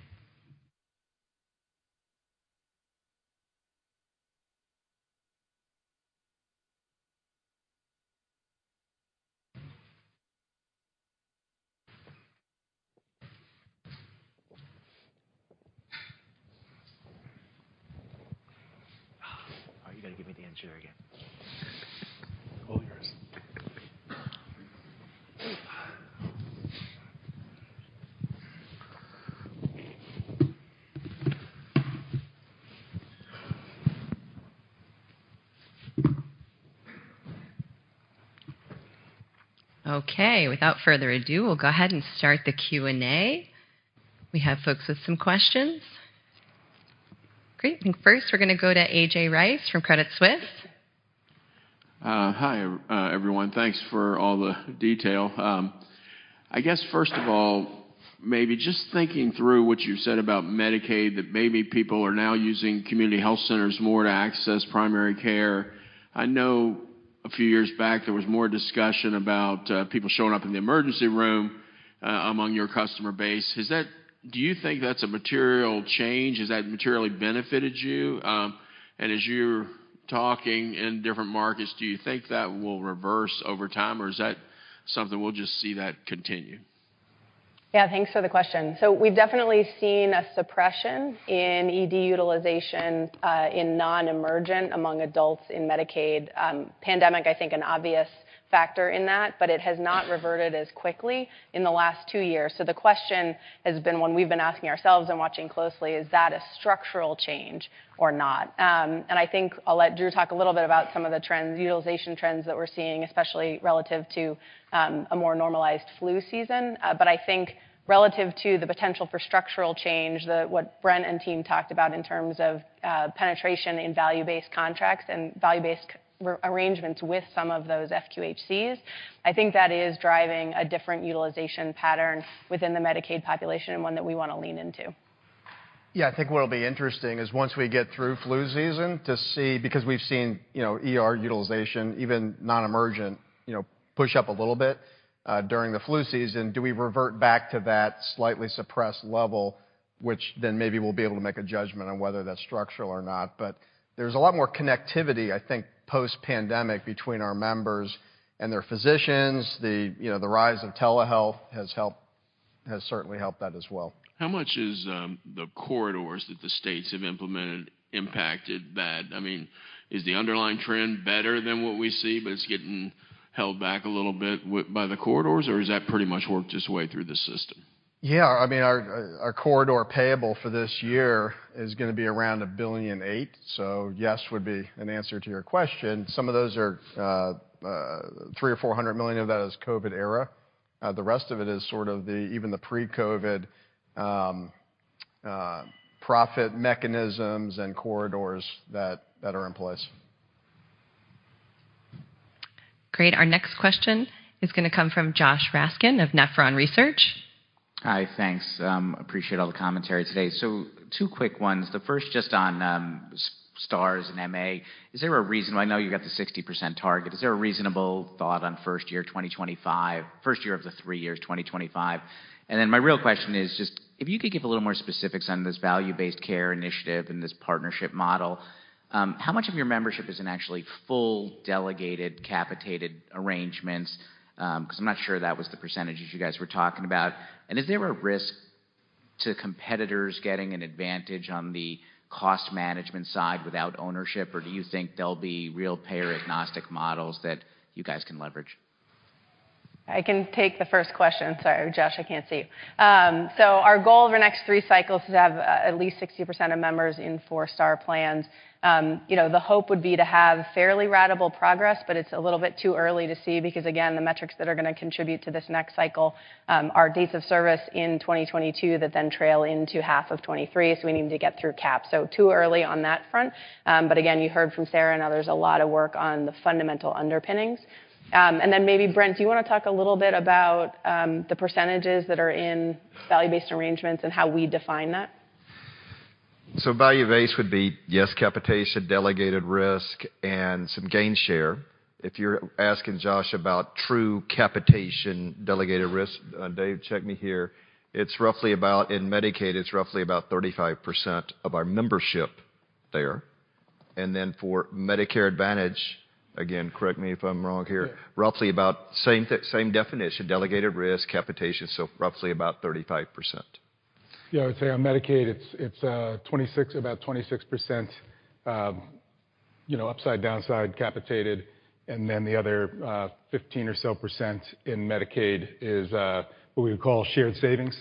Okay. Without further ado, we'll go ahead and start the Q&A. We have folks with some questions. Great. First, we're going to go to A.J. Rice from Credit Suisse. Hi, everyone. Thanks for all the detail. I guess, first of all, maybe just thinking through what you said about Medicaid, that maybe people are now using community health centers more to access primary care. A few years back, there was more discussion about people showing up in the emergency room among your customer base. Is that do you think that's a material change? Has that materially benefited you? As you're talking in different markets, do you think that will reverse over time, or is that something we'll just see that continue? Thanks for the question. We've definitely seen a suppression in ED utilization in non-emergent among adults in Medicaid. Pandemic, I think an obvious factor in that, but it has not reverted as quickly in the last two years. The question has been one we've been asking ourselves and watching closely, is that a structural change or not? I think I'll let Drew talk a little bit about some of the trends, utilization trends that we're seeing, especially relative to a more normalized flu season. I think relative to the potential for structural change, what Brent and team talked about in terms of penetration in value-based contracts and value-based re- arrangements with some of those FQHCs, I think that is driving a different utilization pattern within the Medicaid population and one that we wanna lean into. Yeah. I think what'll be interesting is once we get through flu season to see because we've seen, you know, ER utilization, even non-emergent, you know, push up a little bit during the flu season. Do we revert back to that slightly suppressed level, which then maybe we'll be able to make a judgment on whether that's structural or not. There's a lot more connectivity, I think, post-pandemic between our members and their physicians. The you know, the rise of telehealth has certainly helped that as well. How much is the corridors that the states have implemented impacted that? I mean, is the underlying trend better than what we see, but it's getting held back a little bit by the corridors, or has that pretty much worked its way through the system? Yeah. I mean, our corridor payable for this year is going to be around $1.008 billion. Yes, would be an answer to your question. Some of those are 300 million or $400 million of that is COVID era. The rest of it is sort of the even the pre-COVID profit mechanisms and corridors that are in place. Great. Our next question is gonna come from Josh Raskin of Nephron Research. Hi. Thanks. appreciate all the commentary today. Two quick ones. The first just on Stars and MA. Is there a reason I know you got the 60% target. Is there a reasonable thought on first year 2025, first year of the three years, 2025? My real question is just if you could give a little more specifics on this value-based care initiative and this partnership model, how much of your membership is in actually full delegated capitated arrangements? I'm not sure that was the percentage that you guys were talking about. Is there a risk to competitors getting an advantage on the cost management side without ownership, or do you think there'll be real payer agnostic models that you guys can leverage? I can take the first question. Sorry, Josh, I can't see you. Our goal over the next three cycles is to have at least 60% of members in four-star plans. You know, the hope would be to have fairly ratable progress, but it's a little bit too early to see because, again, the metrics that are gonna contribute to this next cycle, are dates of service in 2022 that then trail into half of 2023, so we need to get through cap. Too early on that front. Again, you heard from Sarah and others, a lot of work on the fundamental underpinnings. Then maybe, Brent, do you wanna talk a little bit about the percentages that are in value-based arrangements and how we define that? Value-based would be, yes, capitation, delegated risk, and some gain share. If you're asking Josh Raskin about true capitation delegated risk, Dave Thomas, check me here. It's roughly about, in Medicaid, it's roughly about 35% of our membership there. For Medicare Advantage, again, correct me if I'm wrong here. Yeah. Roughly about same definition, delegated risk, capitation, so roughly about 35%. Yeah. I would say on Medicaid, it's, about 26%, you know, upside downside capitated, and then the other 15% or so in Medicaid is what we would call shared savings,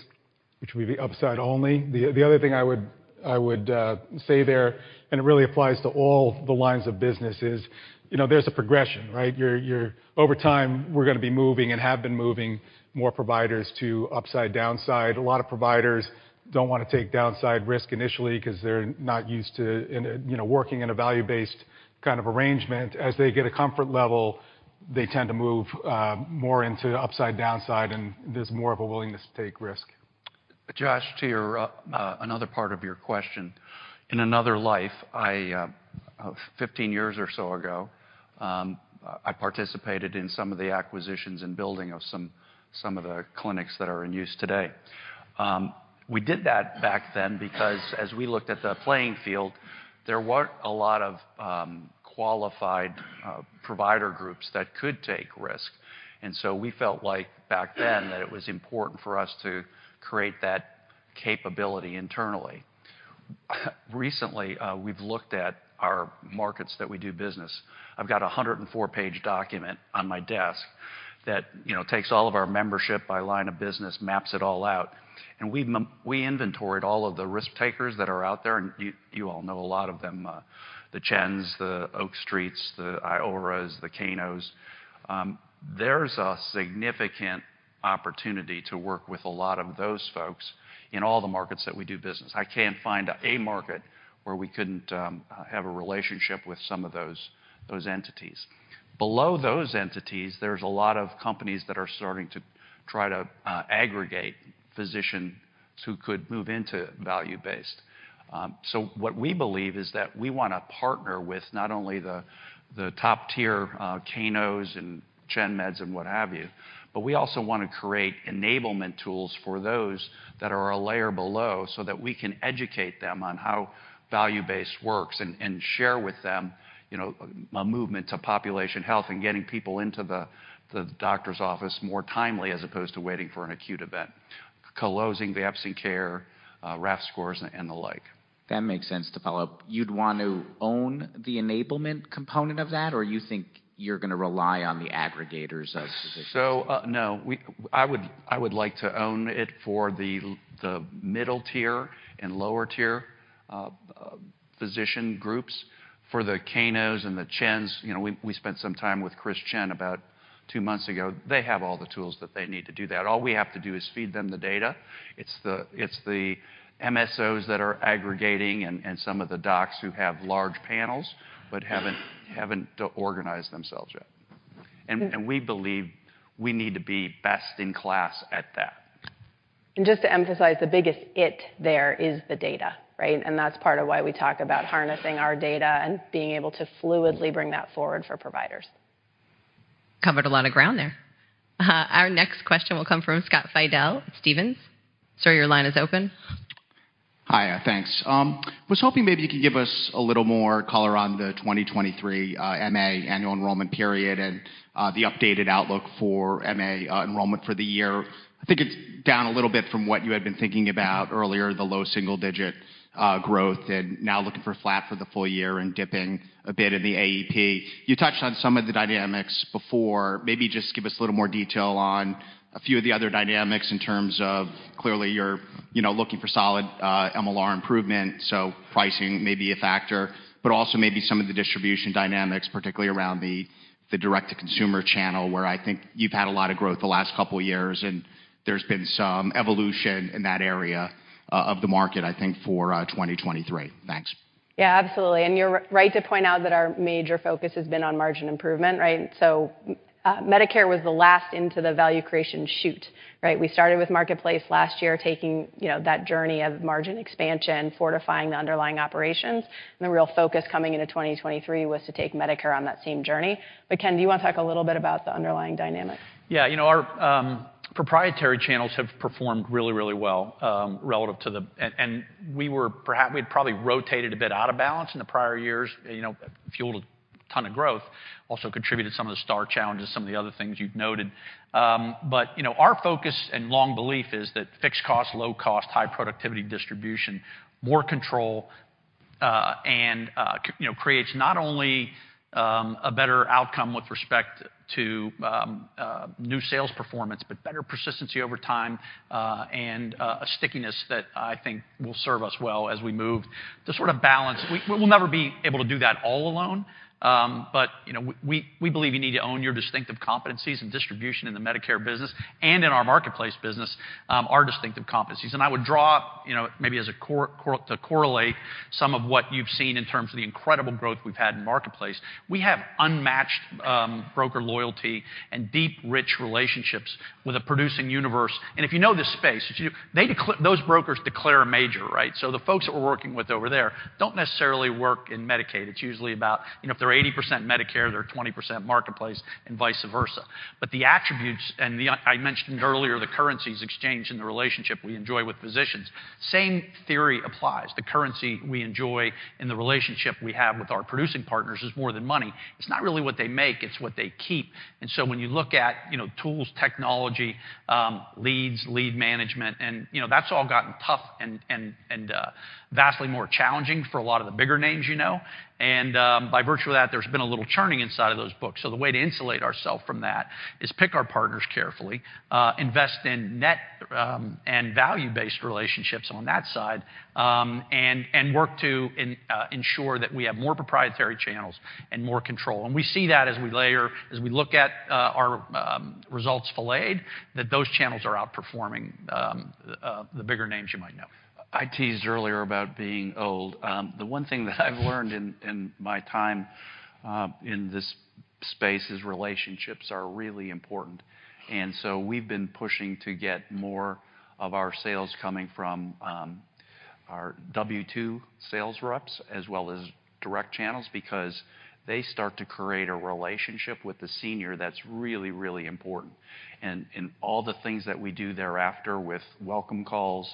which would be the upside only. The other thing I would say there, and it really applies to all the lines of business, is, you know, there's a progression, right? Over time, we're gonna be moving and have been moving more providers to upside downside. A lot of providers don't wanna take downside risk initially 'cause they're not used to, you know, working in a value-based kind of arrangement. As they get a comfort level, they tend to move more into upside downside, and there's more of a willingness to take risk. Josh, to your, another part of your question. In another life, I, 15 years or so ago, I participated in some of the acquisitions and building of some of the clinics that are in use today. We did that back then because as we looked at the playing field, there weren't a lot of qualified provider groups that could take risk. We felt like back then that it was important for us to create that capability internally. Recently, we've looked at our markets that we do business. I've got a 104-page document on my desk that, you know, takes all of our membership by line of business, maps it all out, and we inventoried all of the risk takers that are out there, and you all know a lot of them, the ChenMed, the Oak Street Health, the Iora Health, the Cano Health. There's a significant opportunity to work with a lot of those folks in all the markets that we do business. I can't find a market where we couldn't have a relationship with some of those entities. Below those entities, there's a lot of companies that are starting to try to aggregate physicians who could move into value-based. What we believe is that we wanna partner with not only the top-tier, Cano's and ChenMed, and what have you, but we also wanna create enablement tools for those that are a layer below so that we can educate them on how value-based works, and share with them, you know, a movement to population health and getting people into the doctor's office more timely, as opposed to waiting for an acute event. Closing the absent care, RAF scores, and alike. That makes sense. To follow up, you'd want to own the enablement component of that, or you think you're gonna rely on the aggregators of physicians? No. I would like to own it for the middle tier and lower tier physician groups. For the Cano's and the ChenMed's, you know, we spent some time with Chris Chen about two months ago. They have all the tools that they need to do that. All we have to do is feed them the data. It's the MSO's that are aggregating and some of the docs who have large panels, but haven't organized themselves yet. We believe we need to be best in class at that. Just to emphasize, the biggest it there is the data, right? That's part of why we talk about harnessing our data and being able to fluidly bring that forward for providers. Covered a lot of ground there. Our next question will come from Scott Fidel, Stephens. Sir, your line is open. Hi, thanks. Was hoping maybe you could give us a little more color on the 2023 MA annual enrollment period and the updated outlook for MA enrollment for the year. I think it's down a little bit from what you had been thinking about earlier, the low single-digit growth, and now looking for flat for the full year and dipping a bit in the AEP. You touched on some of the dynamics before. Maybe just give us a little more detail on a few of the other dynamics in terms of clearly you're, you know, looking for solid MLR improvement, so pricing may be a factor. Also maybe some of the distribution dynamics, particularly around the direct to consumer channel, where I think you've had a lot of growth the last couple years, and there's been some evolution in that area of the market, I think, for 2023. Thanks. You're right to point out that our major focus has been on margin improvement, right? Medicare was the last into the value creation shoot, right? We started with Marketplace last year, taking, you know, that journey of margin expansion, fortifying the underlying operations, and the real focus coming into 2023 was to take Medicare on that same journey. Ken, do you wanna talk a little bit about the underlying dynamics? You know, our proprietary channels have performed really, really well relative to the and we had probably rotated a bit out of balance in the prior years. You know, fueled a ton of growth, also contributed to some of the Star challenges, some of the other things you've noted. But, you know, our focus and long belief is that fixed cost, low cost, high productivity distribution, more control, and, you know, creates not only a better outcome with respect to new sales performance, but better persistence over time, and a stickiness that I think will serve us well as we move to sort of balance. We, we will never be able to do that all alone. You know, we believe you need to own your distinctive competencies and distribution in the Medicare business and in our Marketplace business, our distinctive competencies. I would draw, you know, maybe as to correlate some of what you've seen in terms of the incredible growth we've had in Marketplace. We have unmatched broker loyalty and deep, rich relationships with a producing universe. If you know this space, those brokers declare a major, right? The folks that we're working with over there don't necessarily work in Medicaid. It's usually about, you know, if they're 80% Medicare, they're 20% Marketplace, and vice versa. The attributes, I mentioned earlier, the currencies exchanged in the relationship we enjoy with physicians, same theory applies. The currency we enjoy and the relationship we have with our producing partners is more than money. It's not really what they make, it's what they keep. When you look at, you know, tools, technology, leads, lead management, and, you know, that's all gotten tough and vastly more challenging for a lot of the bigger names you know. By virtue of that, there's been a little churning inside of those books. The way to insulate ourself from that is pick our partners carefully, invest in net and value-based relationships on that side, and work to ensure that we have more proprietary channels and more control. We see that as we layer, as we look at our results fileted, that those channels are outperforming the bigger names you might know. I teased earlier about being old. The one thing that I've learned in my time in this space is relationships are really important. We've been pushing to get more of our sales coming from our W-2 sales reps as well as direct channels because they start to create a relationship with the senior that's really, really important. In all the things that we do thereafter with welcome calls,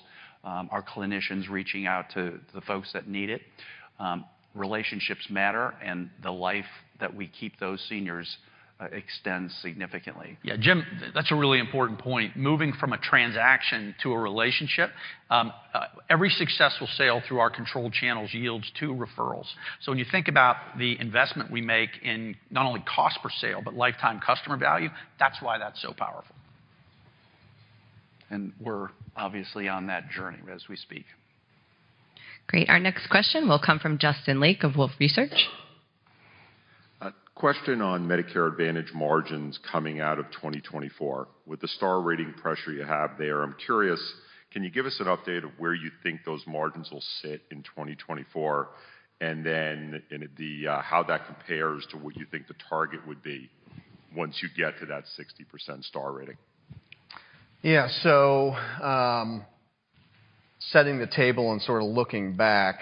our clinicians reaching out to the folks that need it, relationships matter, and the life that we keep those seniors extends significantly. Yeah, Jim, that's a really important point, moving from a transaction to a relationship. Every successful sale through our controlled channels yields two referrals. When you think about the investment we make in not only cost per sale, but lifetime customer value, that's why that's so powerful. We're obviously on that journey as we speak. Great. Our next question will come from Justin Lake of Wolfe Research. A question on Medicare Advantage margins coming out of 2024. With the star rating pressure you have there, I'm curious, can you give us an update of where you think those margins will sit in 2024, and then, how that compares to what you think the target would be once you get to that 60% star rating? Yeah. Setting the table and sort of looking back,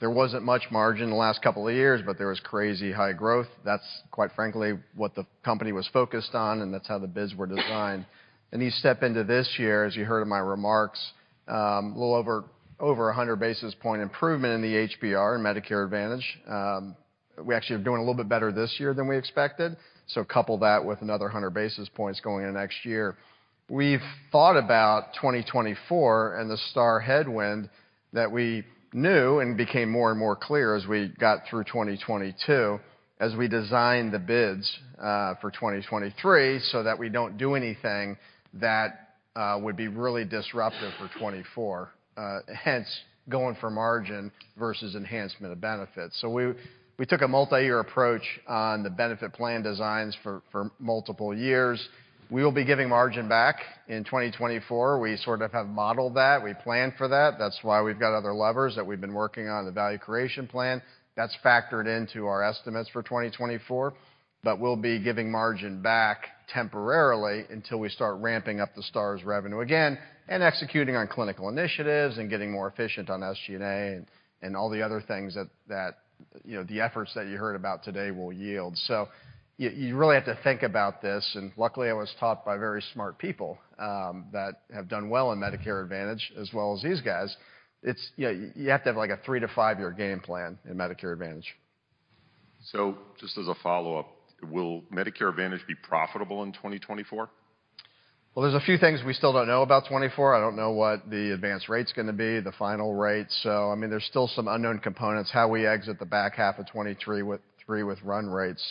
there wasn't much margin in the last couple of years, but there was crazy high growth. That's quite frankly what the company was focused on, and that's how the bids were designed. You step into this year, as you heard in my remarks, a little over 100 basis point improvement in the HBR and Medicare Advantage. We actually are doing a little bit better this year than we expected, couple that with another 100 basis points going into next year. We've thought about 2024 and the Stars headwind that we knew and became more and more clear as we got through 2022 as we designed the bids for 2023, so that we don't do anything that would be really disruptive for 2024. Hence going for margin versus enhancement of benefits. We took a multi-year approach on the benefit plan designs for multiple years. We will be giving margin back in 2024. We sort of have modeled that. We planned for that. That's why we've got other levers that we've been working on, the value creation plan. That's factored into our estimates for 2024, but we'll be giving margin back temporarily until we start ramping up the Stars revenue again and executing on clinical initiatives and getting more efficient on SG&A and all the other things that, you know, the efforts that you heard about today will yield. You really have to think about this, and luckily, I was taught by very smart people that have done well in Medicare Advantage, as well as these guys. It's you know, you have to have like a three-five-year game plan in Medicare Advantage. Just as a follow-up, will Medicare Advantage be profitable in 2024? There's a few things we still don't know about 2024. I don't know what the advanced rate's gonna be, the final rate. I mean, there's still some unknown components, how we exit the back half of 2023 with run rates.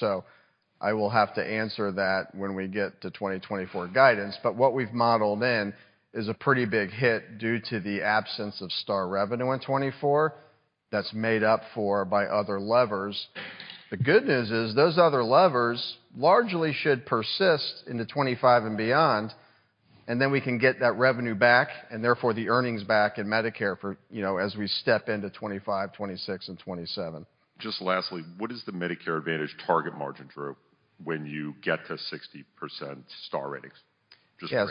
I will have to answer that when we get to 2024 guidance. What we've modeled in is a pretty big hit due to the absence of Star revenue in 2024 that's made up for by other levers. The good news is those other levers largely should persist into 2025 and beyond, and then we can get that revenue back, and therefore the earnings back in Medicare for, you know, as we step into 2025, 2026 and 2027. Just lastly, what is the Medicare Advantage target margin, Drew, when you get to 60% Star ratings? Yes.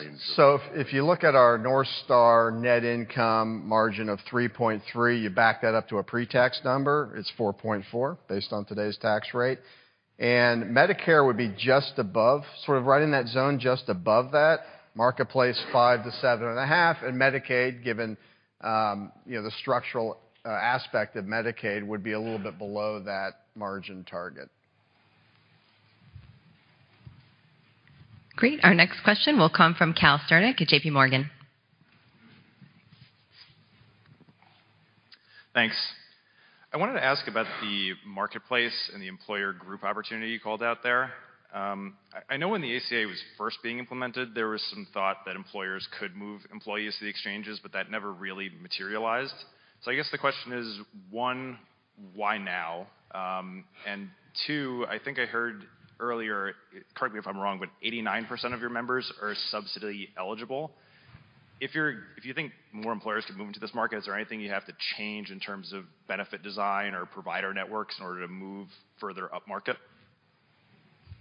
If you look at our North Star net income margin of 3.3%, you back that up to a pre-tax number, it's 4.4%, based on today's tax rate. Medicare would be just above, sort of right in that zone just above that. Marketplace, 5%-7.5%. Medicaid, given, you know, the structural aspect of Medicaid, would be a little bit below that margin target. Great. Our next question will come from Cal Sternick at JPMorgan. Thanks. I wanted to ask about the Marketplace and the employer group opportunity you called out there. I know when the ACA was first being implemented, there was some thought that employers could move employees to the exchanges, but that never really materialized. I guess the question is, one, why now? Two, I think I heard earlier, correct me if I'm wrong, but 89% of your members are subsidy eligible. If you think more employers could move into this market, is there anything you have to change in terms of benefit design or provider networks in order to move further upmarket?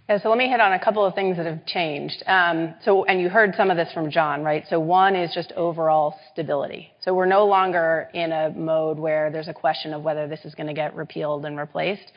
Let me hit on a couple of things that have changed. You heard some of this from Jon, right? One is just overall stability. We're no longer in a mode where there's a question of whether this is gonna get repealed and replaced.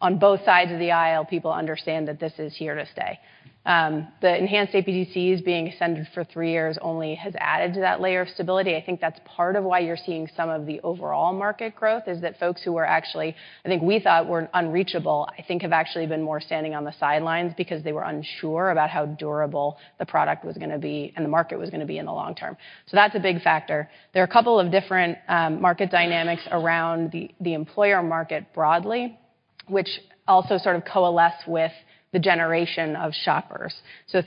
On both sides of the aisle, people understand that this is here to stay. The enhanced APTCs being extended for three years only has added to that layer of stability. I think that's part of why you're seeing some of the overall market growth, is that folks who were actually, I think we thought were unreachable, I think have actually been more standing on the sidelines because they were unsure about how durable the product was gonna be and the market was gonna be in the long term. That's a big factor. There are a couple of different market dynamics around the employer market broadly, which also sort of coalesce with the generation of shoppers.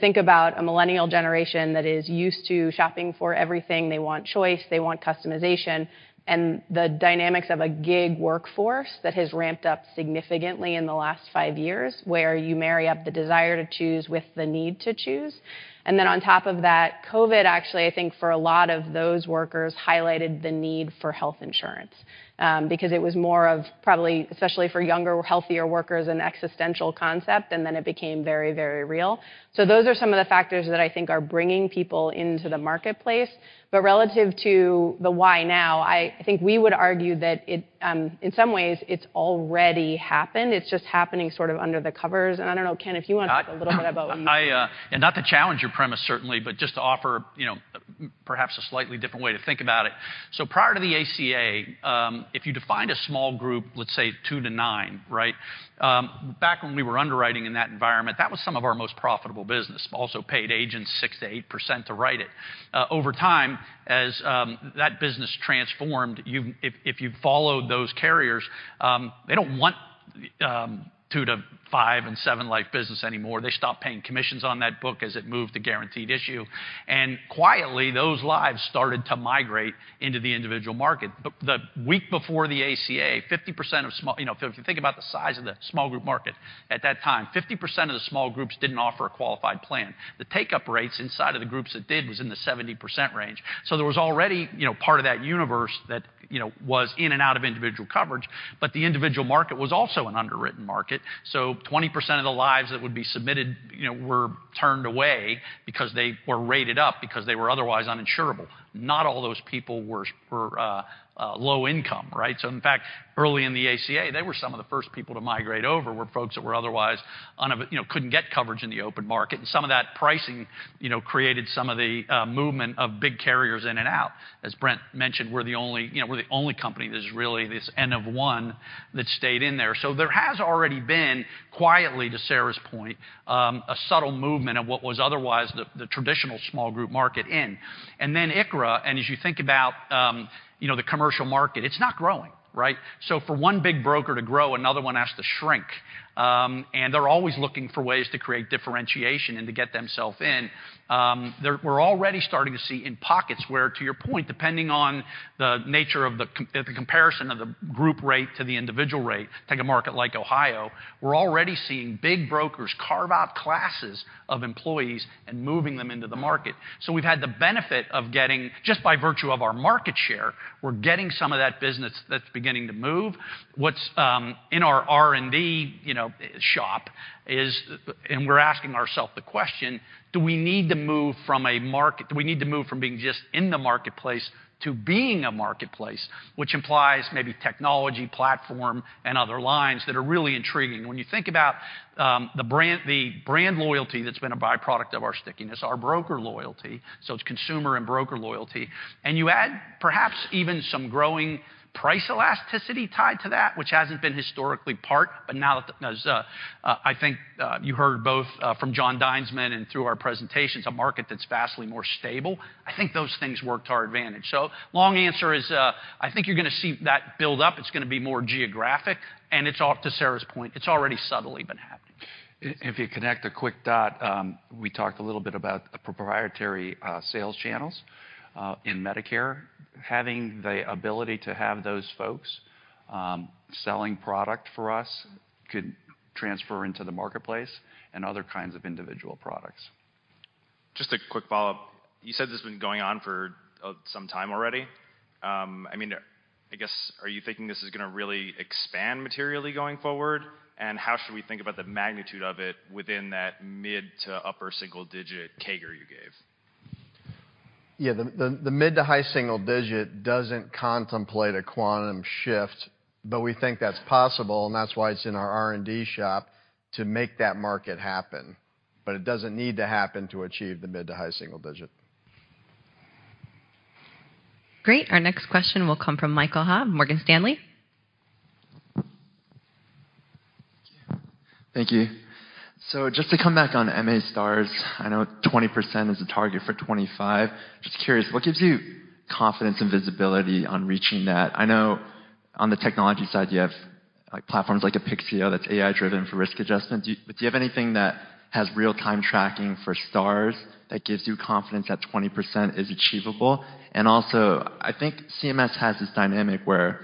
Think about a millennial generation that is used to shopping for everything. They want choice. They want customization. The dynamics of a gig workforce that has ramped up significantly in the last five years, where you marry up the desire to choose with the need to choose. Then on top of that, COVID actually, I think for a lot of those workers, highlighted the need for health insurance because it was more of probably, especially for younger, healthier workers, an existential concept, and then it became very, very real. Those are some of the factors that I think are bringing people into the marketplace. Relative to the why now, I think we would argue that it, in some ways, it's already happened. It's just happening sort of under the covers. I don't know, Ken, if you want to talk a little bit about. I, and not to challenge your premise certainly, but just to offer, you know, perhaps a slightly different way to think about it. Prior to the ACA, if you defined a small group, let's say two to nine, right? Back when we were underwriting in that environment, that was some of our most profitable business. Also paid agents 6% to 8% to write it. Over time, as that business transformed, if you followed those carriers, they don't want two to five and seven life business anymore. They stopped paying commissions on that book as it moved to guaranteed issue. Quietly, those lives started to migrate into the individual market. The week before the ACA, 50% of small. You know, if you think about the size of the small group market at that time, 50% of the small groups didn't offer a qualified plan. The take-up rates inside of the groups that did was in the 70% range. There was already, you know, part of that universe that, you know, was in and out of individual coverage, the individual market was also an underwritten market. 20% of the lives that would be submitted, you know, were turned away because they were rated up because they were otherwise uninsurable. Not all those people were low income, right? In fact, early in the ACA, they were some of the first people to migrate over were folks that were otherwise, you know, couldn't get coverage in the open market. Some of that pricing, you know, created some of the movement of big carriers in and out. As Brent mentioned, we're the only, you know, we're the only company that is really this N of one that stayed in there. There has already been quietly, to Sarah's point, a subtle movement of what was otherwise the traditional small group market in. Then ICHRA, and as you think about, you know, the commercial market, it's not growing, right? For one big broker to grow, another one has to shrink. And they're always looking for ways to create differentiation and to get themself in. We're already starting to see in pockets where, to your point, depending on the nature of the comparison of the group rate to the individual rate. Take a market like Ohio, we're already seeing big brokers carve out classes of employees and moving them into the market. We've had the benefit of getting just by virtue of our market share, we're getting some of that business that's beginning to move. What's in our R&D, you know, shop is, and we're asking ourself the question, do we need to move from being just in the marketplace to being a marketplace, which implies maybe technology, platform, and other lines that are really intriguing. When you think about the brand, the brand loyalty that's been a by-product of our stickiness, our broker loyalty, so it's consumer and broker loyalty, and you add perhaps even some growing price elasticity tied to that, which hasn't been historically part. Now that, as, I think, you heard both, from Jon Dinesman and through our presentations, a market that's vastly more stable, I think those things work to our advantage. Long answer is, I think you're gonna see that build up. It's gonna be more geographic, and it's off to Sarah's point. It's already subtly been happening. If you connect a quick dot, we talked a little bit about the proprietary sales channels in Medicare. Having the ability to have those folks selling product for us could transfer into the marketplace and other kinds of individual products. Just a quick follow-up. You said this has been going on for, some time already. I mean, I guess, are you thinking this is gonna really expand materially going forward? How should we think about the magnitude of it within that mid to upper single-digit CAGR you gave? Yeah. The mid to high single digit doesn't contemplate a quantum shift, but we think that's possible, and that's why it's in our R&D shop to make that market happen. It doesn't need to happen to achieve the mid to high single digit. Great. Our next question will come from Michael Ha, Morgan Stanley. Thank you. Just to come back on MA Stars, I know 20% is the target for 2025. Just curious, what gives you confidence and visibility on reaching that? I know on the technology side, you have like platforms like Apixio that's AI-driven for risk adjustment. But do you have anything that has real-time tracking for Stars that gives you confidence that 20% is achievable? Also, I think CMS has this dynamic where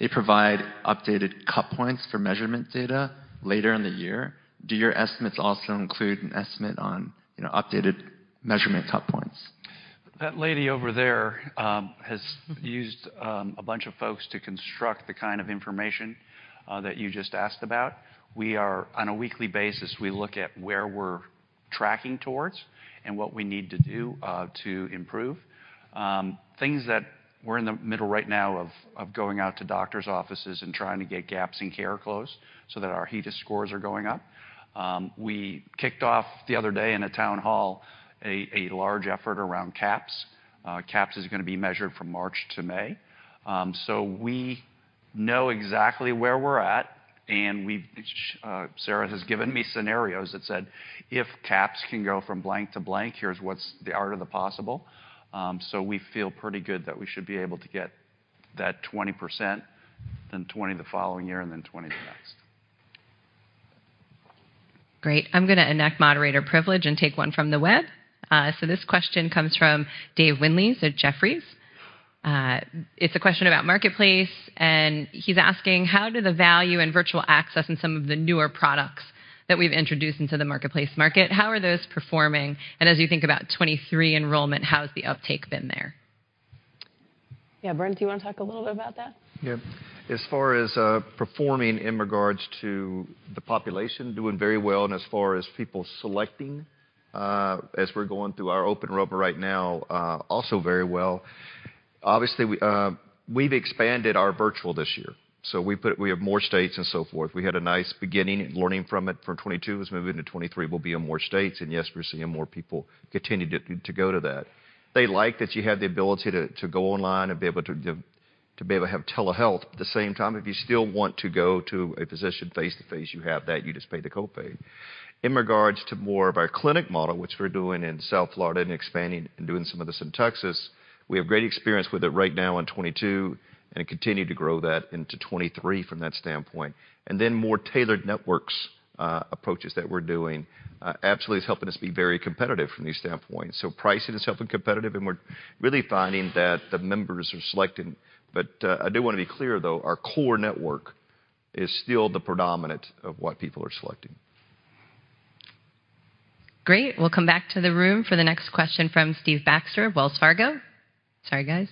they provide updated cut points for measurement data later in the year. Do your estimates also include an estimate on, you know, updated measurement cut points? That lady over there has used a bunch of folks to construct the kind of information that you just asked about. We are on a weekly basis, we look at where we're tracking towards and what we need to do to improve. Things that we're in the middle right now of going out to doctor's offices and trying to get gaps in care closed so that our HEDIS scores are going up. We kicked off the other day in a town hall a large effort around CAHPS. CAHPS is gonna be measured from March to May. We know exactly where we're at, and we've, Sarah has given me scenarios that said, "If CAHPS can go from blank to blank, here's what's the art of the possible." We feel pretty good that we should be able to get that 20%, then 20 the following year, and then 20 the next. Great. I'm gonna enact moderator privilege and take one from the web. This question comes from Dave Windley at Jefferies. It's a question about marketplace, and he's asking, how do the value and virtual access in some of the newer products that we've introduced into the marketplace market, how are those performing? As you think about 2023 enrollment, how has the uptake been there? Yeah. Brent, do you wanna talk a little bit about that? Yeah. As far as performing in regards to the population, doing very well. As far as people selecting, as we're going through our open enrollment right now, also very well. Obviously, we've expanded our virtual this year. We have more states and so forth. We had a nice beginning learning from it. For 2022, it's moving to 2023. We'll be in more states, and yes, we're seeing more people continue to go to that. They like that you have the ability to go online and be able to have telehealth. At the same time, if you still want to go to a physician face-to-face, you have that, you just pay the copay. In regards to more of our clinic model, which we're doing in South Florida and expanding and doing some of this in Texas, we have great experience with it right now in 2022, and continue to grow that into 2023 from that standpoint. Then more tailored networks, approaches that we're doing, absolutely is helping us be very competitive from these standpoints. Pricing is helping competitive, and we're really finding that the members are selecting. I do wanna be clear, though, our core network is still the predominant of what people are selecting. Great. We'll come back to the room for the next question from Steve Baxter of Wells Fargo. Sorry, guys.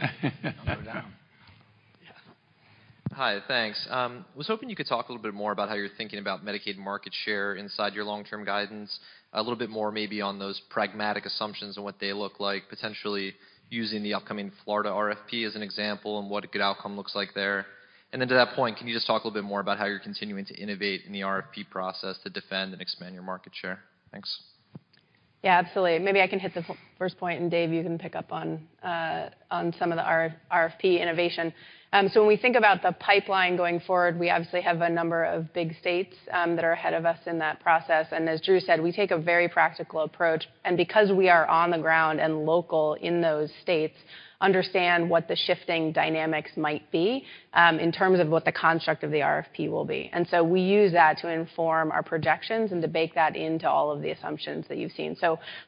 Don't go down. Yeah. Hi, thanks. Was hoping you could talk a little bit more about how you're thinking about Medicaid market share inside your long-term guidance. A little bit more maybe on those pragmatic assumptions and what they look like, potentially using the upcoming Florida RFP as an example, and what a good outcome looks like there. To that point, can you just talk a little bit more about how you're continuing to innovate in the RFP process to defend and expand your market share? Thanks. Yeah, absolutely. Maybe I can hit the first point. Dave, you can pick up on some of the RFP innovation. When we think about the pipeline going forward, we obviously have a number of big states that are ahead of us in that process. As Drew said, we take a very practical approach, and because we are on the ground and local in those states, understand what the shifting dynamics might be in terms of what the construct of the RFP will be. We use that to inform our projections and to bake that into all of the assumptions that you've seen.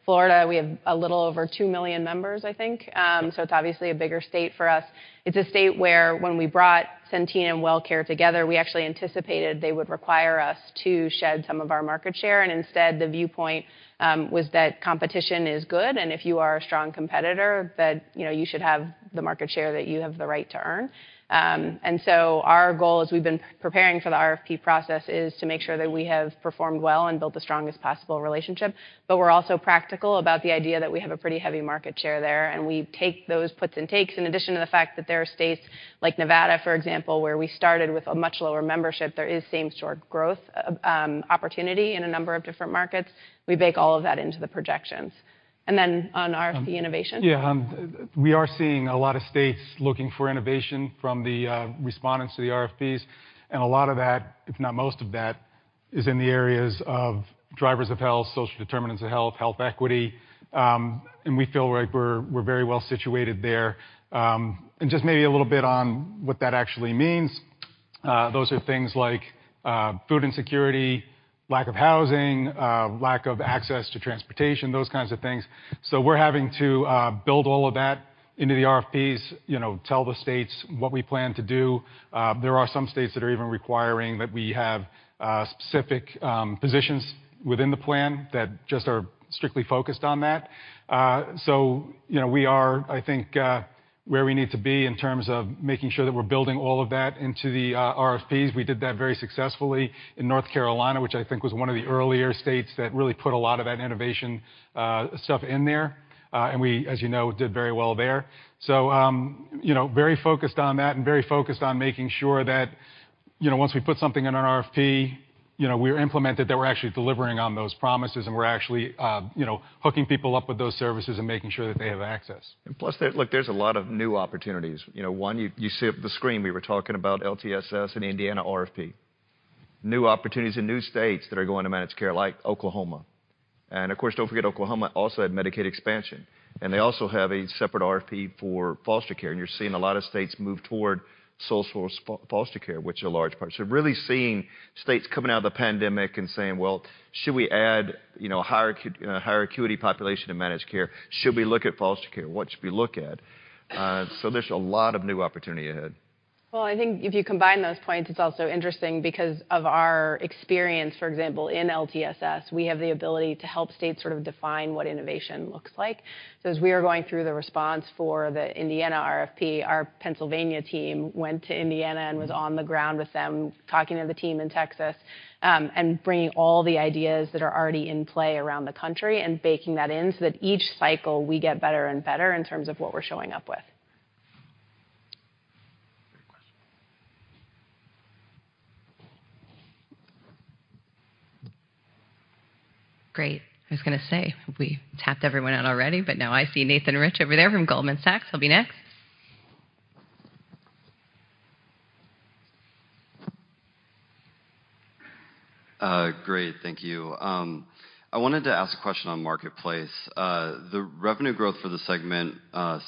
Florida, we have a little over two million members, I think. It's obviously a bigger state for us. It's a state where when we brought Centene and Wellcare together, we actually anticipated they would require us to shed some of our market share. Instead, the viewpoint was that competition is good. If you are a strong competitor, that, you know, you should have the market share that you have the right to earn. Our goal, as we've been preparing for the RFP process, is to make sure that we have performed well and built the strongest possible relationship. We're also practical about the idea that we have a pretty heavy market share there. We take those puts and takes. In addition to the fact that there are states like Nevada, for example, where we started with a much lower membership, there is same store growth opportunity in a number of different markets. We bake all of that into the projections. Then on RFP innovation. Yeah, we are seeing a lot of states looking for innovation from the respondents to the RFPs. A lot of that, if not most of that, is in the areas of drivers of health, social determinants of health equity. And we feel like we're very well situated there. Just maybe a little bit on what that actually means. Those are things like food insecurity, lack of housing, lack of access to transportation, those kinds of things. We're having to build all of that into the RFPs, you know, tell the states what we plan to do. There are some states that are even requiring that we have specific positions within the plan that just are strictly focused on that. You know, we are, I think, where we need to be in terms of making sure that we're building all of that into the RFPs. We did that very successfully in North Carolina, which I think was one of the earlier states that really put a lot of that innovation stuff in there. We, as you know, did very well there. You know, very focused on that and very focused on making sure that, you know, once we put something in our RFP, you know, we're implemented, that we're actually delivering on those promises, and we're actually, you know, hooking people up with those services and making sure that they have access. Look, there's a lot of new opportunities. You know, one, you see at the screen, we were talking about LTSS and Indiana RFP. New opportunities in new states that are going to managed care like Oklahoma. Of course, don't forget Oklahoma also had Medicaid expansion, and they also have a separate RFP for foster care, and you're seeing a lot of states move toward social foster care, which is a large part. Really seeing states coming out of the pandemic and saying, "Well, should we add, you know, higher acuity population to managed care? Should we look at foster care? What should we look at?" There's a lot of new opportunity ahead. Well, I think if you combine those points, it's also interesting because of our experience, for example, in LTSS, we have the ability to help states sort of define what innovation looks like. As we are going through the response for the Indiana RFP, our Pennsylvania team went to Indiana and was on the ground with them, talking to the team in Texas, and bringing all the ideas that are already in play around the country and baking that in so that each cycle we get better and better in terms of what we're showing up with Great. I was gonna say, we tapped everyone out already, but now I see Nathan Rich over there from Goldman Sachs. He'll be next. Great. Thank you. I wanted to ask a question on Marketplace. The revenue growth for the segment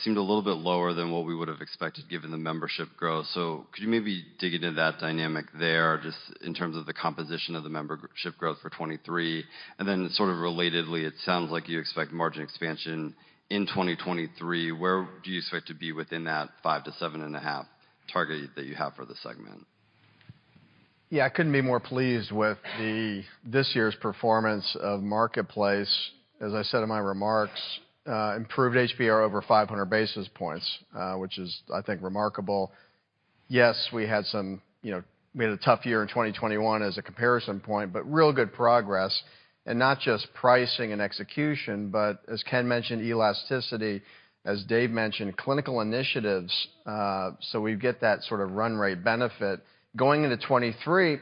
seemed a little bit lower than what we would have expected given the membership growth. Could you maybe dig into that dynamic there, just in terms of the composition of the membership growth for 23? Sort of relatedly, it sounds like you expect margin expansion in 2023. Where do you expect to be within that 5%-7.5% target that you have for the segment? Yeah, I couldn't be more pleased with this year's performance of Marketplace. As I said in my remarks, improved HBR over 500 basis points, which is, I think, remarkable. Yes, we had some, you know, we had a tough year in 2021 as a comparison point, but real good progress. Not just pricing and execution, but as Ken mentioned, elasticity, as Dave mentioned, clinical initiatives, so we get that sort of run rate benefit. Going into 2023,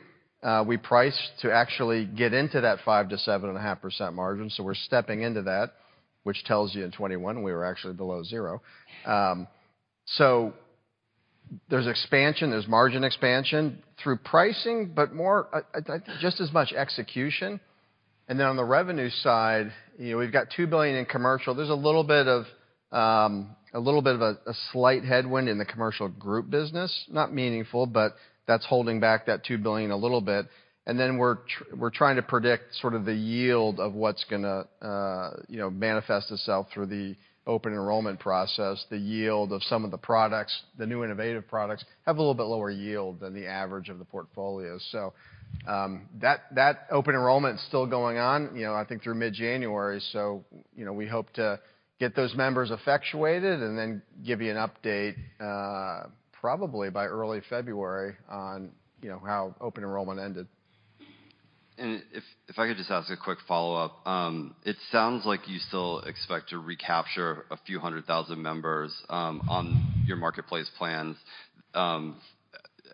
we priced to actually get into that 5% to 7.5% margin, so we're stepping into that, which tells you in 2021 we were actually below zero. There's expansion, there's margin expansion through pricing, but more, just as much execution. On the revenue side, you know, we've got $2 billion in commercial. There's a little bit of a little bit of a slight headwind in the commercial group business, not meaningful, but that's holding back that $2 billion a little bit. We're trying to predict sort of the yield of what's gonna, you know, manifest itself through the open enrollment process, the yield of some of the products. The new innovative products have a little bit lower yield than the average of the portfolio. That open enrollment's still going on, you know, I think through mid-January. You know, we hope to get those members effectuated and then give you an update probably by early February on, you know, how open enrollment ended. If, if I could just ask a quick follow-up. It sounds like you still expect to recapture a few hundred thousand members on your marketplace plans as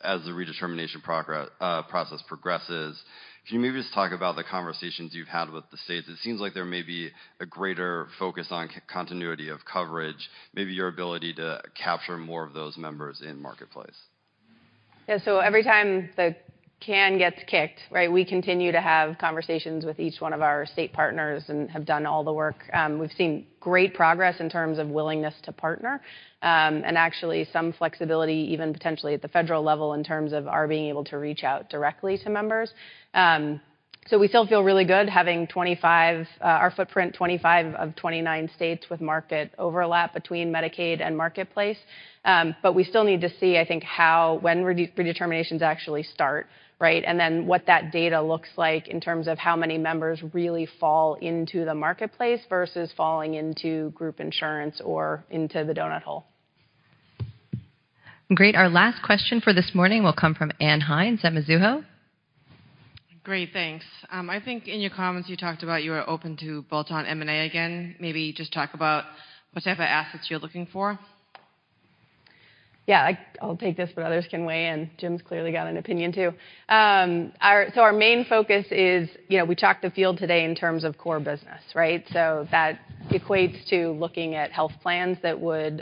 the redetermination process progresses. Can you maybe just talk about the conversations you've had with the states? It seems like there may be a greater focus on continuity of coverage, maybe your ability to capture more of those members in marketplace. Yeah. Every time the can gets kicked, right, we continue to have conversations with each one of our state partners and have done all the work. We've seen great progress in terms of willingness to partner, and actually some flexibility even potentially at the federal level in terms of our being able to reach out directly to members. We still feel really good having our footprint 25 of 29 states with market overlap between Medicaid and Marketplace. We still need to see, I think, when redeterminations actually start, right? What that data looks like in terms of how many members really fall into the Marketplace versus falling into group insurance or into the donut hole. Great. Our last question for this morning will come from Ann Hynes at Mizuho. Great. Thanks. I think in your comments you talked about you are open to bolt-on M&A again. Maybe just talk about what type of assets you're looking for. I'll take this, but others can weigh in. Jim's clearly got an opinion too. Our main focus is, you know, we talked the field today in terms of core business, right? That equates to looking at health plans that would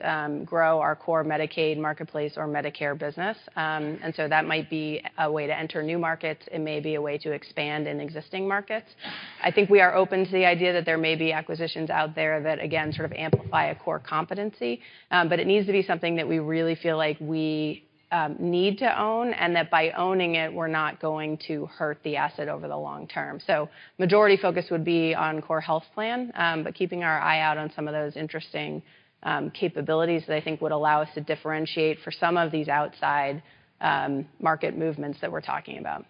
grow our core Medicaid, marketplace or Medicare business. That might be a way to enter new markets. It may be a way to expand in existing markets. I think we are open to the idea that there may be acquisitions out there that, again, sort of amplify a core competency. It needs to be something that we really feel like we need to own, and that by owning it, we're not going to hurt the asset over the long term. Majority focus would be on core health plan, but keeping our eye out on some of those interesting capabilities that I think would allow us to differentiate for some of these outside market movements that we're talking about.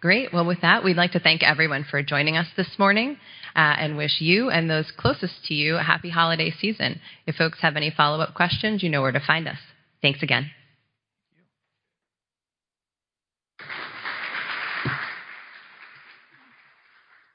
Great. Well, with that, we'd like to thank everyone for joining us this morning, and wish you and those closest to you a happy holiday season. If folks have any follow-up questions, you know where to find us. Thanks again.